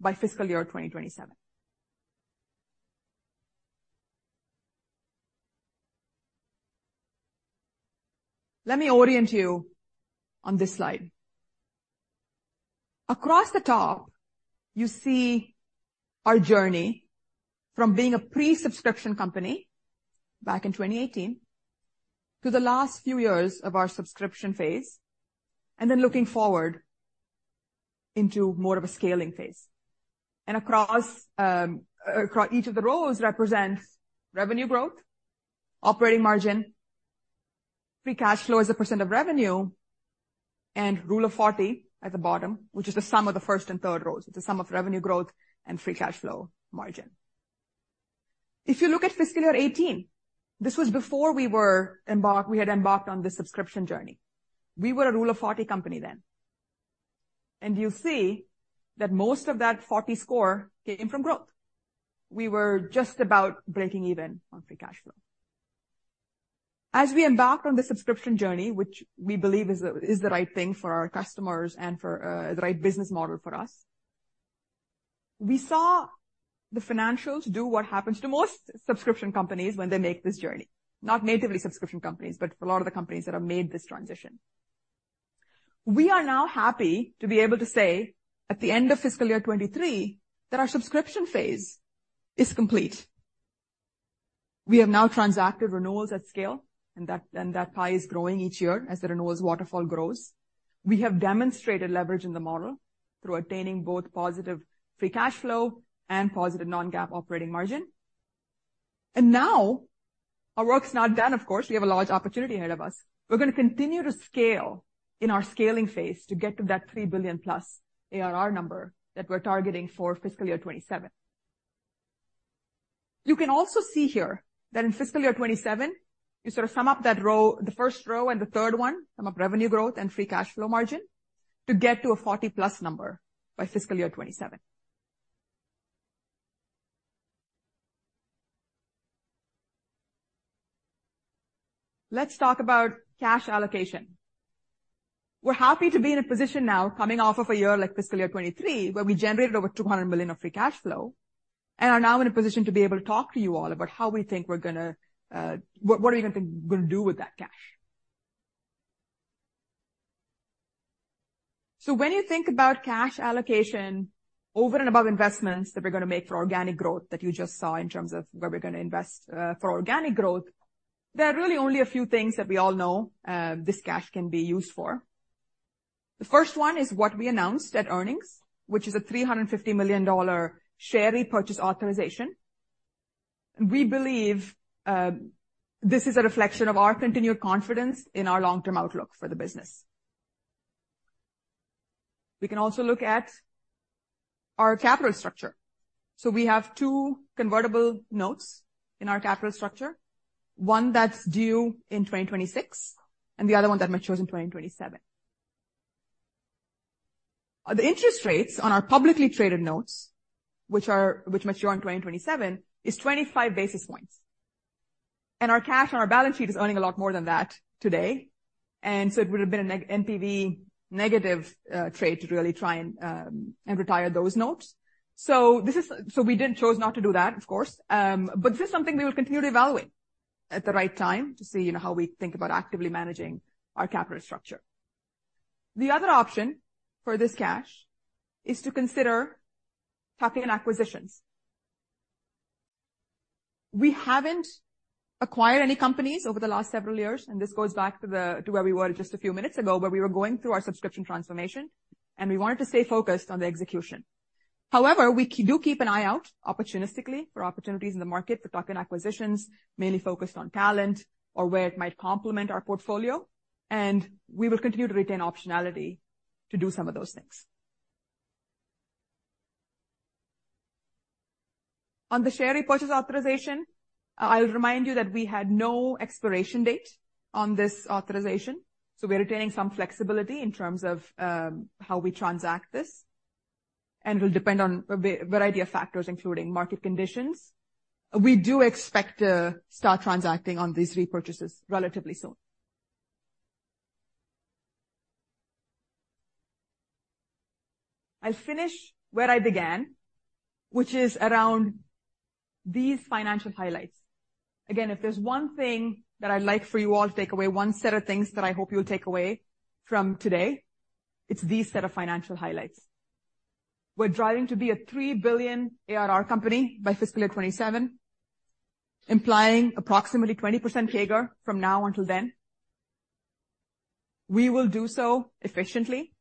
by fiscal year 2027. Let me orient you on this slide. Across the top, you see our journey from being a pre-subscription company back in 2018 to the last few years of our subscription phase, and then looking forward into more of a scaling phase. And across each of the rows represents revenue growth, operating margin, free cash flow as a % of revenue, and rule of 40 at the bottom, which is the sum of the first and third rows. It's the sum of revenue growth and free cash flow margin. If you look at fiscal year 18, this was before we had embarked on this subscription journey. We were a rule of 40 company then. And you'll see that most of that 40 score came from growth. We were just about breaking even on free cash flow. As we embarked on the subscription journey, which we believe is the right thing for our customers and for the right business model for us, we saw the financials do what happens to most subscription companies when they make this journey. Not natively subscription companies, but a lot of the companies that have made this transition. We are now happy to be able to say, at the end of fiscal year 2023, that our subscription phase is complete. We have now transacted renewals at scale, and that pie is growing each year as the renewals waterfall grows. We have demonstrated leverage in the model through obtaining both positive free cash flow and positive non-GAAP operating margin. And now, our work's not done, of course, we have a large opportunity ahead of us. We're gonna continue to scale in our scaling phase to get to that $3 billion+ ARR number that we're targeting for fiscal year 2027. You can also see here that in fiscal year 2027, you sort of sum up that row, the first row and the third one, sum up revenue growth and free cash flow margin, to get to a 40+ number by fiscal year 2027. Let's talk about cash allocation. We're happy to be in a position now, coming off of a year like fiscal year 2023, where we generated over $200 million of free cash flow, and are now in a position to be able to talk to you all about how we think we're gonna do with that cash. So when you think about cash allocation over and above investments that we're gonna make for organic growth, that you just saw in terms of where we're gonna invest for organic growth, there are really only a few things that we all know this cash can be used for. The first one is what we announced at earnings, which is a $350 million share repurchase authorization. We believe this is a reflection of our continued confidence in our long-term outlook for the business. We can also look at our capital structure. So we have two convertible notes in our capital structure, one that's due in 2026, and the other one that matures in 2027. The interest rates on our publicly traded notes, which mature in 2027, is 25 basis points. Our cash on our balance sheet is earning a lot more than that today, and so it would have been a negative NPV trade to really try and retire those notes. So we did chose not to do that, of course, but this is something we will continue to evaluate at the right time, to see, you know, how we think about actively managing our capital structure. The other option for this cash is to consider tuck-in acquisitions. We haven't acquired any companies over the last several years, and this goes back to where we were just a few minutes ago, where we were going through our subscription transformation, and we wanted to stay focused on the execution. However, we do keep an eye out, opportunistically, for opportunities in the market for tuck-in acquisitions, mainly focused on talent or where it might complement our portfolio, and we will continue to retain optionality to do some of those things. On the share repurchase authorization, I'll remind you that we had no expiration date on this authorization, so we are retaining some flexibility in terms of how we transact this, and will depend on variety of factors, including market conditions. We do expect to start transacting on these repurchases relatively soon. I'll finish where I began, which is around these financial highlights. Again, if there's one thing that I'd like for you all to take away, one set of things that I hope you'll take away from today, it's these set of financial highlights. We're driving to be a $3 billion ARR company by fiscal year 2027, implying approximately 20% CAGR from now until then.... We will do so efficiently,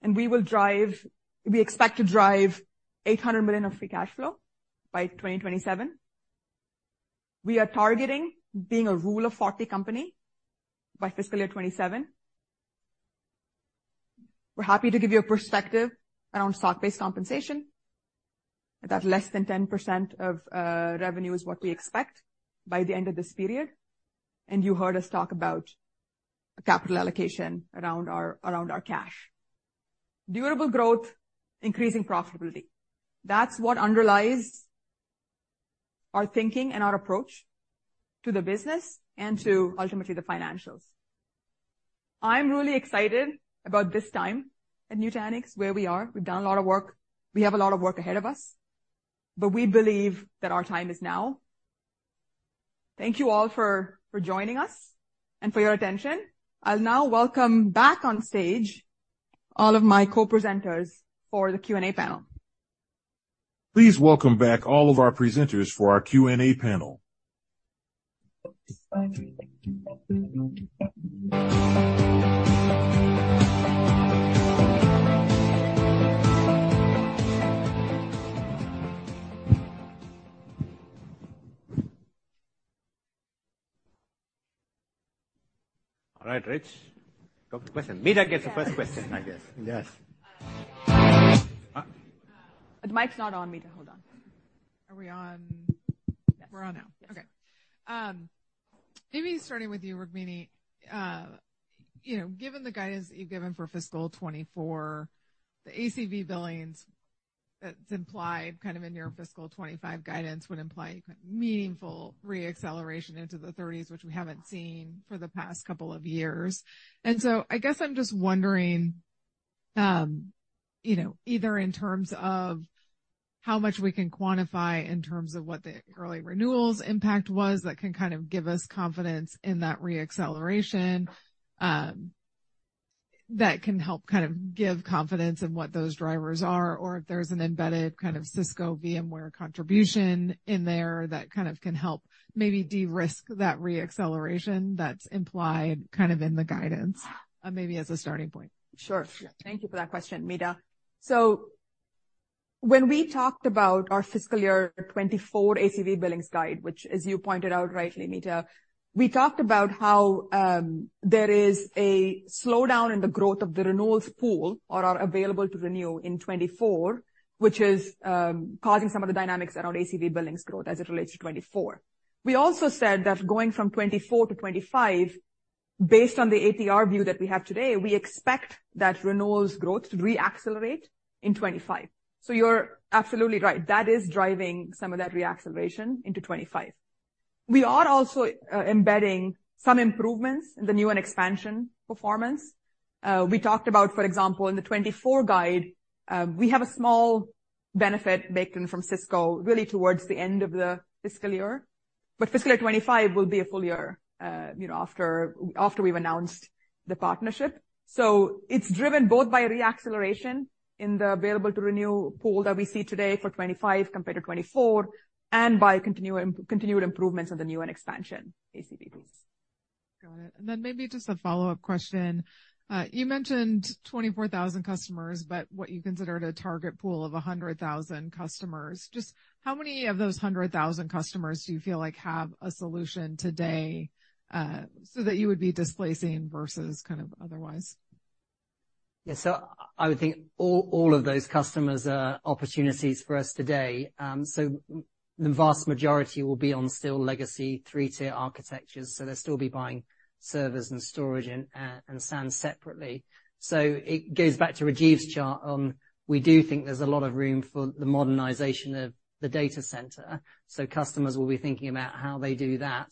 and we expect to drive $800 million of free cash flow by 2027. We are targeting being a rule of 40 company by fiscal year 2027. We're happy to give you a perspective around stock-based compensation, that less than 10% of revenue is what we expect by the end of this period. And you heard us talk about capital allocation around our, around our cash. Durable growth, increasing profitability. That's what underlies our thinking and our approach to the business and to, ultimately, the financials. I'm really excited about this time at Nutanix, where we are. We've done a lot of work. We have a lot of work ahead of us, but we believe that our time is now. Thank you all for joining us and for your attention. I'll now welcome back on stage all of my co-presenters for the Q&A panel. Please welcome back all of our presenters for our Q&A panel. All right, Rich, go to question. Meta gets the first question, I guess. Yes. The mic's not on, Meta. Hold on. Are we on? Yes. We're on now. Yes. Okay. Maybe starting with you, Rukmini, you know, given the guidance that you've given for fiscal 2024, the ACV Billings that's implied kind of in your fiscal 2025 guidance would imply meaningful re-acceleration into the 30s, which we haven't seen for the past couple of years. And so I guess I'm just wondering, you know, either in terms of how much we can quantify in terms of what the early renewals impact was, that can kind of give us confidence in that re-acceleration, that can help kind of give confidence in what those drivers are, or if there's an embedded kind of Cisco VMware contribution in there that kind of can help maybe de-risk that re-acceleration that's implied kind of in the guidance, maybe as a starting point. Sure. Thank you for that question, Meta. So when we talked about our fiscal year 2024 ACV Billings guide, which as you pointed out rightly, Meta, we talked about how, there is a slowdown in the growth of the renewals pool or ATR available to renew in 2024, which is, causing some of the dynamics around ACV Billings growth as it relates to 2024. We also said that going from 2024 to 2025, based on the ATR view that we have today, we expect that renewals growth to re-accelerate in 2025. So you're absolutely right, that is driving some of that re-acceleration into 2025. We are also, embedding some improvements in the new and expansion performance. We talked about, for example, in the 2024 guide, we have a small benefit baked in from Cisco, really towards the end of the fiscal year, but fiscal 2025 will be a full year, you know, after we've announced the partnership. So it's driven both by re-acceleration in the available to renew pool that we see today for 2025 compared to 2024, and by continued improvements in the new and expansion ACVs. Got it. And then maybe just a follow-up question. You mentioned 24,000 customers, but what you considered a target pool of 100,000 customers. Just how many of those 100,000 customers do you feel like have a solution today, so that you would be displacing versus kind of otherwise? Yeah, so I would think all, all of those customers are opportunities for us today. So the vast majority will be on still legacy three-tier architectures, so they'll still be buying servers and storage and SAN separately. So it goes back to Rajiv's chart on we do think there's a lot of room for the modernization of the data center, so customers will be thinking about how they do that.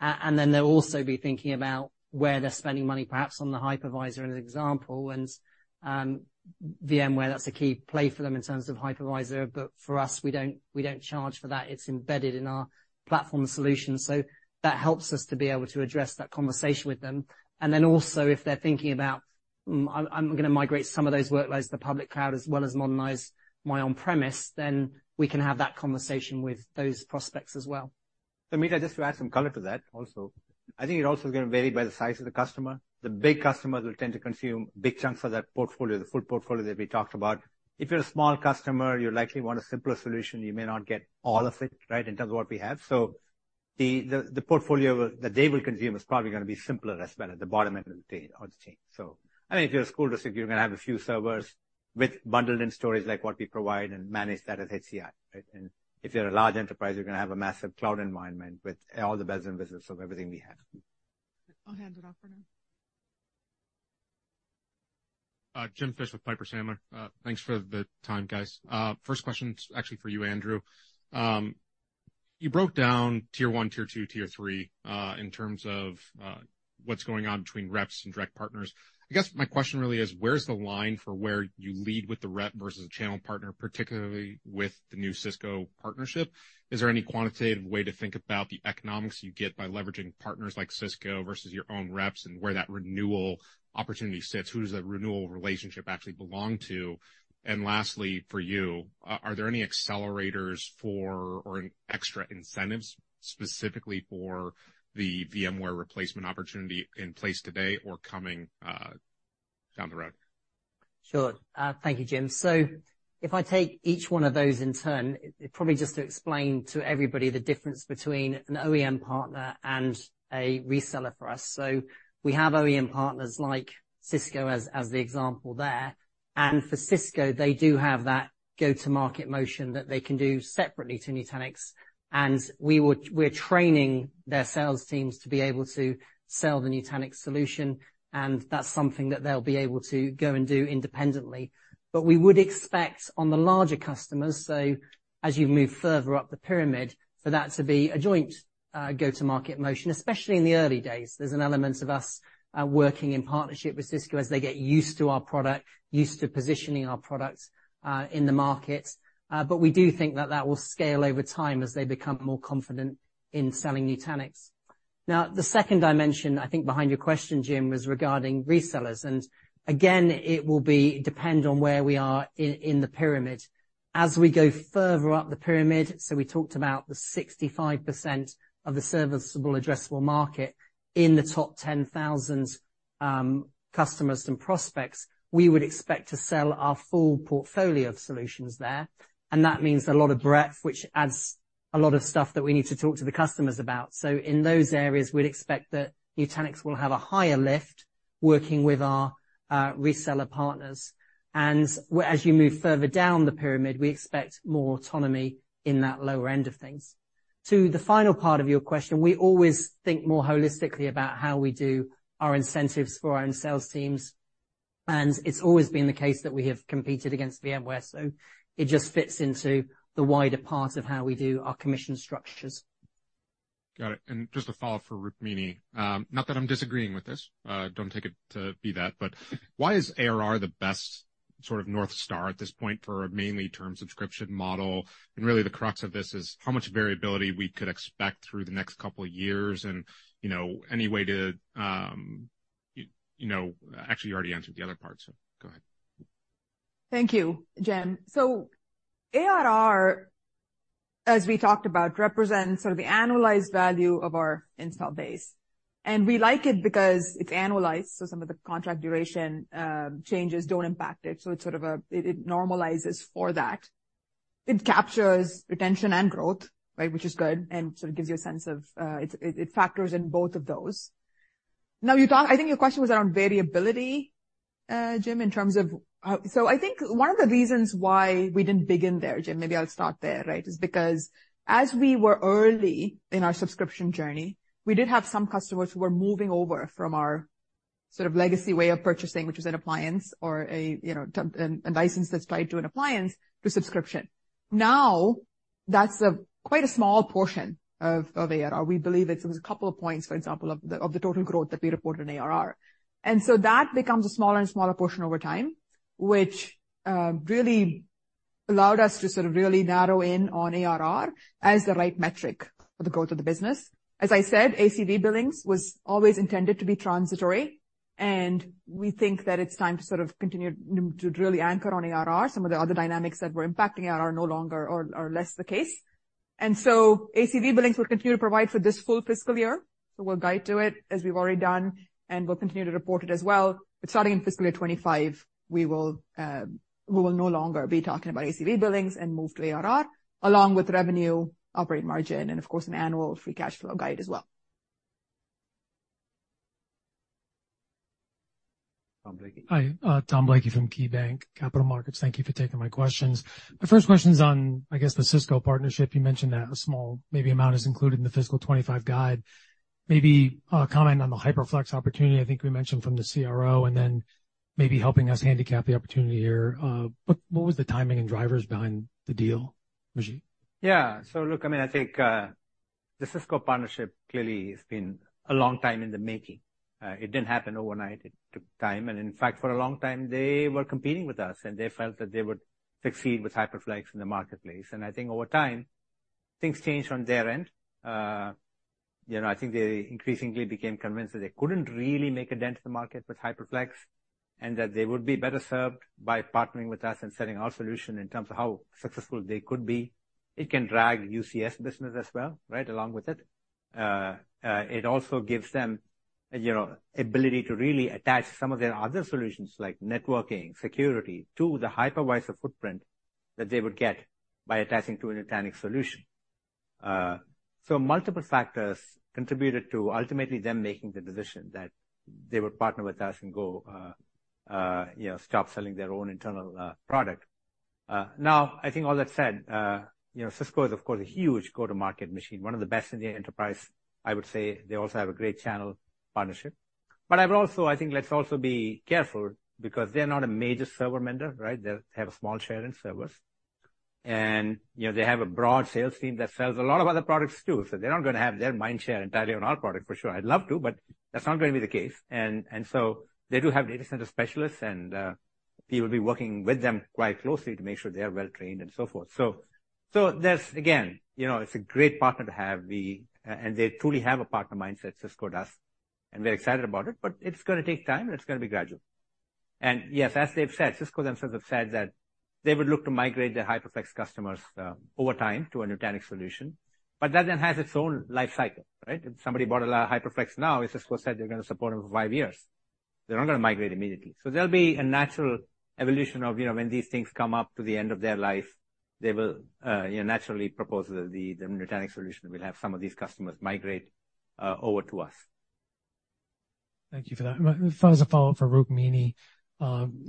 And then they'll also be thinking about where they're spending money, perhaps on the hypervisor, as an example, and VMware, that's a key play for them in terms of hypervisor. But for us, we don't, we don't charge for that. It's embedded in our platform solution. So that helps us to be able to address that conversation with them. And then also, if they're thinking about, I'm gonna migrate some of those workloads to public cloud as well as modernize my on-premises, then we can have that conversation with those prospects as well. So Meta, just to add some color to that also, I think it also gonna vary by the size of the customer. The big customers will tend to consume big chunks of that portfolio, the full portfolio that we talked about. If you're a small customer, you likely want a simpler solution, you may not get all of it right in terms of what we have. So the portfolio that they will consume is probably gonna be simpler as well at the bottom end of the chain. So I think if you're a school district, you're gonna have a few servers with bundled in storage, like what we provide, and manage that as HCI, right? And if you're a large enterprise, you're gonna have a massive cloud environment with all the bells and whistles of everything we have. I'll hand it off for now. Jim Fish with Piper Sandler. Thanks for the time, guys. First question is actually for you, Andrew. You broke down tier one, tier two, tier three, in terms of, what's going on between reps and direct partners. I guess my question really is, where's the line for where you lead with the rep versus a channel partner, particularly with the new Cisco partnership? Is there any quantitative way to think about the economics you get by leveraging partners like Cisco versus your own reps, and where that renewal opportunity sits? Who does that renewal relationship actually belong to? And lastly, for you, are there any accelerators for or extra incentives specifically for the VMware replacement opportunity in place today or coming, down the road?... Sure. Thank you, Jim. So if I take each one of those in turn, probably just to explain to everybody the difference between an OEM partner and a reseller for us. So we have OEM partners like Cisco, as the example there, and for Cisco, they do have that go-to-market motion that they can do separately to Nutanix. And we're training their sales teams to be able to sell the Nutanix solution, and that's something that they'll be able to go and do independently. But we would expect on the larger customers, so as you move further up the pyramid, for that to be a joint go-to-market motion, especially in the early days. There's an element of us working in partnership with Cisco as they get used to our product, used to positioning our products in the market. But we do think that that will scale over time as they become more confident in selling Nutanix. Now, the second dimension, I think, behind your question, Jim, was regarding resellers, and again, it will depend on where we are in the pyramid. As we go further up the pyramid, so we talked about the 65% of the serviceable addressable market in the top 10,000 customers and prospects, we would expect to sell our full portfolio of solutions there, and that means a lot of breadth, which adds a lot of stuff that we need to talk to the customers about. So in those areas, we'd expect that Nutanix will have a higher lift working with our reseller partners. And as you move further down the pyramid, we expect more autonomy in that lower end of things. To the final part of your question, we always think more holistically about how we do our incentives for our own sales teams, and it's always been the case that we have competed against VMware, so it just fits into the wider part of how we do our commission structures. Got it. And just a follow-up for Rukmini. Not that I'm disagreeing with this, don't take it to be that, but why is ARR the best sort of North Star at this point for a mainly term subscription model? And really, the crux of this is how much variability we could expect through the next couple of years. And, you know, any way to, you know... Actually, you already answered the other part, so go ahead. Thank you, Jim. So ARR, as we talked about, represents sort of the annualized value of our install base, and we like it because it's annualized, so some of the contract duration changes don't impact it. So it's sort of a it normalizes for that. It captures retention and growth, right, which is good, and so it gives you a sense of it factors in both of those. Now, you talk, I think your question was around variability, Jim, in terms of how... So I think one of the reasons why we didn't begin there, Jim, maybe I'll start there, right? It's because as we were early in our subscription journey, we did have some customers who were moving over from our sort of legacy way of purchasing, which is an appliance or a, you know, term license that's tied to an appliance, to subscription. Now, that's quite a small portion of ARR. We believe it's a couple of points, for example, of the total growth that we report in ARR. And so that becomes a smaller and smaller portion over time, which really allowed us to sort of really narrow in on ARR as the right metric for the growth of the business. As I said, ACV Billings was always intended to be transitory, and we think that it's time to sort of continue to really anchor on ARR. Some of the other dynamics that were impacting ARR are no longer, or less, the case. So ACV Billings will continue to provide for this full fiscal year, so we'll guide to it as we've already done, and we'll continue to report it as well. But starting in fiscal year 2025, we will no longer be talking about ACV Billings and move to ARR, along with revenue, operating margin, and of course, an annual free cash flow guide as well. Tom Blakey. Hi, Tom Blakey from KeyBanc Capital Markets. Thank you for taking my questions. My first question's on, I guess, the Cisco partnership. You mentioned that a small maybe amount is included in the fiscal 2025 guide. Maybe, comment on the HyperFlex opportunity, I think we mentioned from the CRO, and then maybe helping us handicap the opportunity here. What was the timing and drivers behind the deal, Rajiv? Yeah. So look, I mean, I think, the Cisco partnership clearly has been a long time in the making. It didn't happen overnight. It took time, and in fact, for a long time, they were competing with us, and they felt that they would succeed with HyperFlex in the marketplace. And I think over time, things changed on their end. You know, I think they increasingly became convinced that they couldn't really make a dent in the market with HyperFlex, and that they would be better served by partnering with us and selling our solution in terms of how successful they could be. It can drag UCS business as well, right, along with it. It also gives them, you know, ability to really attach some of their other solutions, like networking, security, to the hypervisor footprint that they would get by attaching to a Nutanix solution. So multiple factors contributed to ultimately them making the decision that they would partner with us and go, you know, stop selling their own internal product. Now, I think all that said, you know, Cisco is, of course, a huge go-to-market machine, one of the best in the enterprise. I would say they also have a great channel partnership. But I would also, I think let's also be careful, because they're not a major server vendor, right? They have a small share in servers. And, you know, they have a broad sales team that sells a lot of other products, too. So they're not gonna have their mind share entirely on our product, for sure. I'd love to, but that's not going to be the case. And so they do have data center specialists, and we will be working with them quite closely to make sure they are well-trained and so forth. So there's, again, you know, it's a great partner to have. And they truly have a partner mindset, Cisco does, and we're excited about it, but it's gonna take time, and it's gonna be gradual. And yes, as they've said, Cisco themselves have said that they would look to migrate their HyperFlex customers over time to a Nutanix solution. But that then has its own life cycle, right? If somebody bought a lot of HyperFlex now, Cisco said they're going to support them for five years. They're not going to migrate immediately. So there'll be a natural evolution of, you know, when these things come up to the end of their life, they will, you know, naturally propose that the Nutanix solution will have some of these customers migrate over to us. Thank you for that. As a follow-up for Rukmini, in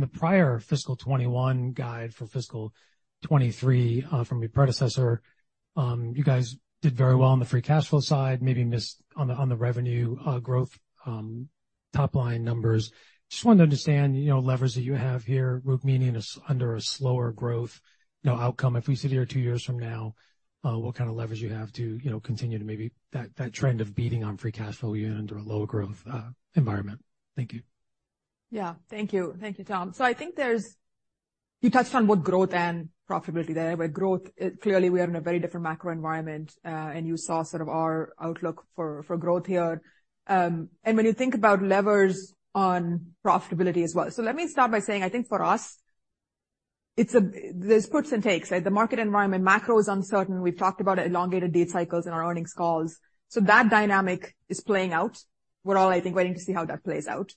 the prior fiscal 2021 guide for fiscal 2023, from your predecessor, you guys did very well on the free cash flow side, maybe missed on the, on the revenue growth, top line numbers. Just wanted to understand, you know, levers that you have here, Rukmini, is under a slower growth, you know, outcome. If we sit here two years from now, what kind of leverage you have to, you know, continue to maybe that, that trend of beating on free cash flow even under a lower growth environment? Thank you. Yeah. Thank you. Thank you, Tom. So I think there's... You touched on both growth and profitability there, where growth, clearly, we are in a very different macro environment, and you saw sort of our outlook for, for growth here. And when you think about levers on profitability as well. So let me start by saying, I think for us, it's there's puts and takes, right? The market environment, macro is uncertain. We've talked about elongated lead cycles in our earnings calls. So that dynamic is playing out. We're all, I think, waiting to see how that plays out.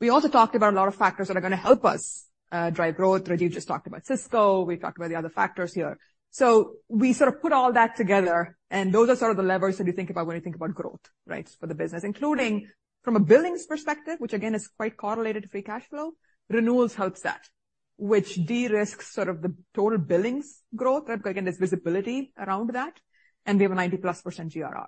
We also talked about a lot of factors that are going to help us, drive growth. Rajiv just talked about Cisco, we've talked about the other factors here. So we sort of put all that together, and those are sort of the levers that you think about when you think about growth, right, for the business. Including from a billings perspective, which again, is quite correlated to free cash flow, renewals helps that, which de-risks sort of the total billings growth, right? Again, there's visibility around that, and we have a 90%+ GRR.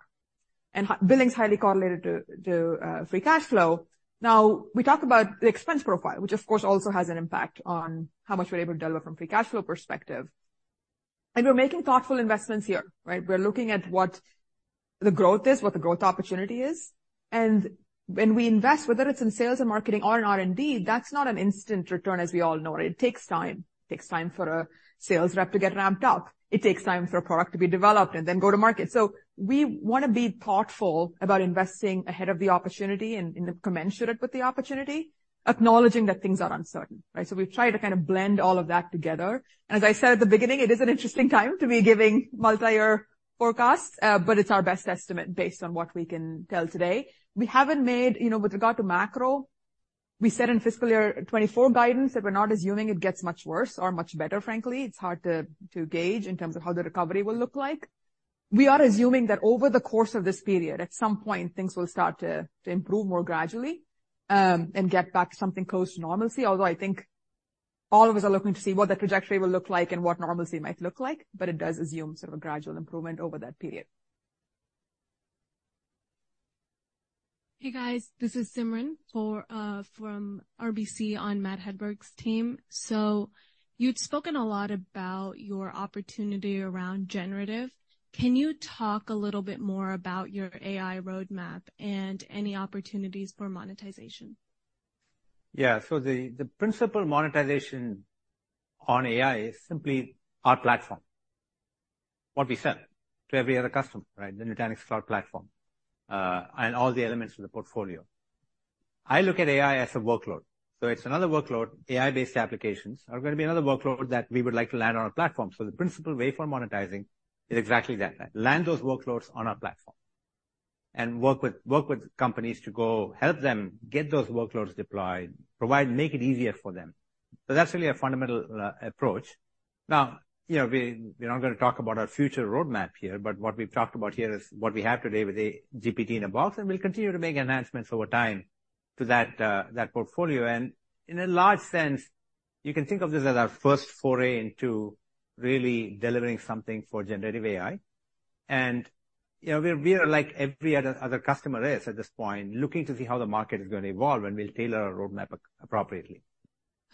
And billing is highly correlated to, to, free cash flow. Now, we talk about the expense profile, which of course, also has an impact on how much we're able to deliver from a free cash flow perspective. And we're making thoughtful investments here, right? We're looking at what the growth is, what the growth opportunity is. And when we invest, whether it's in sales and marketing or in R&D, that's not an instant return, as we all know. It takes time. It takes time for a sales rep to get ramped up. It takes time for a product to be developed and then go to market. So we want to be thoughtful about investing ahead of the opportunity and, and commensurate with the opportunity, acknowledging that things are uncertain, right? So we've tried to kind of blend all of that together. As I said at the beginning, it is an interesting time to be giving multi-year forecasts, but it's our best estimate based on what we can tell today. We haven't made... You know, with regard to macro, we said in fiscal year 2024 guidance that we're not assuming it gets much worse or much better, frankly. It's hard to, to gauge in terms of how the recovery will look like. We are assuming that over the course of this period, at some point, things will start to improve more gradually, and get back to something close to normalcy. Although, I think all of us are looking to see what the trajectory will look like and what normalcy might look like, but it does assume sort of a gradual improvement over that period. Hey, guys, this is Simran for from RBC on Matt Hedberg's team. So you've spoken a lot about your opportunity around generative. Can you talk a little bit more about your AI roadmap and any opportunities for monetization? Yeah. So the principal monetization on AI is simply our platform, what we sell to every other customer, right? The Nutanix Cloud Platform, and all the elements of the portfolio. I look at AI as a workload, so it's another workload. AI-based applications are going to be another workload that we would like to land on our platform. So the principal way for monetizing is exactly that, right? Land those workloads on our platform and work with companies to go help them get those workloads deployed, provide, make it easier for them. So that's really a fundamental approach. Now, you know, we're not going to talk about our future roadmap here, but what we've talked about here is what we have today with GPT-in-a-Box, and we'll continue to make enhancements over time to that portfolio. In a large sense, you can think of this as our first foray into really delivering something for generative AI. You know, we are, like every other customer is at this point, looking to see how the market is going to evolve, and we'll tailor our roadmap appropriately.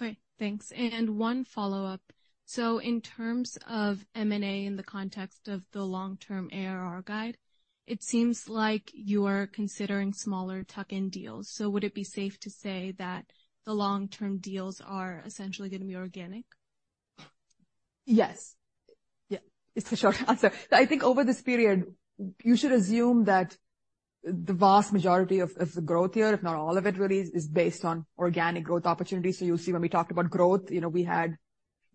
All right. Thanks. And one follow-up: So in terms of M&A in the context of the long-term ARR guide, it seems like you are considering smaller tuck-in deals. So would it be safe to say that the long-term deals are essentially going to be organic? Yes. Yeah, it's the short answer. I think over this period, you should assume that the vast majority of the growth here, if not all of it, really, is based on organic growth opportunities. So you'll see when we talked about growth, you know, we had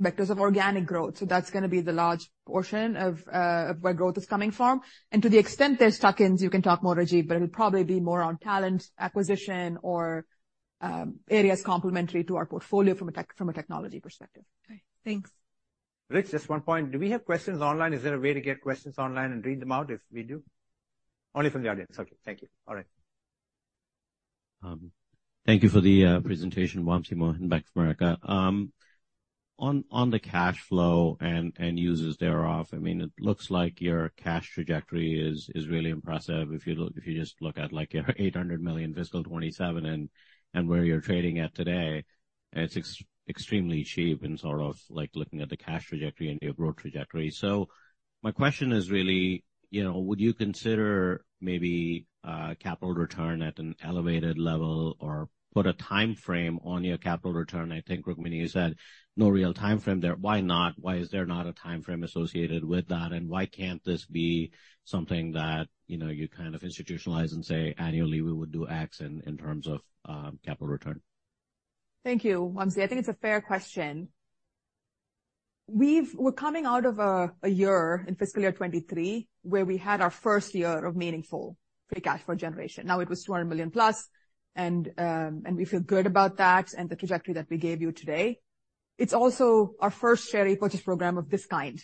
vectors of organic growth. So that's going to be the large portion of where growth is coming from. And to the extent there's tuck-ins, you can talk more, Rajiv, but it'll probably be more on talent acquisition or areas complementary to our portfolio from a technology perspective. Okay, thanks. Rich, just one point. Do we have questions online? Is there a way to get questions online and read them out if we do? Only from the audience. Okay, thank you. All right. Thank you for the presentation, Vamshi Mohan back from AmErika. On the cash flow and uses thereof, I mean, it looks like your cash trajectory is really impressive. If you just look at, like, your $800 million fiscal 2027 and where you're trading at today, it's extremely cheap in sort of like looking at the cash trajectory and your growth trajectory. So my question is really, you know, would you consider maybe capital return at an elevated level or put a time frame on your capital return? I think Rukmini said no real time frame there. Why not? Why is there not a time frame associated with that? And why can't this be something that, you know, you kind of institutionalize and say, annually, we would do X in terms of capital return? Thank you, Vamshi. I think it's a fair question. We're coming out of a year in fiscal year 2023, where we had our first year of meaningful free cash flow generation. Now, it was $200 million plus, and we feel good about that and the trajectory that we gave you today. It's also our first share repurchase program of this kind.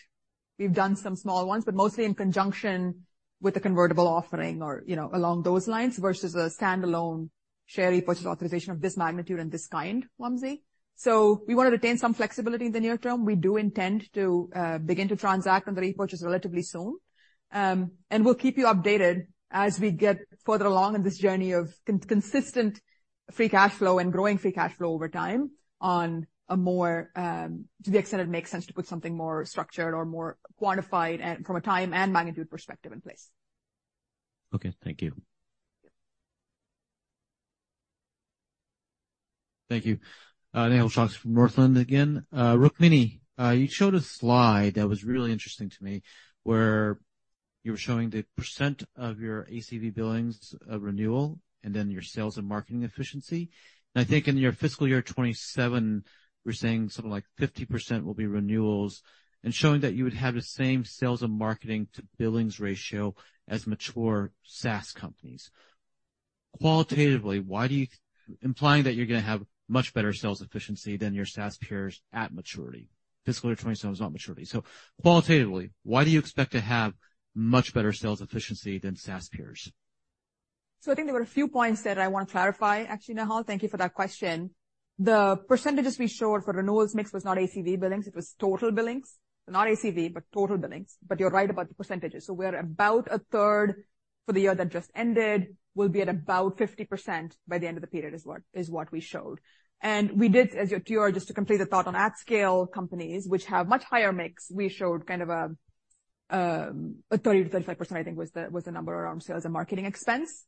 We've done some small ones, but mostly in conjunction with a convertible offering or, you know, along those lines, versus a standalone share repurchase authorization of this magnitude and this kind, Vamshi. So we want to retain some flexibility in the near term. We do intend to begin to transact on the repurchase relatively soon. And we'll keep you updated as we get further along on this journey of consistent free cash flow and growing free cash flow over time on a more, to the extent it makes sense to put something more structured or more quantified and from a time and magnitude perspective in place. Okay, thank you. Thank you. Nehal Chokshi from Northland again. Rukmini, you showed a slide that was really interesting to me, where you were showing the percent of your ACV Billings, renewal, and then your sales and marketing efficiency. And I think in your fiscal year 2027, you were saying something like 50% will be renewals, and showing that you would have the same sales and marketing to billings ratio as mature SaaS companies. Qualitatively, why do you, implying that you're gonna have much better sales efficiency than your SaaS peers at maturity. Fiscal year 2027 is not maturity. So qualitatively, why do you expect to have much better sales efficiency than SaaS peers? So I think there were a few points that I want to clarify, actually, Nehal, thank you for that question. The percentages we showed for renewals mix was not ACV Billings, it was total billings. Not ACV, but total billings. But you're right about the percentages. So we are about a third for the year that just ended. We'll be at about 50% by the end of the period, is what we showed. And we did, as your QR, just to complete the thought on at-scale companies, which have much higher mix, we showed kind of a thirty to thirty-five percent, I think, was the number around sales and marketing expense.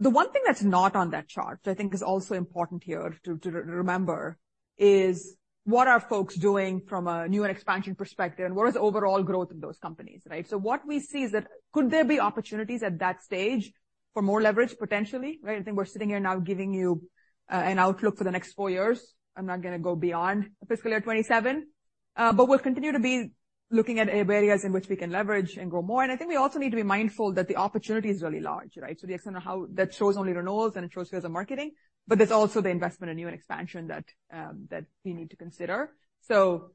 The one thing that's not on that chart, which I think is also important here to remember, is what are folks doing from a new and expansion perspective, and what is the overall growth in those companies, right? So what we see is that could there be opportunities at that stage for more leverage, potentially, right? I think we're sitting here now giving you an outlook for the next four years. I'm not gonna go beyond fiscal year 2027. But we'll continue to be looking at areas in which we can leverage and grow more. And I think we also need to be mindful that the opportunity is really large, right? So the extent of how... That shows only renewals and it shows sales and marketing, but there's also the investment in new and expansion that we need to consider. So,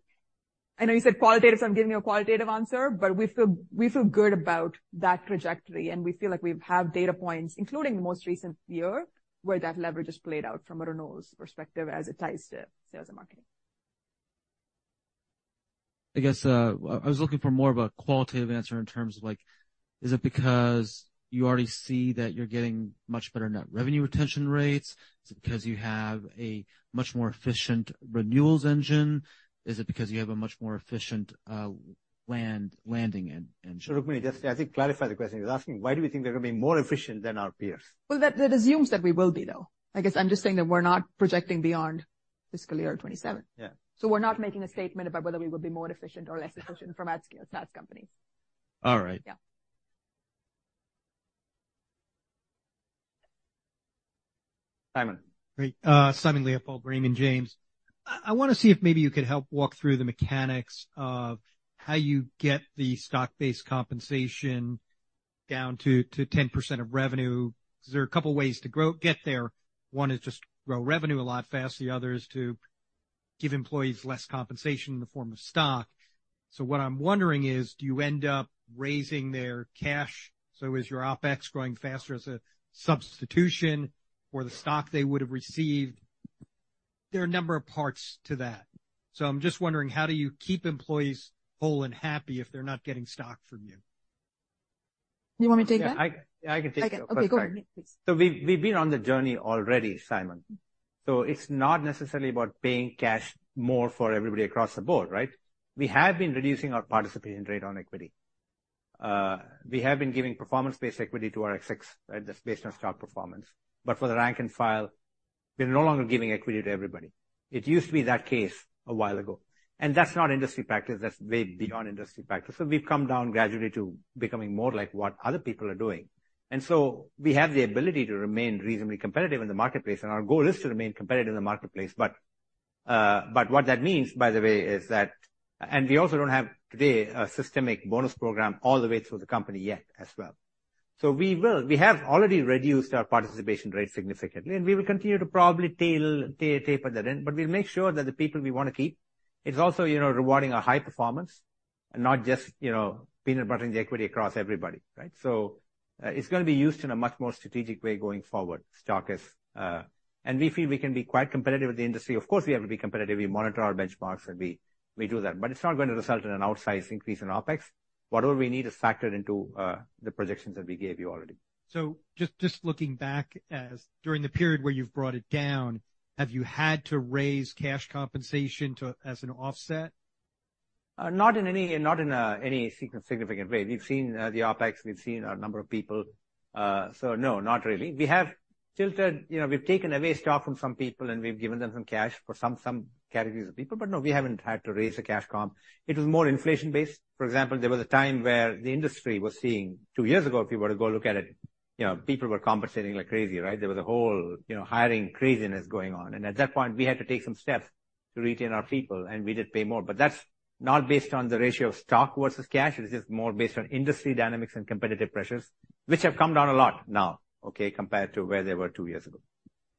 I know you said qualitative, so I'm giving you a qualitative answer, but we feel, we feel good about that trajectory, and we feel like we have data points, including the most recent year, where that leverage is played out from a renewals perspective as it ties to sales and marketing. I guess, I was looking for more of a qualitative answer in terms of, like, is it because you already see that you're getting much better net revenue retention rates? Is it because you have a much more efficient renewals engine? Is it because you have a much more efficient, land-and-expand engine? So Rukmini, just, I think, clarify the question. He's asking, why do we think they're going to be more efficient than our peers? Well, that, that assumes that we will be, though. I guess I'm just saying that we're not projecting beyond fiscal year 2027. Yeah. We're not making a statement about whether we will be more efficient or less efficient from at-scale SaaS companies. All right. Yeah. Simon. Great, Simon Leopold, Raymond James. I wanna see if maybe you could help walk through the mechanics of how you get the stock-based compensation down to 10% of revenue, because there are a couple of ways to get there. One is just grow revenue a lot faster, the other is to give employees less compensation in the form of stock. So what I'm wondering is, do you end up raising their cash, so is your OpEx growing faster as a substitution for the stock they would have received? There are a number of parts to that, so I'm just wondering, how do you keep employees whole and happy if they're not getting stock from you? You want me to take that? Yeah, I can take that. Okay, go ahead, please. So we've, we've been on the journey already, Simon. So it's not necessarily about paying cash more for everybody across the board, right? We have been reducing our participation rate on equity. We have been giving performance-based equity to our execs, right, just based on stock performance. But for the rank and file, we're no longer giving equity to everybody. It used to be that case a while ago, and that's not industry practice, that's way beyond industry practice. So we've come down gradually to becoming more like what other people are doing. And so we have the ability to remain reasonably competitive in the marketplace, and our goal is to remain competitive in the marketplace. But, but what that means, by the way, is that... And we also don't have, today, a systemic bonus program all the way through the company yet as well. So we will. We have already reduced our participation rate significantly, and we will continue to probably taper that in, but we'll make sure that the people we wanna keep, it's also, you know, rewarding a high performance and not just, you know, peanut buttering the equity across everybody, right? So, it's gonna be used in a much more strategic way going forward, stock is. And we feel we can be quite competitive with the industry. Of course, we have to be competitive. We monitor our benchmarks and we do that, but it's not going to result in an outsized increase in OpEx. Whatever we need is factored into the projections that we gave you already. Just looking back as during the period where you've brought it down, have you had to raise cash compensation to, as an offset? Not in any significant way. We've seen the OpEx, we've seen a number of people. So no, not really. We have tilted, you know, we've taken away stock from some people, and we've given them some cash for some categories of people, but no, we haven't had to raise the cash comp. It was more inflation based. For example, there was a time where the industry was seeing two years ago, if you were to go look at it. You know, people were compensating like crazy, right? There was a whole, you know, hiring craziness going on, and at that point, we had to take some steps to retain our people, and we did pay more. But that's not based on the ratio of stock versus cash. It's just more based on industry dynamics and competitive pressures, which have come down a lot now, okay, compared to where they were two years ago.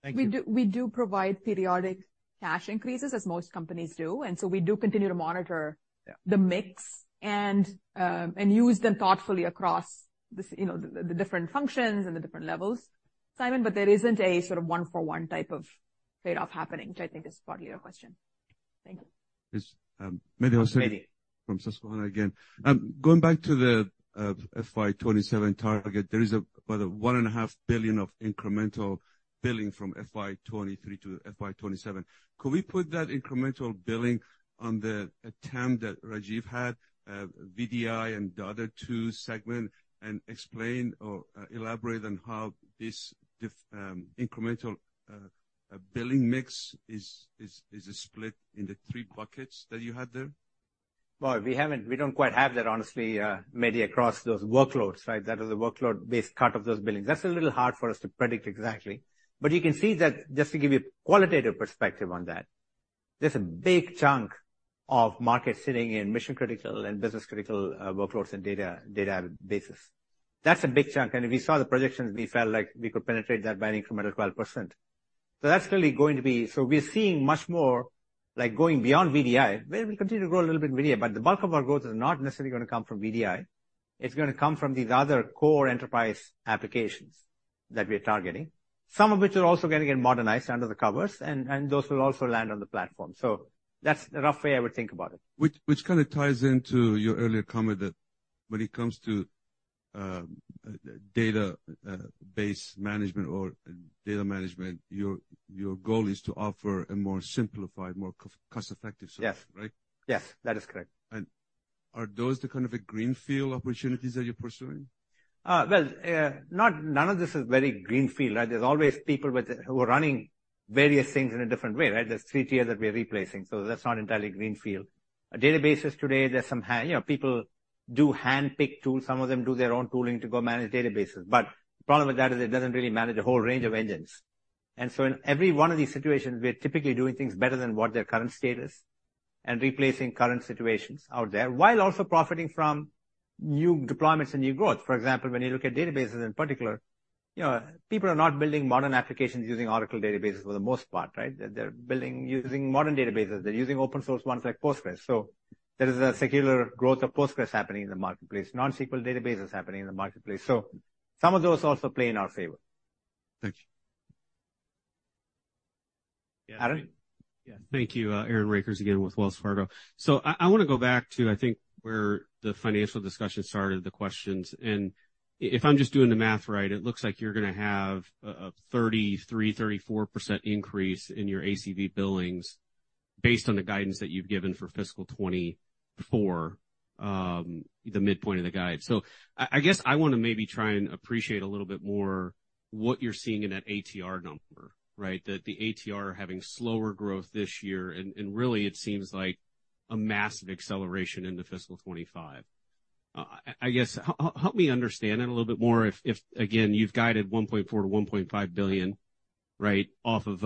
Thank you. We do, we do provide periodic cash increases, as most companies do, and so we do continue to monitor. Yeah the mix and, and use them thoughtfully across the, you know, the, the different functions and the different levels, Simon, but there isn't a sort of one-for-one type of trade-off happening, which I think is partly your question. Thank you. It's, Mehdi Hosseini- Mehdi. From Susquehanna again. Going back to the FY 2027 target, there is about a $1.5 billion of incremental billing from FY 2023-FY 2027. Could we put that incremental billing on the TAM that Rajiv had, VDI and the other two segment, and explain or elaborate on how this incremental billing mix is split in the three buckets that you had there? Well, we haven't—we don't quite have that, honestly, Mehdi, across those workloads, right? That is a workload-based cut of those billings. That's a little hard for us to predict exactly, but you can see that just to give you a qualitative perspective on that, there's a big chunk of market sitting in mission-critical and business-critical workloads and data, databases. That's a big chunk, and if we saw the projections, we felt like we could penetrate that by an incremental 12%. So that's clearly going to be... So we're seeing much more, like, going beyond VDI, where we continue to grow a little bit in VDI, but the bulk of our growth is not necessarily gonna come from VDI. It's gonna come from these other core enterprise applications that we are targeting, some of which are also gonna get modernized under the covers, and those will also land on the platform. So that's the rough way I would think about it. Which, which kind of ties into your earlier comment that when it comes to database management or data management, your, your goal is to offer a more simplified, more cost-effective solution. Yes. Right? Yes, that is correct. Are those the kind of the greenfield opportunities that you're pursuing? Well, none of this is very greenfield, right? There's always people who are running various things in a different way, right? There's CTIA that we're replacing, so that's not entirely greenfield. Databases today. You know, people do handpick tools. Some of them do their own tooling to go manage databases, but the problem with that is it doesn't really manage a whole range of engines. And so in every one of these situations, we're typically doing things better than what their current state is and replacing current situations out there, while also profiting from new deployments and new growth. For example, when you look at databases in particular, you know, people are not building modern applications using Oracle databases for the most part, right? They're, they're building using modern databases. They're using open source ones like Postgres. There is a secular growth of Postgres happening in the marketplace. NoSQL database is happening in the marketplace, so some of those also play in our favor. Thank you. Aaron? Yeah. Thank you. Aaron Rakers again with Wells Fargo. So I, I want to go back to, I think, where the financial discussion started, the questions, and if I'm just doing the math right, it looks like you're gonna have a 33%-34% increase in your ACV Billings based on the guidance that you've given for fiscal 2024, the midpoint of the guide. So I, I guess I want to maybe try and appreciate a little bit more what you're seeing in that ATR number, right? That the ATR are having slower growth this year, and, and really it seems like a massive acceleration into fiscal 2025. I guess, help me understand it a little bit more, if again, you've guided $1.4 billion-$1.5 billion, right, off of,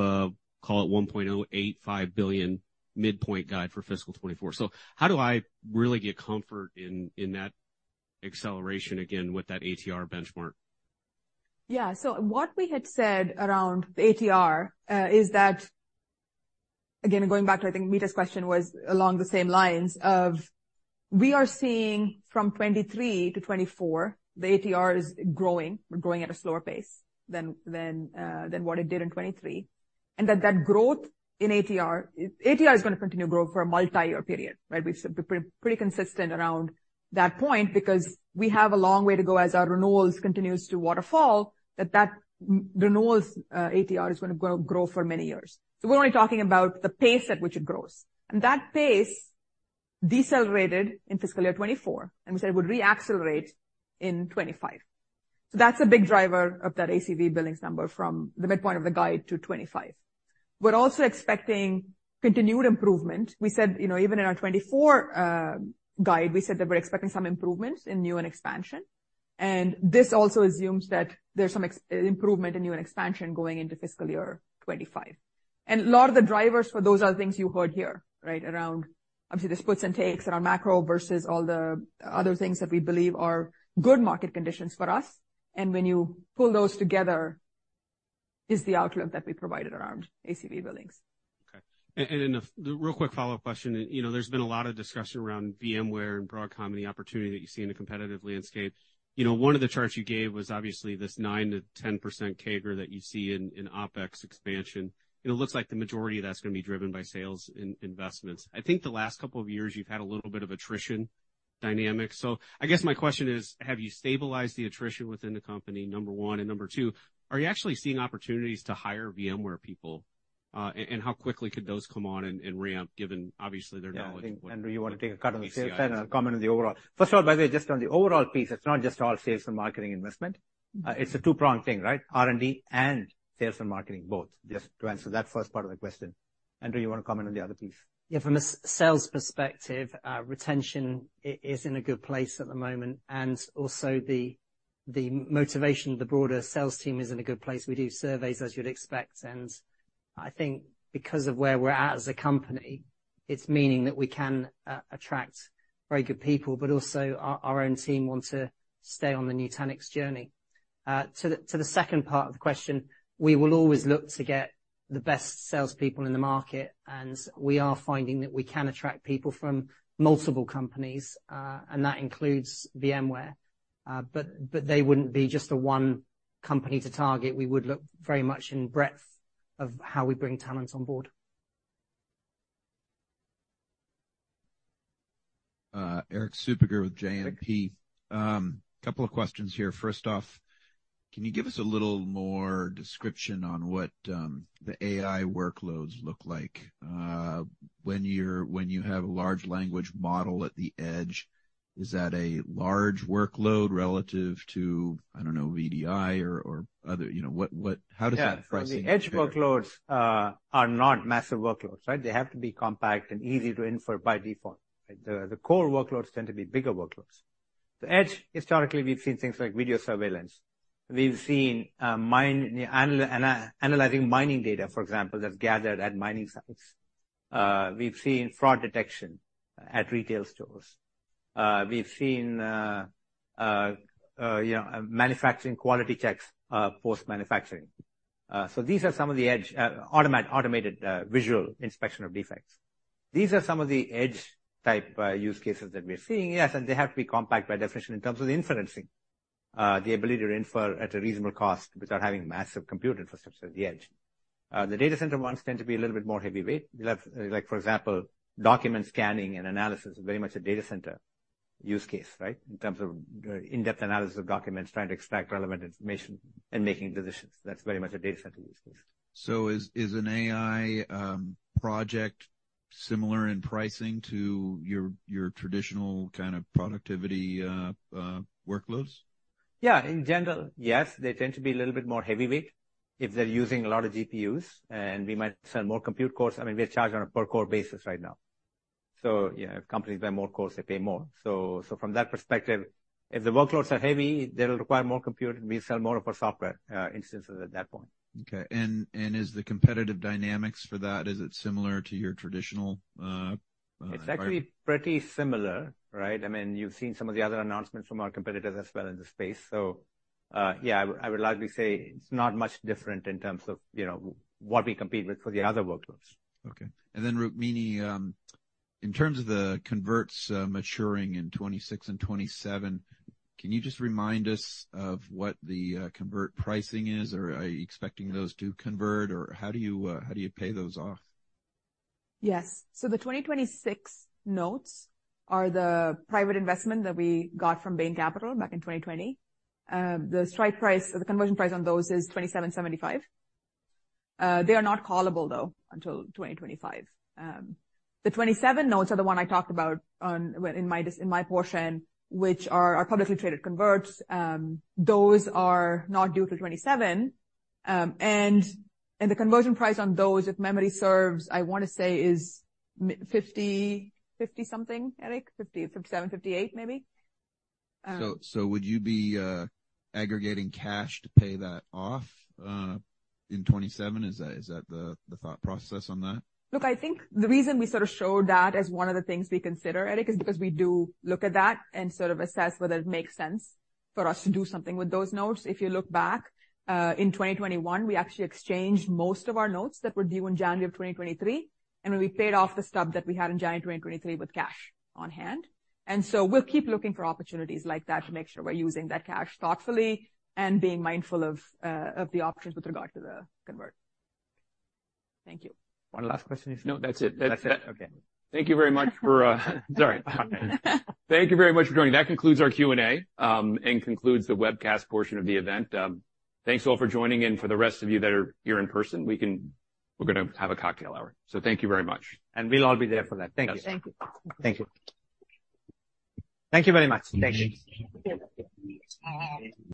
call it $1.85 billion midpoint guide for fiscal 2024. So how do I really get comfort in that acceleration again with that ATR benchmark? Yeah. So what we had said around the ATR is that... Again, going back to, I think Meta's question was along the same lines of, we are seeing from 2023 to 2024, the ATR is growing. We're growing at a slower pace than what it did in 2023, and that growth in ATR is gonna continue to grow for a multi-year period, right? We've been pretty consistent around that point because we have a long way to go as our renewals continues to waterfall, that renewals ATR is gonna grow for many years. So we're only talking about the pace at which it grows, and that pace decelerated in fiscal year 2024, and we said it would reaccelerate in 2025. So that's a big driver of that ACV Billings number from the midpoint of the guide to 2025. We're also expecting continued improvement. We said, you know, even in our 2024 guide, we said that we're expecting some improvements in new and expansion. And this also assumes that there's some improvement in new and expansion going into fiscal year 2025. And a lot of the drivers for those are things you heard here, right? Around, obviously, the puts and takes around macro versus all the other things that we believe are good market conditions for us, and when you pull those together, is the outcome that we provided around ACV Billings. Okay. And then a real quick follow-up question. You know, there's been a lot of discussion around VMware and Broadcom and the opportunity that you see in the competitive landscape. You know, one of the charts you gave was obviously this 9%-10% CAGR that you see in OpEx expansion. It looks like the majority of that's gonna be driven by sales in investments. I think the last couple of years you've had a little bit of attrition dynamics. So I guess my question is, have you stabilized the attrition within the company, number one? And number two, are you actually seeing opportunities to hire VMware people, and how quickly could those come on and ramp, given obviously their knowledge- Yeah, I think, Andrew, you want to take a cut of the sales side, and I'll comment on the overall. First of all, by the way, just on the overall piece, it's not just all sales and marketing investment. It's a two-pronged thing, right? R&D and sales and marketing both, just to answer that first part of the question. Andrew, you want to comment on the other piece? Yeah, from a sales perspective, retention is in a good place at the moment, and also the-... the motivation of the broader sales team is in a good place. We do surveys, as you'd expect, and I think because of where we're at as a company, it's meaning that we can attract very good people, but also our own team want to stay on the Nutanix journey. To the second part of the question, we will always look to get the best salespeople in the market, and we are finding that we can attract people from multiple companies, and that includes VMware. But they wouldn't be just the one company to target. We would look very much in breadth of how we bring talent on board. Erik Suppiger with JMP. Couple of questions here. First off, can you give us a little more description on what the AI workloads look like? When you're when you have a large language model at the edge, is that a large workload relative to, I don't know, VDI or other, you know, what, what, how does that pricing compare? Yeah, so the edge workloads are not massive workloads, right? They have to be compact and easy to infer by default, right? The core workloads tend to be bigger workloads. The edge, historically, we've seen things like video surveillance. We've seen analyzing mining data, for example, that's gathered at mining sites. We've seen fraud detection at retail stores. We've seen you know, manufacturing quality checks post-manufacturing. So these are some of the edge automated visual inspection of defects. These are some of the edge-type use cases that we are seeing. Yes, and they have to be compact by definition in terms of the inferencing, the ability to infer at a reasonable cost without having massive compute infrastructure at the edge. The data center ones tend to be a little bit more heavyweight. Like, for example, document scanning and analysis is very much a data center use case, right? In terms of the in-depth analysis of documents, trying to extract relevant information and making decisions. That's very much a data center use case. So is an AI project similar in pricing to your traditional kind of productivity workloads? Yeah. In general, yes, they tend to be a little bit more heavyweight if they're using a lot of GPUs, and we might sell more compute cores. I mean, we're charged on a per core basis right now. So yeah, if companies buy more cores, they pay more. So, from that perspective, if the workloads are heavy, they'll require more compute, and we sell more of our software instances at that point. Okay. And is the competitive dynamics for that, is it similar to your traditional, It's actually pretty similar, right? I mean, you've seen some of the other announcements from our competitors as well in the space. So, yeah, I would largely say it's not much different in terms of, you know, what we compete with for the other workloads. Okay. And then, Rukmini, in terms of the converts, maturing in 2026 and 2027, can you just remind us of what the convert pricing is, or are you expecting those to convert, or how do you, how do you pay those off? Yes. So the 2026 notes are the private investment that we got from Bain Capital back in 2020. The strike price or the conversion price on those is $27.75. They are not callable, though, until 2025. The 2027 notes are the one I talked about in my portion, which are our publicly traded converts. Those are not due till 2027. And, and the conversion price on those, if memory serves, I want to say, is $50, $50 something, Erik? $57, $58, maybe. So would you be aggregating cash to pay that off in 2027? Is that the thought process on that? Look, I think the reason we sort of showed that as one of the things we consider, Erik, is because we do look at that and sort of assess whether it makes sense for us to do something with those notes. If you look back in 2021, we actually exchanged most of our notes that were due in January 2023, and we paid off the stub that we had in January 2023 with cash on hand. So we'll keep looking for opportunities like that to make sure we're using that cash thoughtfully and being mindful of the options with regard to the convert. Thank you. One last question, you said? No, that's it. That's it. Okay. Thank you very much for joining. That concludes our Q&A, and concludes the webcast portion of the event. Thanks, all, for joining in. For the rest of you that are here in person, we're gonna have a cocktail hour. So thank you very much. We'll all be there for that. Thank you. Thank you. Thank you. Thank you very much. Thank you. Thank you.